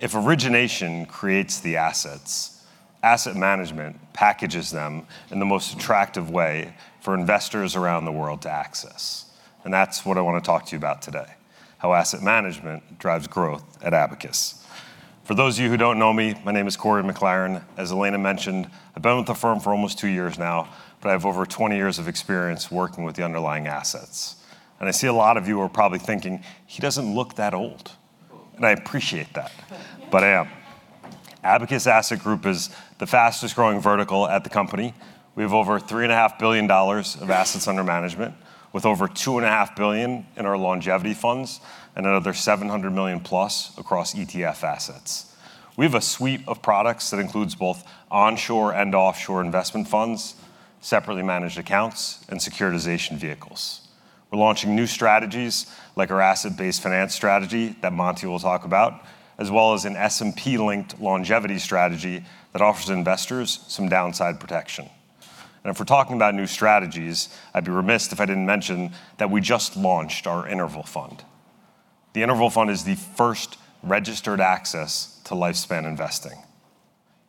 If origination creates the assets, asset management packages them in the most attractive way for investors around the world to access. That's what I want to talk to you about today, how asset management drives growth at Abacus. For those of you who don't know me, my name is Corey McLaren. As Elena mentioned, I've been with the firm for almost two years now, but I have over 20 years of experience working with the underlying assets. I see a lot of you are probably thinking, "He doesn't look that old," and I appreciate that, but I am. Abacus Asset Group is the fastest growing vertical at the company. We have over $3.5 billion of assets under management with over $2.5 billion in our Longevity funds and another $700+ million across ETF assets. We have a suite of products that includes both onshore and offshore investment funds, separately managed accounts, and securitization vehicles. We're launching new strategies like our asset-based finance strategy that Monty will talk about, as well as an S&P-linked longevity strategy that offers investors some downside protection. If we're talking about new strategies, I'd be remiss if I didn't mention that we just launched our interval fund. The interval fund is the first registered access to lifespan investing.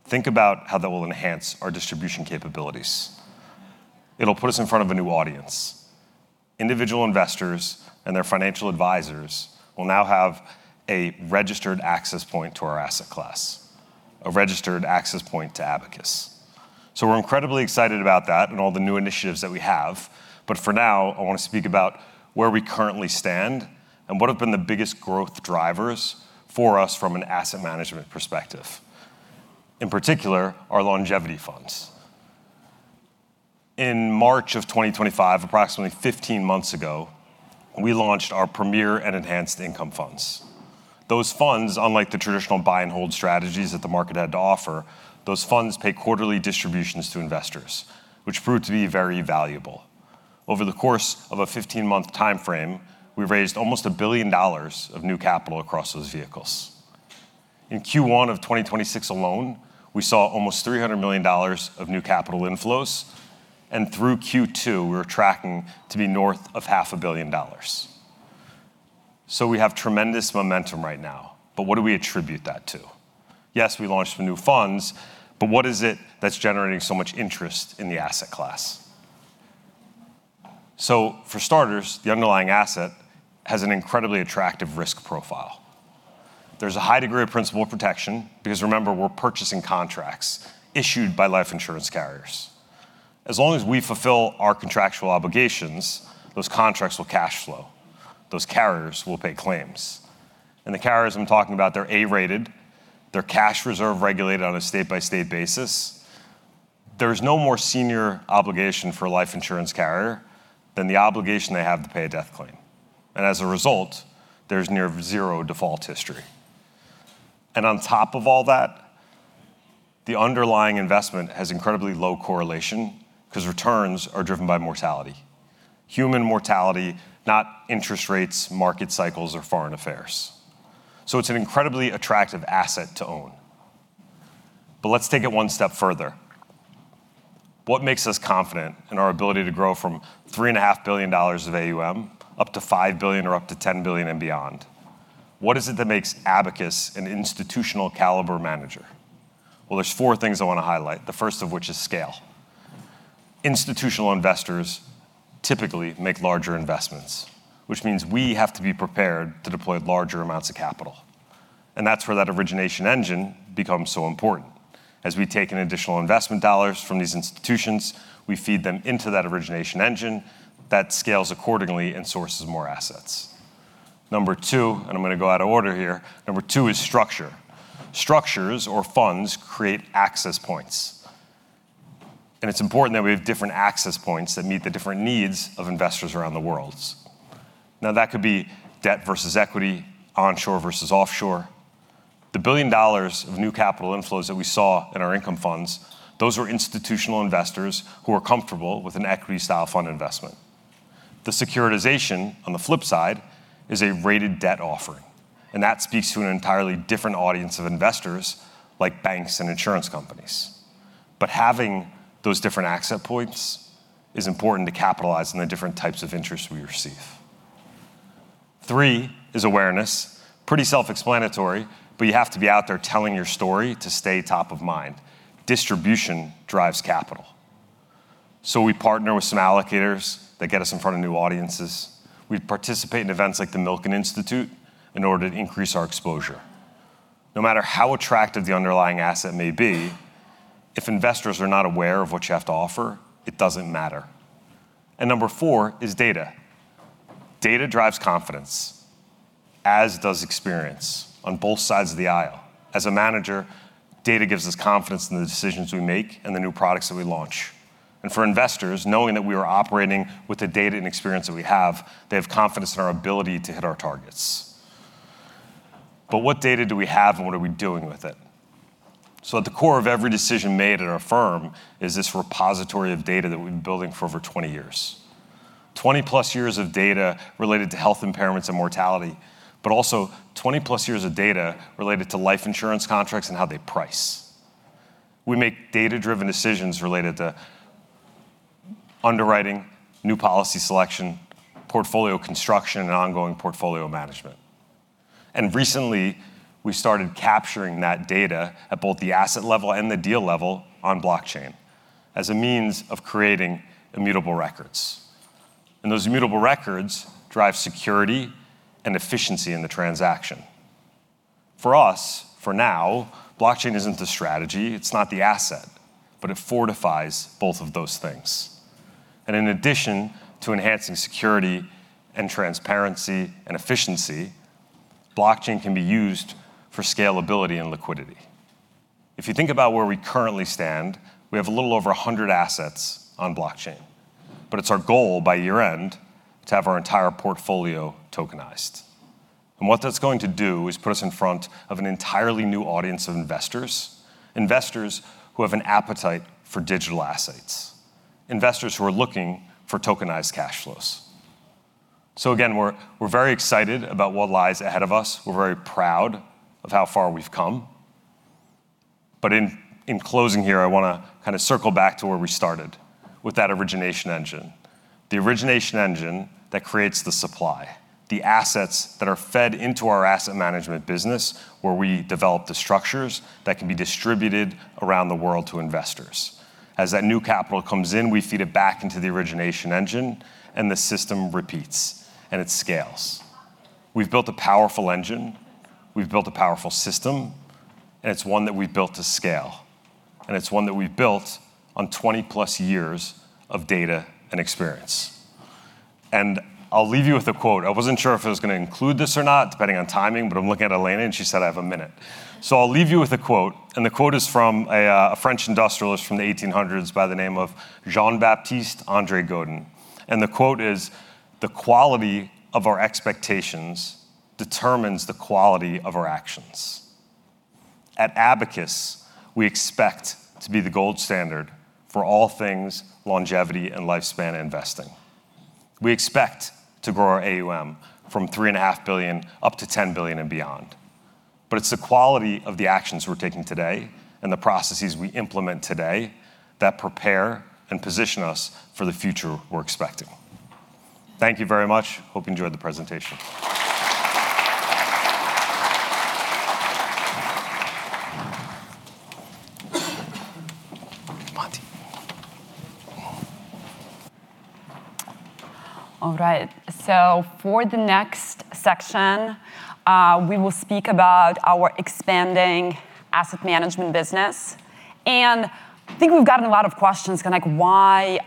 Think about how that will enhance our distribution capabilities. It'll put us in front of a new audience. Individual investors and their financial advisors will now have a registered access point to our asset class, a registered access point to Abacus. We're incredibly excited about that and all the new initiatives that we have, but for now, I want to speak about where we currently stand and what have been the biggest growth drivers for us from an asset management perspective. In particular, our Longevity funds. In March of 2025, approximately 15 months ago, we launched our Premier and Enhanced Income Funds. Those funds, unlike the traditional buy and hold strategies that the market had to offer, those funds pay quarterly distributions to investors, which proved to be very valuable. Over the course of a 15-month timeframe, we raised almost $1 billion of new capital across those vehicles. In Q1 of 2026 alone, we saw almost $300 million of new capital inflows, and through Q2 we were tracking to be north of $500 million. We have tremendous momentum right now. What do we attribute that to? Yes, we launched some new funds, but what is it that's generating so much interest in the asset class? For starters, the underlying asset has an incredibly attractive risk profile. There's a high degree of principal protection because remember, we're purchasing contracts issued by life insurance carriers. As long as we fulfill our contractual obligations, those contracts will cash flow, those carriers will pay claims. The carriers I'm talking about, they're A-rated, they're cash reserve regulated on a state-by-state basis. There's no more senior obligation for a life insurance carrier than the obligation they have to pay a death claim, and as a result, there's near zero default history. On top of all that, the underlying investment has incredibly low correlation because returns are driven by mortality. Human mortality, not interest rates, market cycles, or foreign affairs. It's an incredibly attractive asset to own. Let's take it one step further. What makes us confident in our ability to grow from three and a half billion dollars of AUM up to $5 billion or up to $10 billion and beyond? What is it that makes Abacus an institutional caliber manager? Well, there's four things I want to highlight, the first of which is scale. Institutional investors typically make larger investments, which means we have to be prepared to deploy larger amounts of capital, and that's where that origination engine becomes so important. As we take in additional investment dollars from these institutions, we feed them into that origination engine. That scales accordingly and sources more assets. Number two, and I'm going to go out of order here, number two is structure. Structures or funds create access points, and it's important that we have different access points that meet the different needs of investors around the world. Now, that could be debt versus equity, onshore versus offshore. The $1 billion of new capital inflows that we saw in our income funds, those were institutional investors who are comfortable with an equity style fund investment. The securitization, on the flip side, is a rated debt offering, That speaks to an entirely different audience of investors, like banks and insurance companies. Having those different access points is important to capitalize on the different types of interest we receive. Three is awareness. Pretty self-explanatory, but you have to be out there telling your story to stay top of mind. Distribution drives capital. We partner with some allocators that get us in front of new audiences. We participate in events like the Milken Institute in order to increase our exposure. No matter how attractive the underlying asset may be, if investors are not aware of what you have to offer, it doesn't matter. Number four is data. Data drives confidence, as does experience on both sides of the aisle. As a manager, data gives us confidence in the decisions we make and the new products that we launch. For investors, knowing that we are operating with the data and experience that we have, they have confidence in our ability to hit our targets. What data do we have and what are we doing with it? At the core of every decision made at our firm is this repository of data that we've been building for over 20 years. 20+ years of data related to health impairments and mortality, but also 20+ years of data related to life insurance contracts and how they price. We make data-driven decisions related to underwriting, new policy selection, portfolio construction, and ongoing portfolio management. Recently, we started capturing that data at both the asset level and the deal level on blockchain as a means of creating immutable records. Those immutable records drive security and efficiency in the transaction. For us, for now, blockchain isn't the strategy. It's not the asset, but it fortifies both of those things. In addition to enhancing security and transparency and efficiency, blockchain can be used for scalability and liquidity. If you think about where we currently stand, we have a little over 100 assets on blockchain, but it's our goal by year-end to have our entire portfolio tokenized. What that's going to do is put us in front of an entirely new audience of investors who have an appetite for digital assets, investors who are looking for tokenized cash flows. Again, we're very excited about what lies ahead of us. We're very proud of how far we've come. In closing here, I want to kind of circle back to where we started with that origination engine, the origination engine that creates the supply, the assets that are fed into our asset management business, where we develop the structures that can be distributed around the world to investors. As that new capital comes in, we feed it back into the origination engine and the system repeats and it scales. We've built a powerful engine, we've built a powerful system, and it's one that we've built to scale, and it's one that we've built on 20+ years of data and experience. I'll leave you with a quote. I wasn't sure if I was going to include this or not, depending on timing, but I'm looking at Elena and she said I have a minute. I'll leave you with a quote, the quote is from a French industrialist from the 1800s by the name of Jean-Baptiste André Godin. The quote is, "The quality of our expectations determines the quality of our actions." At Abacus, we expect to be the gold standard for all things longevity and lifespan investing. We expect to grow our AUM from $3.5 billion up to $10 billion and beyond. It's the quality of the actions we're taking today and the processes we implement today that prepare and position us for the future we're expecting. Thank you very much. Hope you enjoyed the presentation. Monty. For the next section, we will speak about our expanding asset management business. I think we've gotten a lot of questions, kind of like, "Why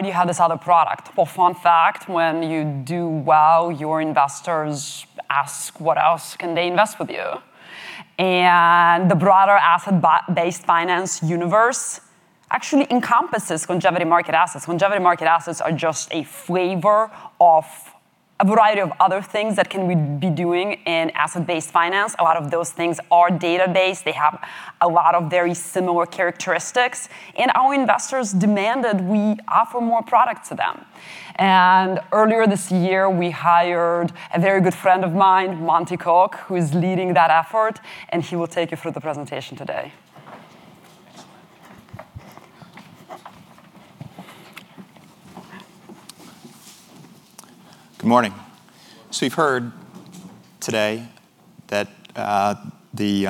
do you have this other product?" Well, fun fact, when you do well, your investors ask what else can they invest with you. The broader asset-based finance universe actually encompasses longevity market assets. Longevity market assets are just a flavor of a variety of other things that can be doing in asset-based finance. A lot of those things are database. They have a lot of very similar characteristics, and our investors demand that we offer more product to them. Earlier this year, we hired a very good friend of mine, Monty Cook, who is leading that effort, and he will take you through the presentation today. Good morning. You've heard today about how the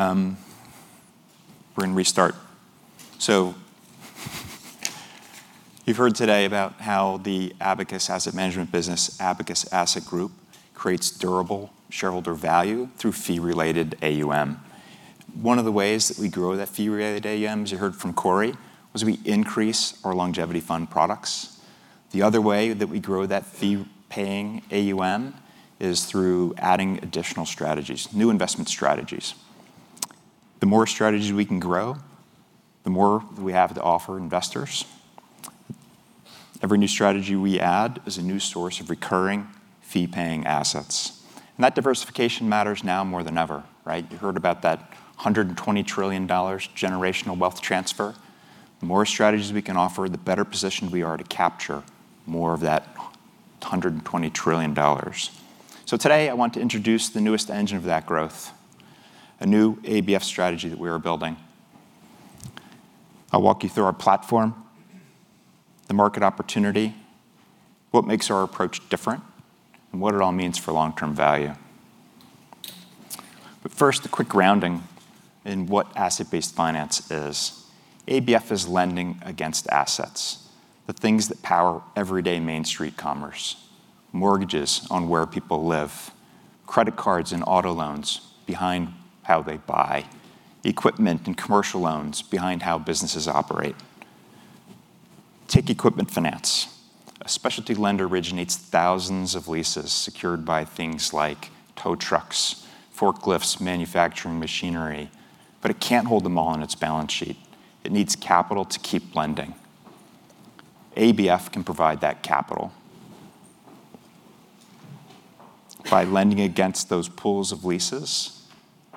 Abacus Asset Management business, Abacus Asset Group, creates durable shareholder value through fee-related AUM. One of the ways that we grow that fee-related AUM, as you heard from Corey, was we increase our longevity fund products. The other way that we grow that fee-paying AUM is through adding additional strategies, new investment strategies. The more strategies we can grow, the more we have to offer investors. Every new strategy we add is a new source of recurring fee-paying assets. That diversification matters now more than ever, right? You heard about that $120 trillion generational wealth transfer. The more strategies we can offer, the better positioned we are to capture more of that $120 trillion. Today, I want to introduce the newest engine of that growth, a new ABF strategy that we are building. I'll walk you through our platform, the market opportunity, what makes our approach different, and what it all means for long-term value. First, a quick grounding in what asset-based finance is. ABF is lending against assets, the things that power everyday main street commerce, mortgages on where people live, credit cards and auto loans behind how they buy, equipment and commercial loans behind how businesses operate. Take equipment finance. A specialty lender originates thousands of leases secured by things like tow trucks, forklifts, manufacturing machinery, but it can't hold them all on its balance sheet. It needs capital to keep lending. ABF can provide that capital. By lending against those pools of leases,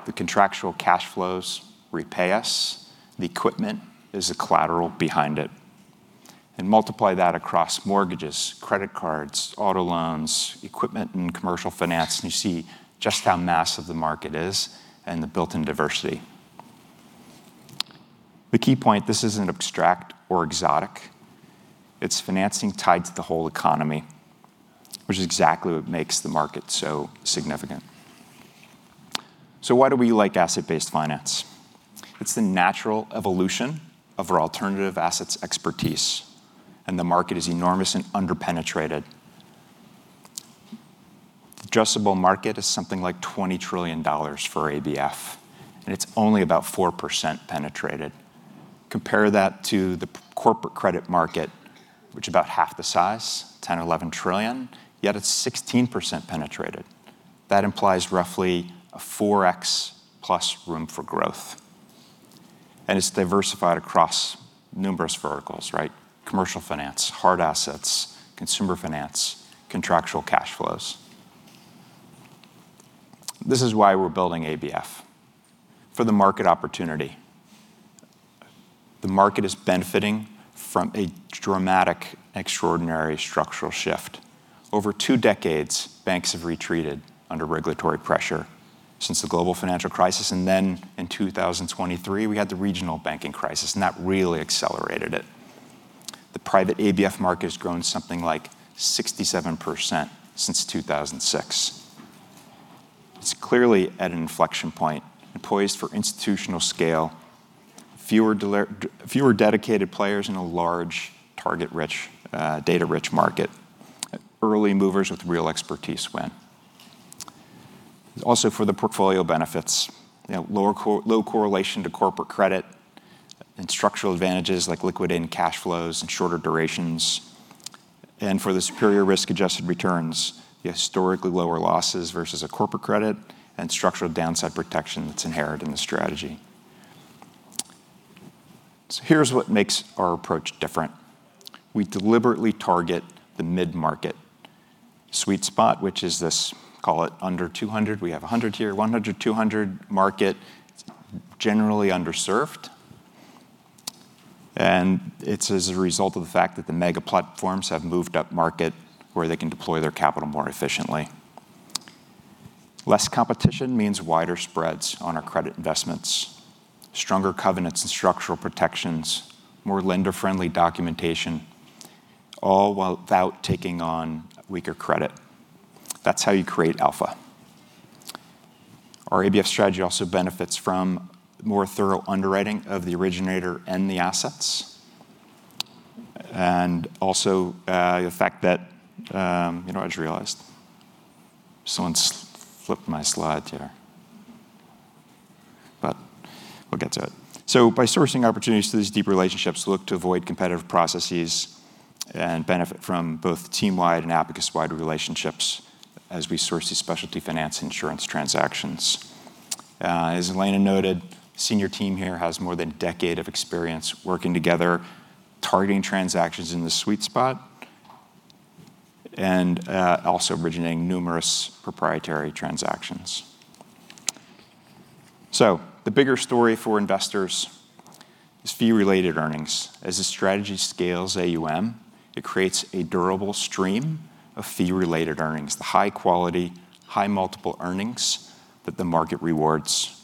the contractual cash flows repay us, the equipment is the collateral behind it. Multiply that across mortgages, credit cards, auto loans, equipment and commercial finance, and you see just how massive the market is and the built-in diversity. The key point, this isn't abstract or exotic. It's financing tied to the whole economy, which is exactly what makes the market so significant. Why do we like asset-based finance? It's the natural evolution of our alternative assets expertise, and the market is enormous and under-penetrated. The addressable market is something like $20 trillion for ABF, and it's only about 4% penetrated. Compare that to the corporate credit market, which is about half the size, $10 trillion or $11 trillion, yet it's 16% penetrated. That implies roughly a 4x plus room for growth. It's diversified across numerous verticals, right? Commercial finance, hard assets, consumer finance, contractual cash flows. This is why we're building ABF, for the market opportunity. The market is benefiting from a dramatic, extraordinary structural shift. Over two decades, banks have retreated under regulatory pressure since the global financial crisis. In 2023, we had the regional banking crisis, and that really accelerated it. The private ABF market has grown something like 67% since 2006. It's clearly at an inflection point and poised for institutional scale. Fewer dedicated players in a large target-rich, data-rich market. Early movers with real expertise win. Also, for the portfolio benefits. Low correlation to corporate credit and structural advantages like liquidity and cash flows and shorter durations. For the superior risk-adjusted returns, the historically lower losses versus a corporate credit and structural downside protection that's inherent in the strategy. Here's what makes our approach different. We deliberately target the mid-market sweet spot, which is this, call it under $200. We have $100 here, $100-$200 market. It's generally underserved. It's as a result of the fact that the mega platforms have moved up market where they can deploy their capital more efficiently. Less competition means wider spreads on our credit investments, stronger covenants and structural protections, more lender-friendly documentation, all without taking on weaker credit. That's how you create alpha. Our ABF strategy also benefits from more thorough underwriting of the originator and the assets, and also, the fact that I just realized someone's flipped my slide here. We'll get to it. By sourcing opportunities through these deep relationships, look to avoid competitive processes and benefit from both team-wide and Abacus-wide relationships as we source these specialty finance insurance transactions. As Elena noted, senior team here has more than a decade of experience working together, targeting transactions in the sweet spot, and also originating numerous proprietary transactions. The bigger story for investors is fee-related earnings. As the strategy scales AUM, it creates a durable stream of fee-related earnings, the high quality, high multiple earnings that the market rewards.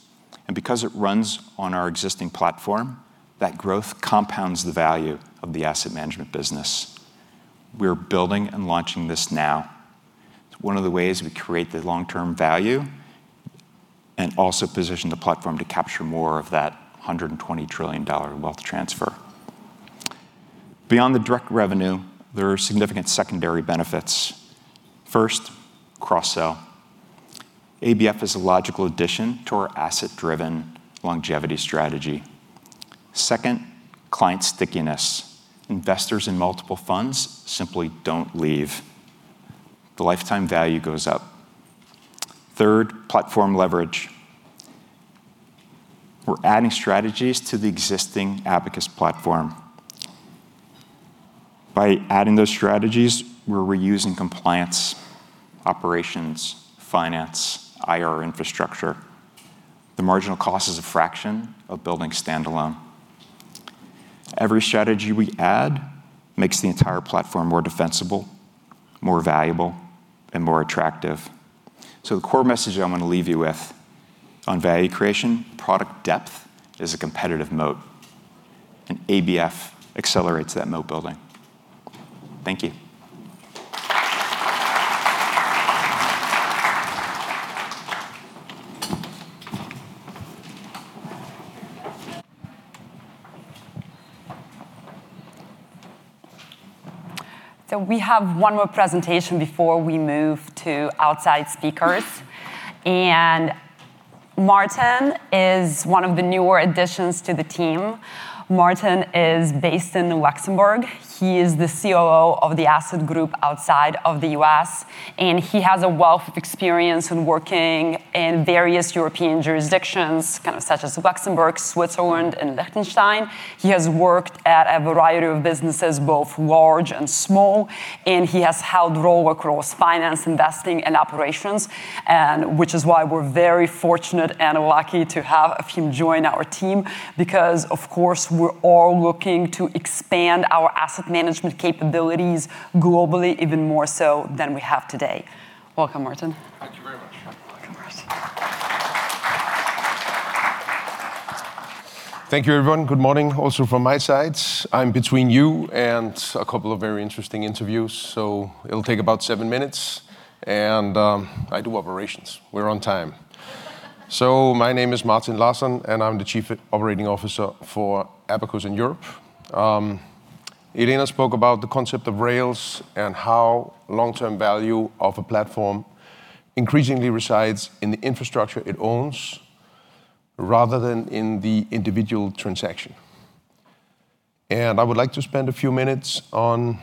Because it runs on our existing platform, that growth compounds the value of the asset management business. We're building and launching this now. It's one of the ways we create the long-term value and also position the platform to capture more of that $120 trillion wealth transfer. Beyond the direct revenue, there are significant secondary benefits. First, cross-sell. ABF is a logical addition to our asset-driven longevity strategy. Second, client stickiness. Investors in multiple funds simply don't leave. The lifetime value goes up. Third, platform leverage. We're adding strategies to the existing Abacus platform. By adding those strategies, we're reusing compliance, operations, finance, IR infrastructure. The marginal cost is a fraction of building standalone. Every strategy we add makes the entire platform more defensible, more valuable, and more attractive. The core message I'm going to leave you with on value creation, product depth is a competitive moat. ABF accelerates that moat building. Thank you. We have one more presentation before we move to outside speakers. Martin is one of the newer additions to the team. Martin is based in Luxembourg. He is the COO of the Abacus Asset Group outside of the U.S., and he has a wealth of experience in working in various European jurisdictions, such as Luxembourg, Switzerland, and Liechtenstein. He has worked at a variety of businesses, both large and small, and he has held role across finance, investing, and operations, which is why we're very fortunate and lucky to have him join our team because, of course, we're all looking to expand our asset management capabilities globally, even more so than we have today. Welcome, Martin. Thank you very much. Welcome, Martin. Thank you, everyone. Good morning also from my side. I'm between you and a couple of very interesting interviews, it'll take about seven minutes. I do operations. We're on time. My name is Martin Larsson, and I'm the Chief Operating Officer for Abacus in Europe. Elena spoke about the concept of rails and how long-term value of a platform increasingly resides in the infrastructure it owns rather than in the individual transaction. I would like to spend a few minutes on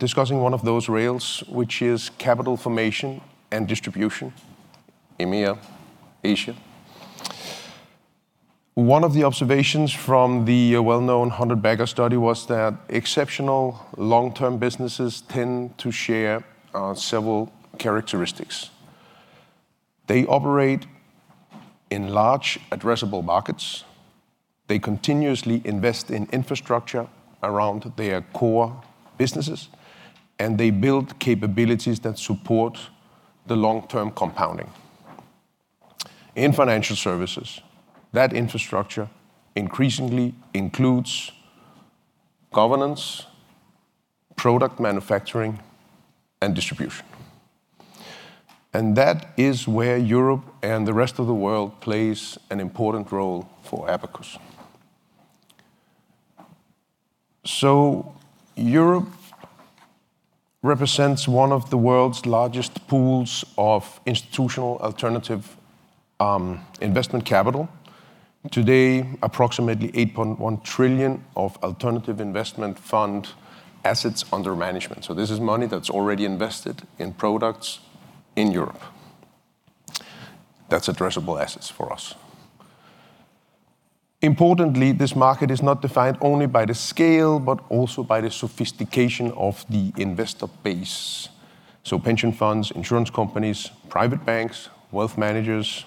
discussing one of those rails, which is capital formation and distribution, EMEA, Asia. One of the observations from the well-known 100-bagger study was that exceptional long-term businesses tend to share several characteristics. They operate in large addressable markets. They continuously invest in infrastructure around their core businesses, and they build capabilities that support the long-term compounding. In financial services, that infrastructure increasingly includes governance, product manufacturing, and distribution. That is where Europe and the rest of the world plays an important role for Abacus. Europe represents one of the world's largest pools of institutional alternative investment capital. Today, approximately $8.1 trillion of alternative investment fund assets under management. This is money that's already invested in products in Europe. That's addressable assets for us. Importantly, this market is not defined only by the scale, but also by the sophistication of the investor base. Pension funds, insurance companies, private banks, wealth managers,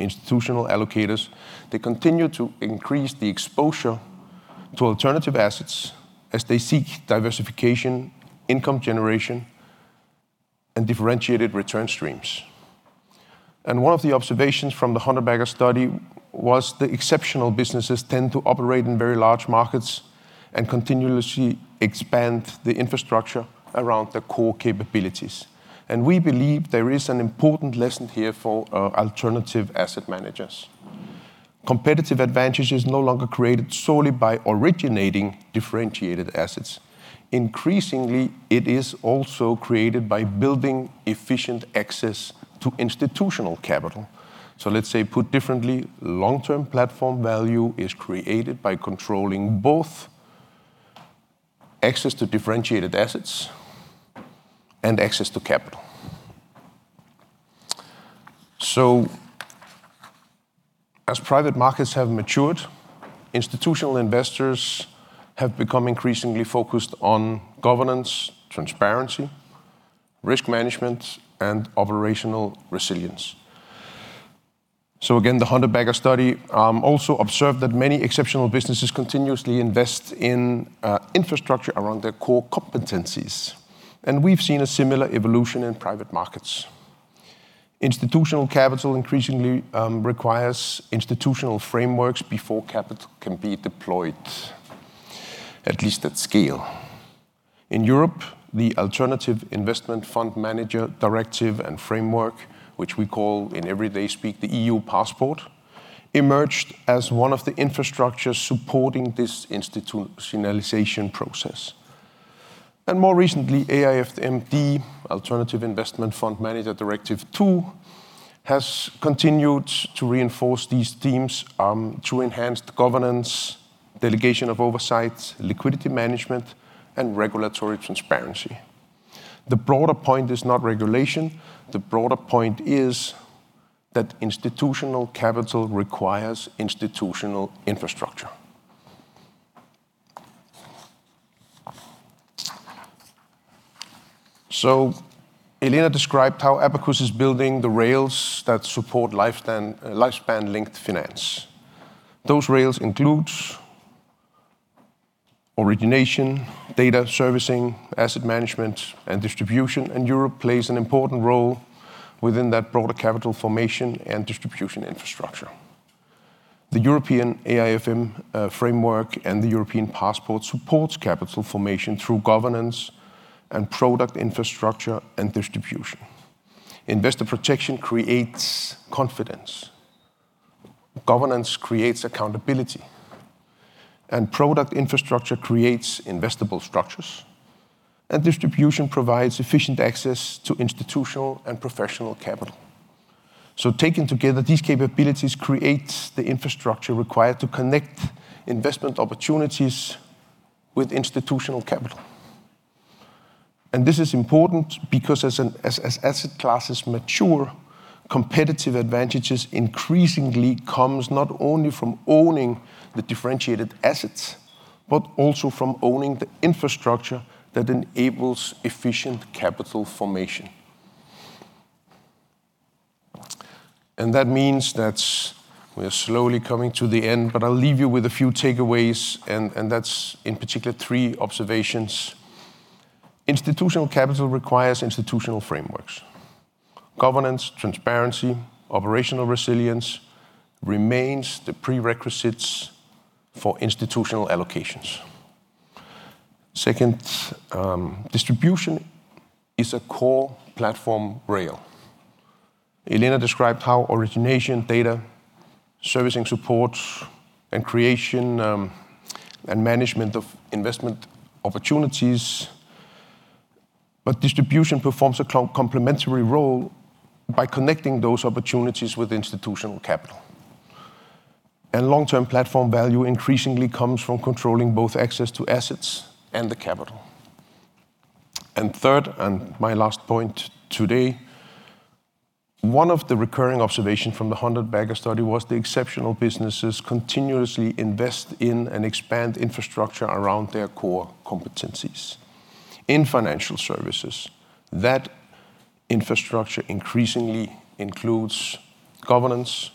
institutional allocators, they continue to increase the exposure to alternative assets as they seek diversification, income generation, and differentiated return streams. One of the observations from 100-Bagger Study was that exceptional businesses tend to operate in very large markets and continuously expand the infrastructure around their core capabilities. We believe there is an important lesson here for alternative asset managers. Competitive advantage is no longer created solely by originating differentiated assets. Increasingly, it is also created by building efficient access to institutional capital. Let's say, put differently, long-term platform value is created by controlling both access to differentiated assets and access to capital. As private markets have matured, institutional investors have become increasingly focused on governance, transparency, risk management, and operational resilience. Again, 100-Bagger Study also observed that many exceptional businesses continuously invest in infrastructure around their core competencies, and we've seen a similar evolution in private markets. Institutional capital increasingly requires institutional frameworks before capital can be deployed, at least at scale. In Europe, the Alternative Investment Fund Managers Directive and framework, which we call in everyday speak the EU passport, emerged as one of the infrastructures supporting this institutionalization process. More recently, AIFMD, Alternative Investment Fund Managers Directive II, has continued to reinforce these themes to enhance the governance, delegation of oversights, liquidity management, and regulatory transparency. The broader point is not regulation. The broader point is that institutional capital requires institutional infrastructure. Elena described how Abacus is building the rails that support lifespan linked finance. Those rails includes origination, data servicing, asset management, and distribution, and Europe plays an important role within that broader capital formation and distribution infrastructure. The European AIFM framework and the EU passport supports capital formation through governance and product infrastructure and distribution. Investor protection creates confidence, governance creates accountability, and product infrastructure creates investable structures, and distribution provides efficient access to institutional and professional capital. Taken together, these capabilities create the infrastructure required to connect investment opportunities with institutional capital. This is important because as asset classes mature, competitive advantages increasingly comes not only from owning the differentiated assets, but also from owning the infrastructure that enables efficient capital formation. That means that we're slowly coming to the end, but I'll leave you with a few takeaways and that's in particular three observations. Institutional capital requires institutional frameworks. Governance, transparency, operational resilience remains the prerequisites for institutional allocations. Second, distribution is a core platform rail. Elena described how origination data servicing supports and creation and management of investment opportunities, but distribution performs a complementary role by connecting those opportunities with institutional capital. Long-term platform value increasingly comes from controlling both access to assets and the capital. Third and my last point today, one of the recurring observation from 100-Bagger Study was the exceptional businesses continuously invest in and expand infrastructure around their core competencies. In financial services, that infrastructure increasingly includes governance,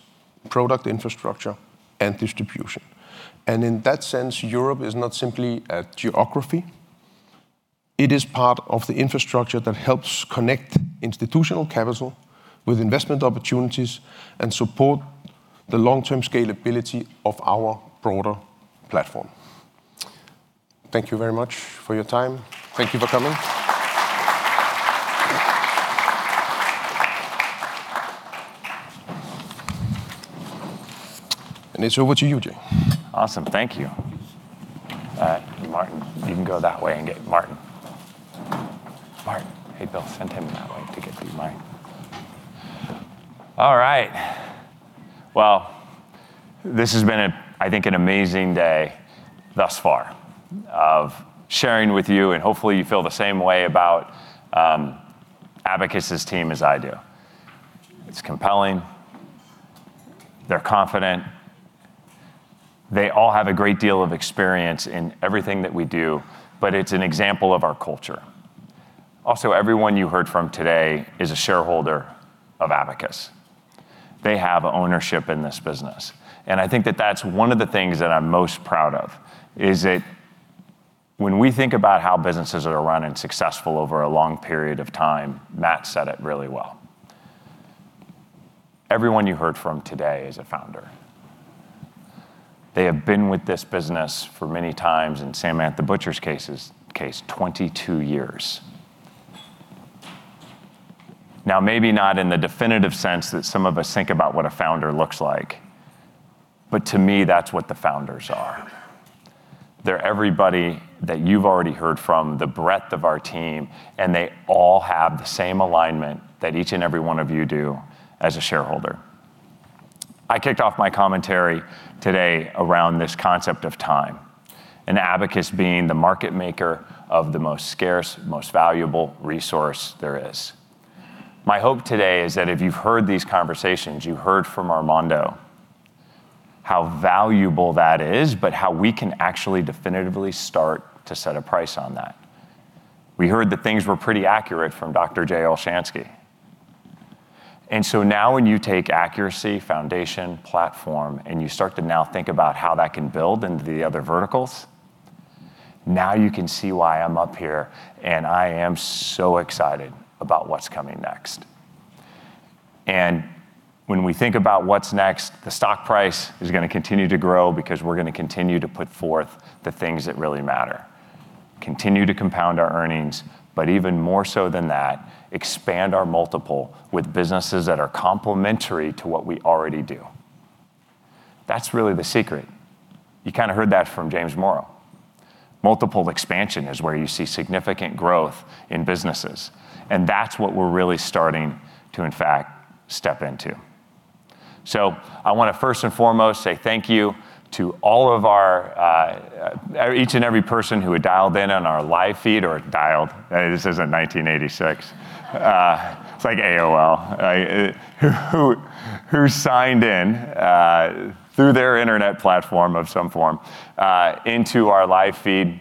product infrastructure, and distribution. In that sense, Europe is not simply a geography. It is part of the infrastructure that helps connect institutional capital with investment opportunities and support the long-term scalability of our broader platform. Thank you very much for your time. Thank you for coming. Over to you, Jay. Awesome. Thank you. Martin, you can go that way and get Martin. Martin. Hey, Bill, send him that way to get to Martin. All right. Well, this has been, I think, an amazing day thus far of sharing with you, and hopefully you feel the same way about Abacus' team as I do. It's compelling, they're confident, they all have a great deal of experience in everything that we do, but it's an example of our culture. Also, everyone you heard from today is a shareholder of Abacus. They have ownership in this business. I think that that's one of the things that I'm most proud of is that when we think about how businesses are run and successful over a long period of time, Matt said it really well. Everyone you heard from today is a founder. They have been with this business for many times, in Samantha Butcher's case, 22 years. Now, maybe not in the definitive sense that some of us think about what a founder looks like, but to me, that's what the founders are. They're everybody that you've already heard from, the breadth of our team, and they all have the same alignment that each and every one of you do as a shareholder I kicked off my commentary today around this concept of time and Abacus being the market maker of the most scarce, most valuable resource there is. My hope today is that if you've heard these conversations, you heard from Armando how valuable that is, but how we can actually definitively start to set a price on that. We heard that things were pretty accurate from Dr. Jay Olshansky. Now when you take accuracy, foundation, platform, and you start to now think about how that can build into the other verticals, now you can see why I'm up here, and I am so excited about what's coming next. When we think about what's next, the stock price is going to continue to grow because we're going to continue to put forth the things that really matter, continue to compound our earnings, but even more so than that, expand our multiple with businesses that are complementary to what we already do. That's really the secret. You kind of heard that from James Morrow. Multiple expansion is where you see significant growth in businesses, and that's what we're really starting to, in fact, step into. I want to first and foremost say thank you to each and every person who had dialed in on our live feed. Dialed, this isn't 1986. It's like AOL. Who signed in through their internet platform of some form into our live feed.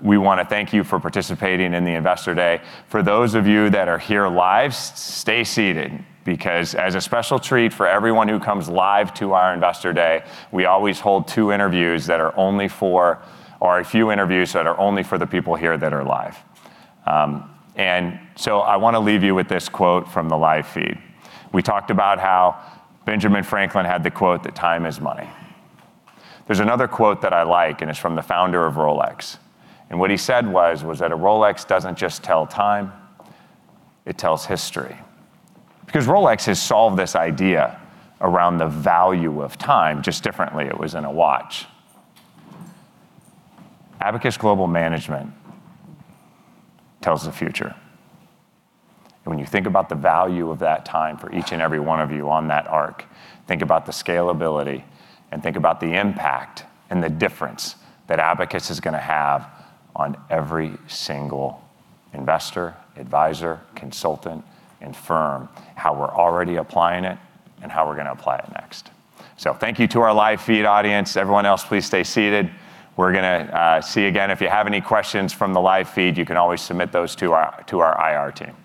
We want to thank you for participating in the Investor Day. For those of you that are here live, stay seated, because as a special treat for everyone who comes live to our Investor Day, we always hold two interviews or a few interviews that are only for the people here that are live. I want to leave you with this quote from the live feed. We talked about how Benjamin Franklin had the quote that time is money. There's another quote that I like and it's from the founder of Rolex. What he said was that a Rolex doesn't just tell time, it tells history. Because Rolex has solved this idea around the value of time just differently. It was in a watch. Abacus Global Management tells the future. When you think about the value of that time for each and every one of you on that arc, think about the scalability and think about the impact and the difference that Abacus is going to have on every single investor, advisor, consultant, and firm, how we're already applying it and how we're going to apply it next. Thank you to our live feed audience. Everyone else, please stay seated. We're going to see you again. If you have any questions from the live feed, you can always submit those to our IR team.